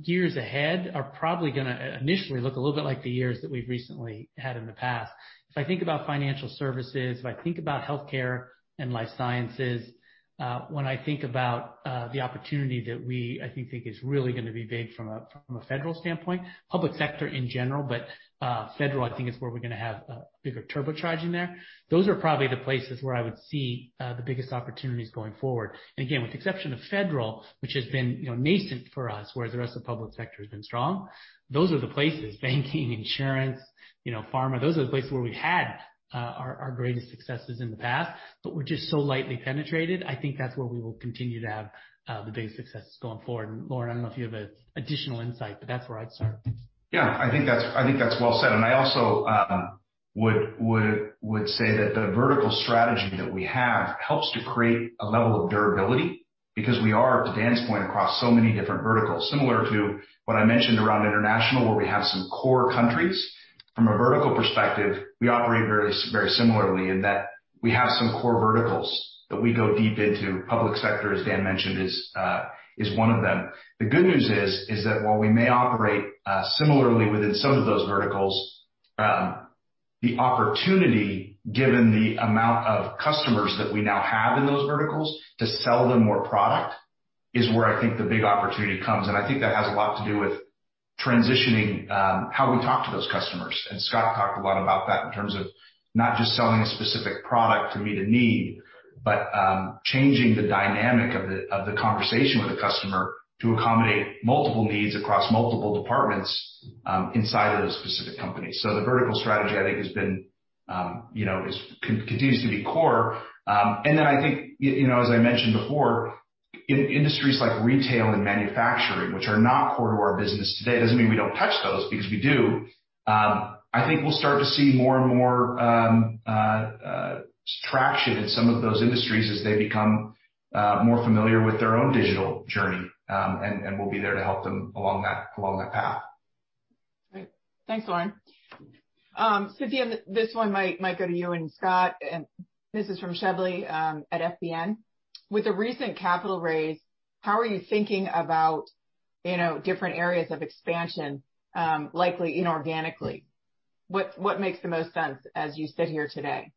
years ahead are probably going to initially look a little bit like the years that we've recently had in the past. If I think about financial services, if I think about healthcare and life sciences, when I think about the opportunity that we, I think, is really going to be big from a federal standpoint, public sector in general, but federal, I think is where we're going to have a bigger turbocharging there. Those are probably the places where I would see the biggest opportunities going forward. Again, with the exception of federal, which has been nascent for us, where the rest of the public sector has been strong, those are the places, banking, insurance, pharma, those are the places where we've had our greatest successes in the past, but we're just so lightly penetrated. I think that's where we will continue to have the biggest successes going forward. Loren, I don't know if you have additional insight, but that's where I'd start. Yeah, I think that's well said. I also would say that the vertical strategy that we have helps to create a level of durability because we are at the dense point across so many different verticals. Similar to what I mentioned around international, where we have some core countries. From a vertical perspective, we operate very similarly in that we have some core verticals that we go deep into. Public sector, as Dan mentioned, is one of them. The good news is that while we may operate similarly within some of those verticals, the opportunity, given the amount of customers that we now have in those verticals to sell them more product, is where I think the big opportunity comes. I think that has a lot to do with transitioning how we talk to those customers. Scott talked a lot about that in terms of not just selling a specific product to meet a need, but changing the dynamic of the conversation with a customer to accommodate multiple needs across multiple departments inside of those specific companies. The vertical strategy, I think continues to be core. Then I think as I mentioned before, in industries like retail and manufacturing, which are not core to our business today, doesn't mean we don't touch those, because we do. I think we'll start to see more and more traction in some of those industries as they become more familiar with their own digital journey. We'll be there to help them along that path. Great. Thanks, Loren. Cynthia, this one might go to you and Scott. This is from Shebly at FBN. With the recent capital raise, how are you thinking about different areas of expansion, likely inorganically? What makes the most sense as you sit here today?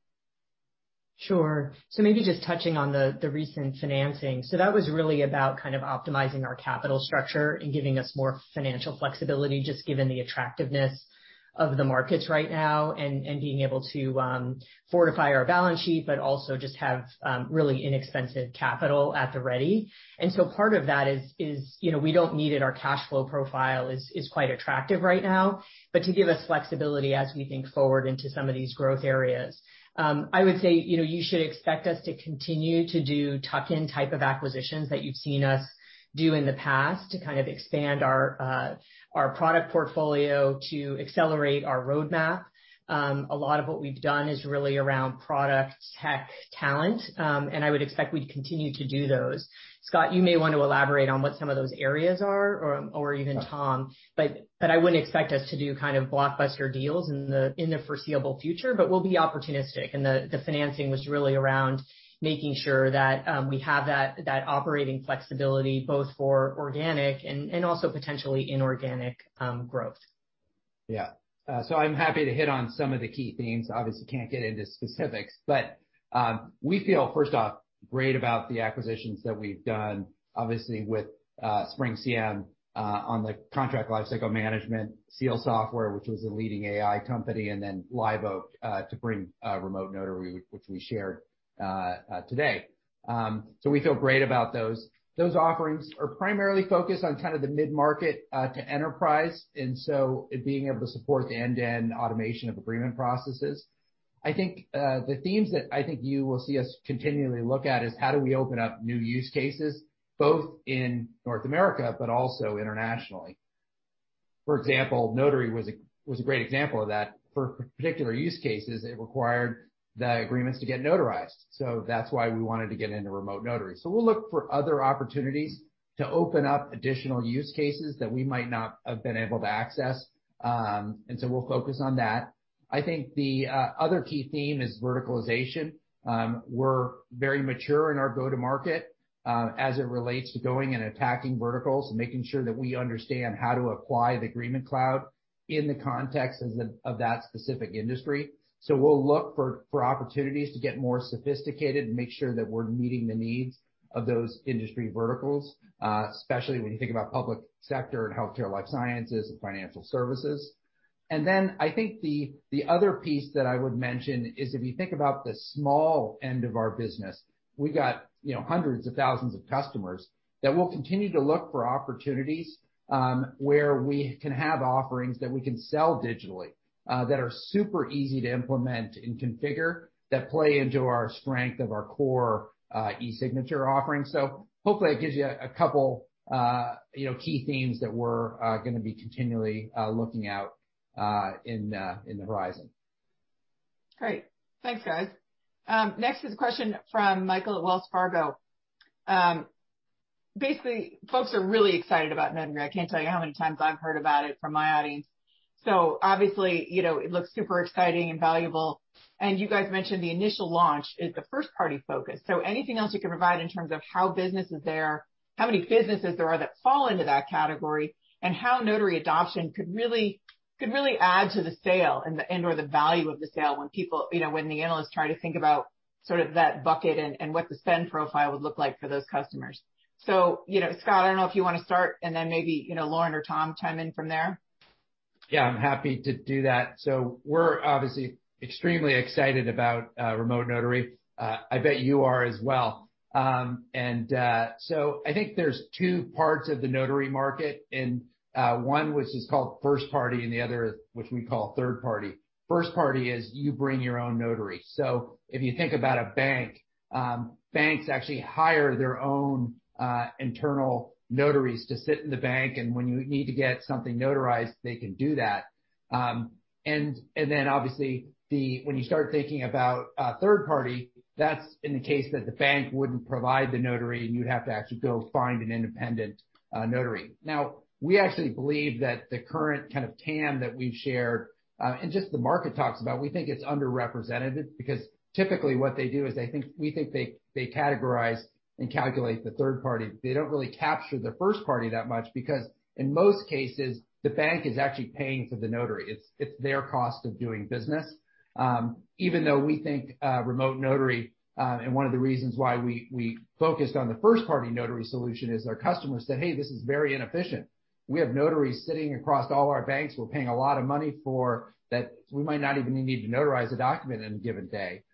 Sure. Maybe just touching on the recent financing. That was really about optimizing our capital structure and giving us more financial flexibility, just given the attractiveness of the markets right now and being able to fortify our balance sheet, but also just have really inexpensive capital at the ready. Part of that is, we don't need it. Our cash flow profile is quite attractive right now. To give us flexibility as we think forward into some of these growth areas. I would say, you should expect us to continue to do tuck-in type of acquisitions that you've seen us do in the past to expand our product portfolio, to accelerate our roadmap. A lot of what we've done is really around product, tech, talent. I would expect we'd continue to do those. Scott, you may want to elaborate on what some of those areas are, or even Tom. I wouldn't expect us to do blockbuster deals in the foreseeable future. We'll be opportunistic, and the financing was really around making sure that we have that operating flexibility, both for organic and also potentially inorganic growth. I'm happy to hit on some of the key themes. Obviously, can't get into specifics, but we feel, first off, great about the acquisitions that we've done, obviously with SpringCM, on the contract lifecycle management, Seal Software, which was a leading AI company, and then Liveoak, to bring remote notary, which we shared today. We feel great about those. Those offerings are primarily focused on the mid-market to enterprise, being able to support the end-to-end automation of agreement processes. I think the themes that I think you will see us continually look at is how do we open up new use cases, both in North America, but also internationally. For example, notary was a great example of that. For particular use cases, it required the agreements to get notarized. That's why we wanted to get into remote notary. We'll look for other opportunities to open up additional use cases that we might not have been able to access. We'll focus on that. I think the other key theme is verticalization. We're very mature in our go-to-market, as it relates to going and attacking verticals and making sure that we understand how to apply the Agreement Cloud in the context of that specific industry. We'll look for opportunities to get more sophisticated and make sure that we're meeting the needs of those industry verticals, especially when you think about public sector and healthcare, life sciences, and financial services. I think the other piece that I would mention is if you think about the small end of our business, we got hundreds of thousands of customers that we'll continue to look for opportunities, where we can have offerings that we can sell digitally, that are super easy to implement and configure, that play into our strength of our core eSignature offerings. Hopefully that gives you a couple key themes that we're going to be continually looking out in the horizon. Great. Thanks, guys. Next is a question from Michael at Wells Fargo. Folks are really excited about Notary. I can't tell you how many times I've heard about it from my audience. It looks super exciting and valuable. You guys mentioned the initial launch is the first-party focus. Anything else you can provide in terms of how many businesses there are that fall into that category, and how Notary adoption could really add to the sale and/or the value of the sale when the analysts try to think about that bucket and what the spend profile would look like for those customers. Scott, I don't know if you want to start, and then maybe, Loren or Tom chime in from there. Yeah, I'm happy to do that. We're obviously extremely excited about remote notary. I bet you are as well. I think there's two parts of the notary market, and one, which is called first party, and the other, which we call third party. First party is you bring your own notary. If you think about a bank, banks actually hire their own internal notaries to sit in the bank, and when you need to get something notarized, they can do that. Obviously when you start thinking about third party, that's in the case that the bank wouldn't provide the notary, and you'd have to actually go find an independent notary. We actually believe that the current kind of TAM that we've shared, and just the market talks about, we think it's underrepresented, because typically what they do is we think they categorize and calculate the third party. They don't really capture the first party that much, because in most cases, the bank is actually paying for the notary. It's their cost of doing business. We think remote notary, and one of the reasons why we focused on the first-party notary solution is our customers said, "Hey, this is very inefficient. We have notaries sitting across all our banks we're paying a lot of money for that we might not even need to notarize a document in a given day.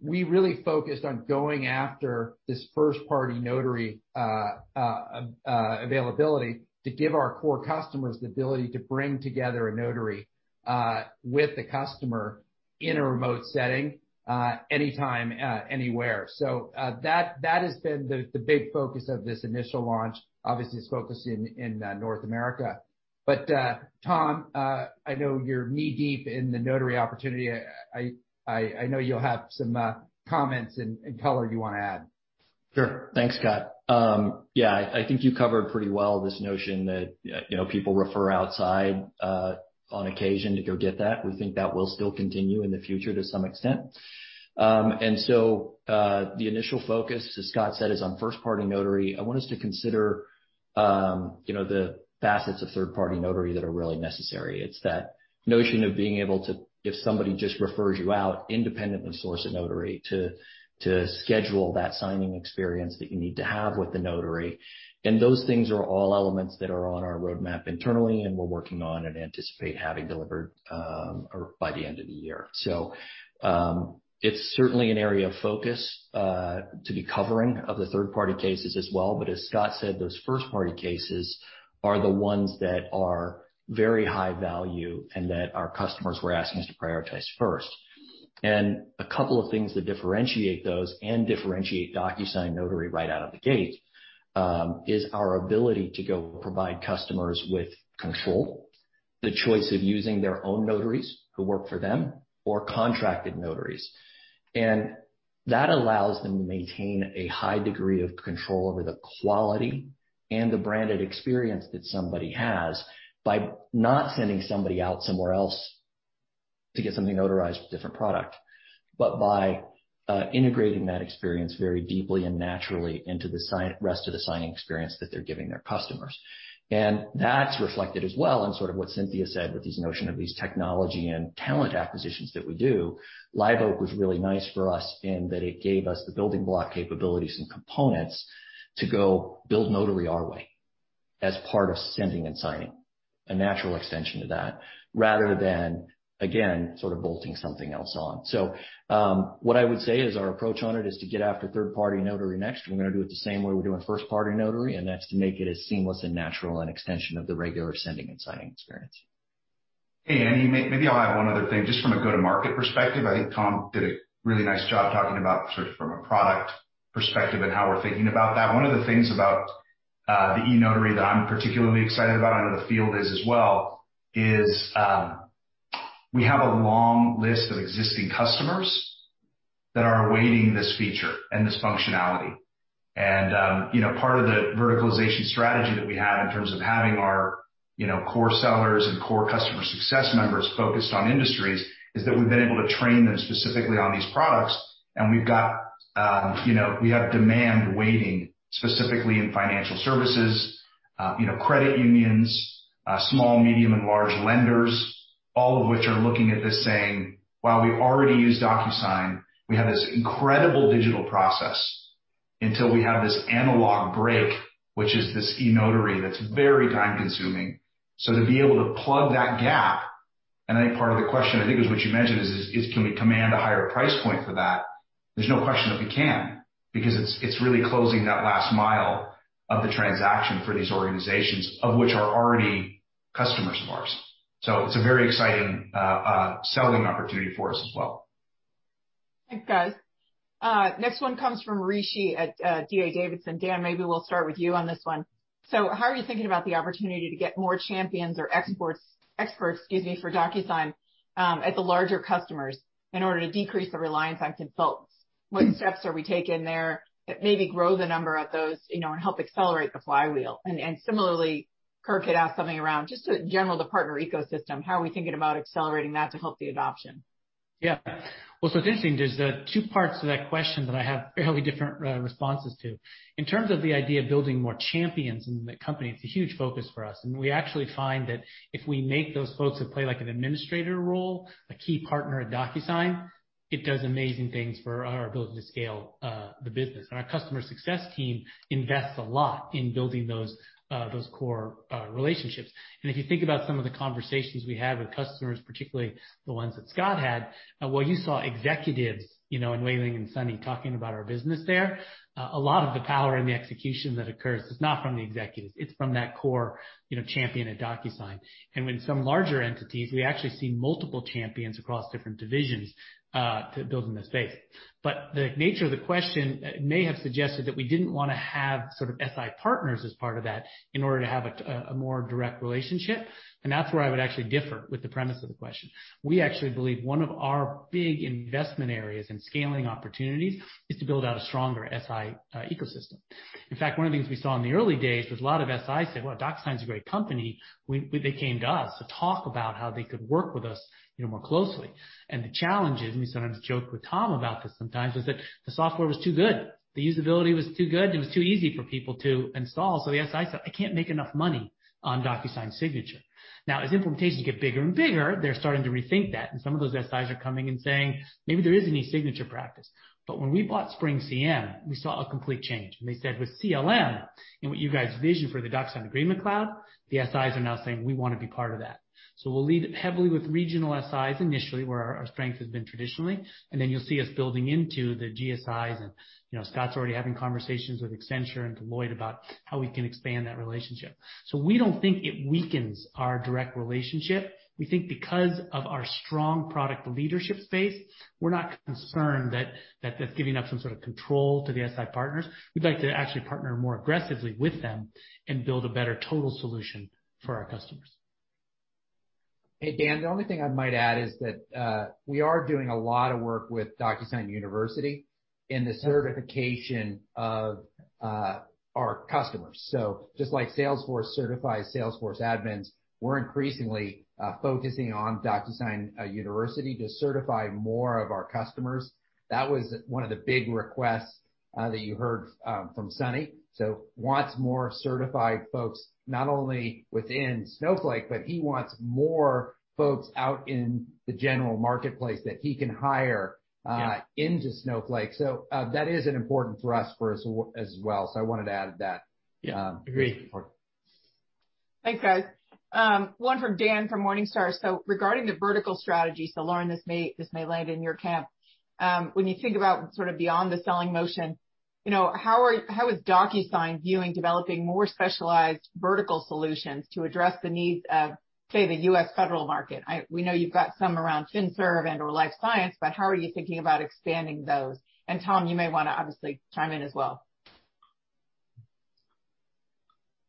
We really focused on going after this first-party Notary availability to give our core customers the ability to bring together a notary with the customer in a remote setting, anytime, anywhere. That has been the big focus of this initial launch, obviously, it's focused in North America. Tom, I know you're knee-deep in the Notary opportunity. I know you'll have some comments and color you want to add. Sure. Thanks, Scott. Yeah, I think you covered pretty well this notion that people refer outside on occasion to go get that. We think that will still continue in the future to some extent. The initial focus, as Scott said, is on first-party notary. I want us to consider the facets of third-party notary that are really necessary. It's that notion of being able to, if somebody just refers you out, independently source a notary to schedule that signing experience that you need to have with the notary. Those things are all elements that are on our roadmap internally, and we're working on and anticipate having delivered by the end of the year. It's certainly an area of focus to be covering of the third-party cases as well. As Scott said, those first-party cases are the ones that are very high value and that our customers were asking us to prioritize first. A couple of things that differentiate those and differentiate DocuSign Notary right out of the gate, is our ability to go provide customers with control, the choice of using their own notaries who work for them or contracted notaries. That allows them to maintain a high degree of control over the quality and the branded experience that somebody has by not sending somebody out somewhere else to get something notarized with a different product, but by integrating that experience very deeply and naturally into the rest of the signing experience that they're giving their customers. That's reflected as well in sort of what Cynthia said with this notion of these technology and talent acquisitions that we do. Liveoak was really nice for us in that it gave us the building block capabilities and components to go build Notary our way as part of sending and signing, a natural extension to that, rather than, again, sort of bolting something else on. What I would say is our approach on it is to get after third-party Notary next. We're going to do it the same way we're doing first-party Notary, and that's to make it as seamless and natural an extension of the regular sending and signing experience. Hey, Annie, maybe I'll add one other thing, just from a go-to-market perspective. I think Tom did a really nice job talking about sort of from a product perspective and how we're thinking about that. One of the things about the eNotary that I'm particularly excited about, I know the field is as well, is we have a long list of existing customers that are awaiting this feature and this functionality. Part of the verticalization strategy that we have in terms of having our core sellers and core customer success members focused on industries is that we've been able to train them specifically on these products. We have demand waiting, specifically in financial services, credit unions, small, medium, and large lenders, all of which are looking at this saying, "While we already use DocuSign, we have this incredible digital process until we have this analog break, which is this eNotary that's very time-consuming." To be able to plug that gap, and I think part of the question, I think is what you mentioned is, can we command a higher price point for that? There's no question that we can, because it's really closing that last mile of the transaction for these organizations of which are already customers of ours. It's a very exciting selling opportunity for us as well. Thanks, guys. Next one comes from Rishi at D.A. Davidson. Dan, maybe we'll start with you on this one. How are you thinking about the opportunity to get more champions or experts, excuse me, for DocuSign at the larger customers in order to decrease the reliance on consultants? What steps are we taking there that maybe grow the number of those and help accelerate the flywheel? Similarly, Kirk had asked something around just the general partner ecosystem. How are we thinking about accelerating that to help the adoption? Well, it's interesting. There's two parts to that question that I have fairly different responses to. In terms of the idea of building more champions in the company, it's a huge focus for us. We actually find that if we make those folks that play like an administrator role, a key partner at DocuSign, it does amazing things for our ability to scale the business. Our customer success team invests a lot in building those core relationships. If you think about some of the conversations we had with customers, particularly the ones that Scott had, and while you saw executives, you know, in Wei Ling and Sunny talking about our business there, a lot of the power in the execution that occurs is not from the executives. It's from that core, you know, champion at DocuSign. With some larger entities, we actually see multiple champions across different divisions to build in this space. The nature of the question may have suggested that we didn't wanna have sort of SI partners as part of that in order to have a more direct relationship, and that's where I would actually differ with the premise of the question. We actually believe one of our big investment areas and scaling opportunities is to build out a stronger SI ecosystem. In fact, one of the things we saw in the early days was a lot of SIs say, "Well, DocuSign's a great company." They came to us to talk about how they could work with us more closely. The challenge is, and we sometimes joke with Tom about this sometimes, was that the software was too good. The usability was too good. It was too easy for people to install. The SI said, "I can't make enough money on DocuSign eSignature." Now, as implementations get bigger and bigger, they're starting to rethink that, and some of those SIs are coming and saying, "Maybe there is an eSignature practice." When we bought SpringCM, we saw a complete change. They said with CLM and what you guys vision for the DocuSign Agreement Cloud, the SIs are now saying, "We wanna be part of that." We'll lead heavily with regional SIs initially, where our strength has been traditionally, and then you'll see us building into the GSIs and, you know, Scott's already having conversations with Accenture and Deloitte about how we can expand that relationship. We don't think it weakens our direct relationship. We think because of our strong product leadership space, we're not concerned that that's giving up some sort of control to the SI partners. We'd like to actually partner more aggressively with them and build a better total solution for our customers. Hey, Dan, the only thing I might add is that we are doing a lot of work with DocuSign University in the certification of our customers. Just like Salesforce certifies Salesforce admins, we're increasingly focusing on DocuSign University to certify more of our customers. That was one of the big requests that you heard from Sunny. Wants more certified folks, not only within Snowflake, but he wants more folks out in the general marketplace that he can hire. Yeah into Snowflake. That is an important thrust for us as well. I wanted to add that. Yeah. Agree. It's important. Thanks, guys. One from Dan from Morningstar. Regarding the vertical strategy, Loren, this may land in your camp. When you think about sort of beyond the selling motion, you know, how is DocuSign viewing developing more specialized vertical solutions to address the needs of, say, the U.S. federal market? We know you've got some around FinServ and/or life science, but how are you thinking about expanding those? Tom, you may wanna obviously chime in as well.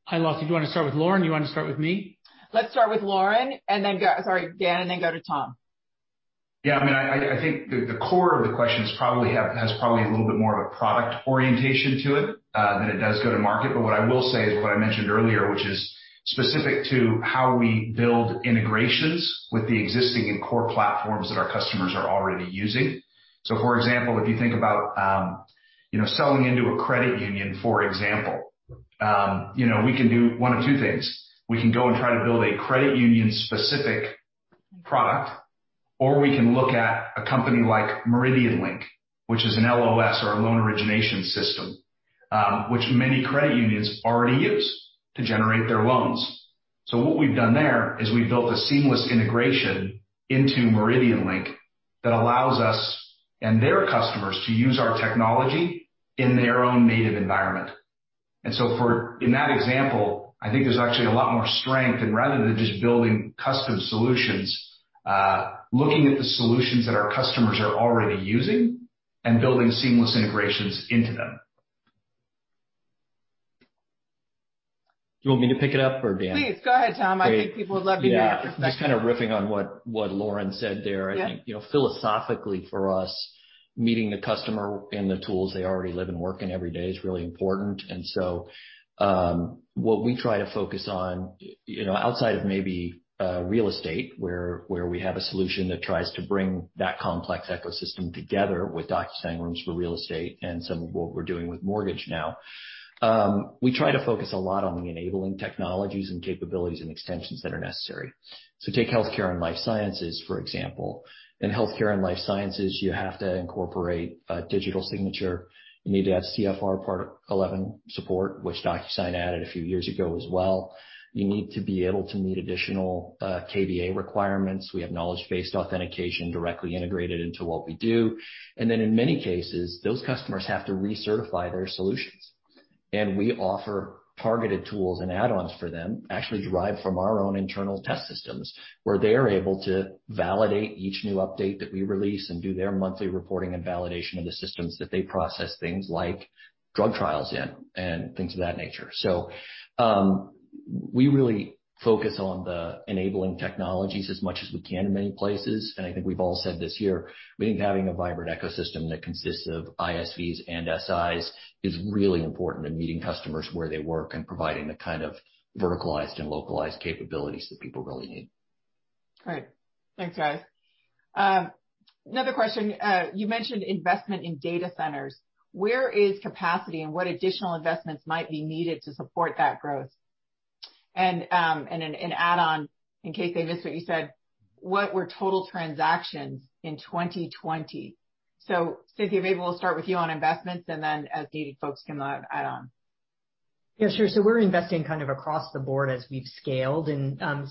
Hi, Annie. Do you wanna start with Loren or do you wanna start with me? Let's start with Loren, and then go Sorry, Dan, and then go to Tom. Yeah, I mean, I think the core of the question probably has a little bit more of a product orientation to it than it does go to market. What I will say is what I mentioned earlier, which is specific to how we build integrations with the existing and core platforms that our customers are already using. For example, if you think about, you know, selling into a credit union, for example. You know, we can do one of two things. We can go and try to build a credit union-specific product, or we can look at a company like MeridianLink, which is an LOS or a loan origination system, which many credit unions already use to generate their loans. What we've done there is we've built a seamless integration into MeridianLink that allows us and their customers to use our technology in their own native environment. In that example, I think there's actually a lot more strength in, rather than just building custom solutions, looking at the solutions that our customers are already using and building seamless integrations into them. Do you want me to pick it up or Dan? Please, go ahead, Tom. Great. I think people would love to hear your perspective. Just kinda riffing on what Loren said there. Yeah. I think, you know, philosophically for us, meeting the customer in the tools they already live and work in every day is really important. What we try to focus on, you know, outside of maybe real estate, where we have a solution that tries to bring that complex ecosystem together with DocuSign Rooms for Real Estate and some of what we're doing with mortgage now. We try to focus a lot on the enabling technologies and capabilities and extensions that are necessary. Take healthcare and life sciences, for example. In healthcare and life sciences, you have to incorporate a digital signature. You need to have 21 CFR Part 11 support, which DocuSign added a few years ago as well. You need to be able to meet additional KBA requirements. We have knowledge-based authentication directly integrated into what we do. In many cases, those customers have to recertify their solutions. And we offer targeted tools and add-ons for them, actually derived from our own internal test systems, where they are able to validate each new update that we release and do their monthly reporting and validation of the systems that they process things like drug trials in, and things of that nature. We really focus on the enabling technologies as much as we can in many places. I think we've all said this year, we think having a vibrant ecosystem that consists of ISVs and SIs is really important in meeting customers where they work and providing the kind of verticalized and localized capabilities that people really need. Great. Thanks, guys. Another question. You mentioned investment in data centers. Where is capacity, and what additional investments might be needed to support that growth? An add-on, in case they missed what you said, what were total transactions in 2020? Cynthia, maybe we'll start with you on investments, and then as needed, folks can add on. Yeah, sure. We're investing kind of across the board as we've scaled.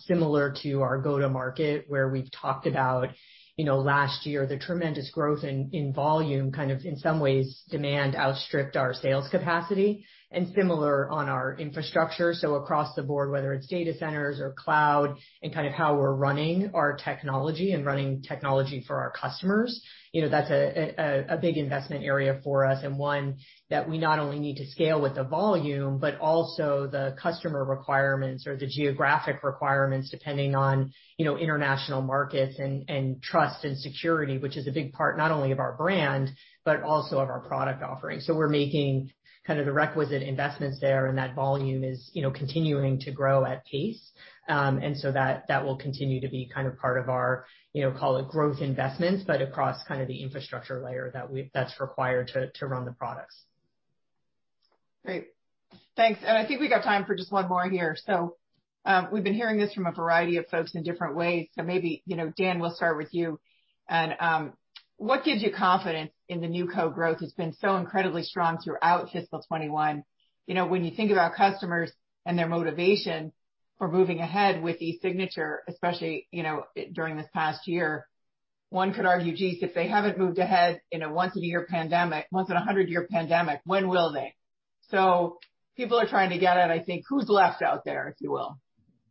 Similar to our go-to-market, where we've talked about last year, the tremendous growth in volume, kind of in some ways, demand outstripped our sales capacity, and similar on our infrastructure. Across the board, whether it's data centers or cloud and kind of how we're running our technology and running technology for our customers, that's a big investment area for us. One that we not only need to scale with the volume, but also the customer requirements or the geographic requirements, depending on international markets and trust and security, which is a big part not only of our brand, but also of our product offering. We're making the requisite investments there, and that volume is continuing to grow at pace. That will continue to be kind of part of our, call it growth investments, but across the infrastructure layer that's required to run the products. Great. Thanks. I think we got time for just one more here. We've been hearing this from a variety of folks in different ways. Maybe, Dan, we'll start with you. What gives you confidence in the NewCo growth that's been so incredibly strong throughout fiscal year 2021? When you think about customers and their motivation for moving ahead with eSignature, especially during this past year, one could argue, geez, if they haven't moved ahead in a once in a 100-year pandemic, when will they? People are trying to get at, I think, who's left out there, if you will.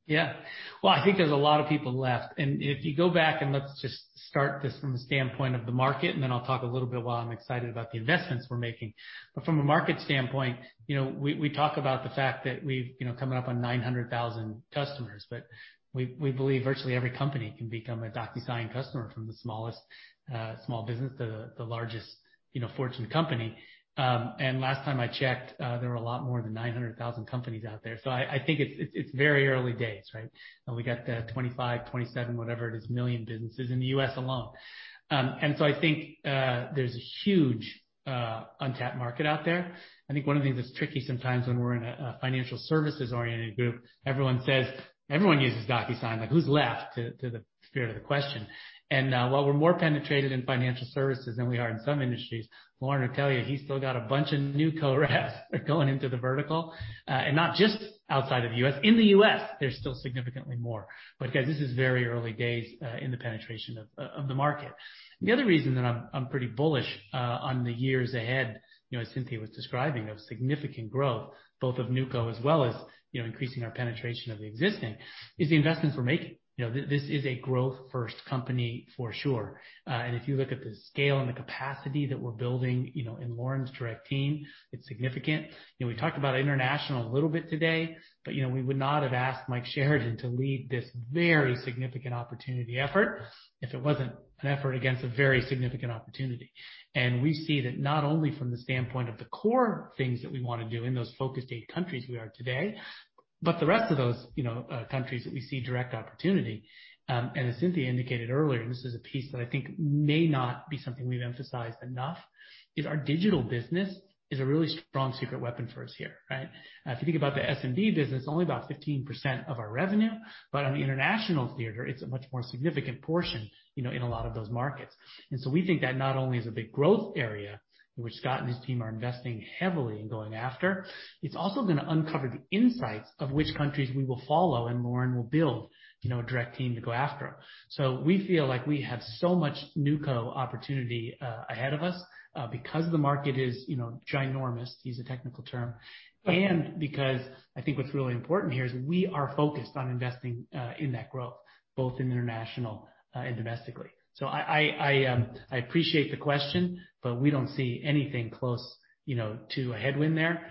Yeah. Well, I think there's a lot of people left. If you go back, and let's just start this from the standpoint of the market, and then I'll talk a little bit why I'm excited about the investments we're making. From a market standpoint, we talk about the fact that we've coming up on 900,000 customers. We believe virtually every company can become a DocuSign customer, from the smallest small business to the largest Fortune company. Last time I checked, there were a lot more than 900,000 companies out there. I think it's very early days, right? We got the 25, 27, whatever it is, million businesses in the U.S. alone. I think there's a huge untapped market out there. I think one of the things that's tricky sometimes when we're in a financial services-oriented group, everyone says everyone uses DocuSign. Like, who's left, to the spirit of the question. While we're more penetrated in financial services than we are in some industries, Loren will tell you, he's still got a bunch of NewCo reps going into the vertical. Not just outside of the U.S., in the U.S., there's still significantly more. Guys, this is very early days in the penetration of the market. The other reason that I'm pretty bullish on the years ahead, as Cynthia was describing, of significant growth, both of NewCo as well as increasing our penetration of the existing, is the investments we're making. This is a growth first company for sure. If you look at the scale and the capacity that we're building in Loren's direct team, it's significant. We talked about international a little bit today. We would not have asked Mike Sheridan to lead this very significant opportunity effort if it wasn't an effort against a very significant opportunity. We see that not only from the standpoint of the core things that we want to do in those Focus 8 countries we are today, but the rest of those countries that we see direct opportunity. As Cynthia indicated earlier, this is a piece that I think may not be something we've emphasized enough, is our digital business is a really strong secret weapon for us here, right? If you think about the SMB business, only about 15% of our revenue, but on the international theater, it's a much more significant portion in a lot of those markets. We think that not only is a big growth area in which Scott and his team are investing heavily in going after, it's also going to uncover the insights of which countries we will follow, and Loren will build a direct team to go after. We feel like we have so much NewCo opportunity ahead of us because the market is ginormous, to use a technical term. Because I think what's really important here is we are focused on investing in that growth, both in international and domestically. I appreciate the question, but we don't see anything close to a headwind there.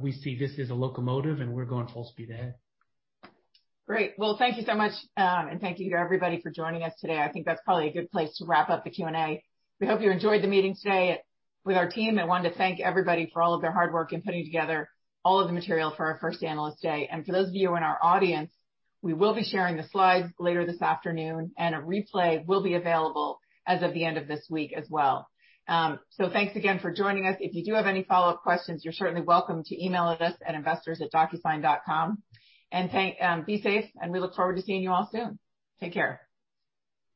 We see this as a locomotive, and we're going full speed ahead. Well, thank you so much, and thank you to everybody for joining us today. I think that's probably a good place to wrap up the Q&A. We hope you enjoyed the meeting today with our team, and wanted to thank everybody for all of their hard work in putting together all of the material for our first Analyst Day. For those of you in our audience, we will be sharing the slides later this afternoon, and a replay will be available as of the end of this week as well. Thanks again for joining us. If you do have any follow-up questions, you're certainly welcome to email us at investors@docusign.com. Be safe, and we look forward to seeing you all soon. Take care.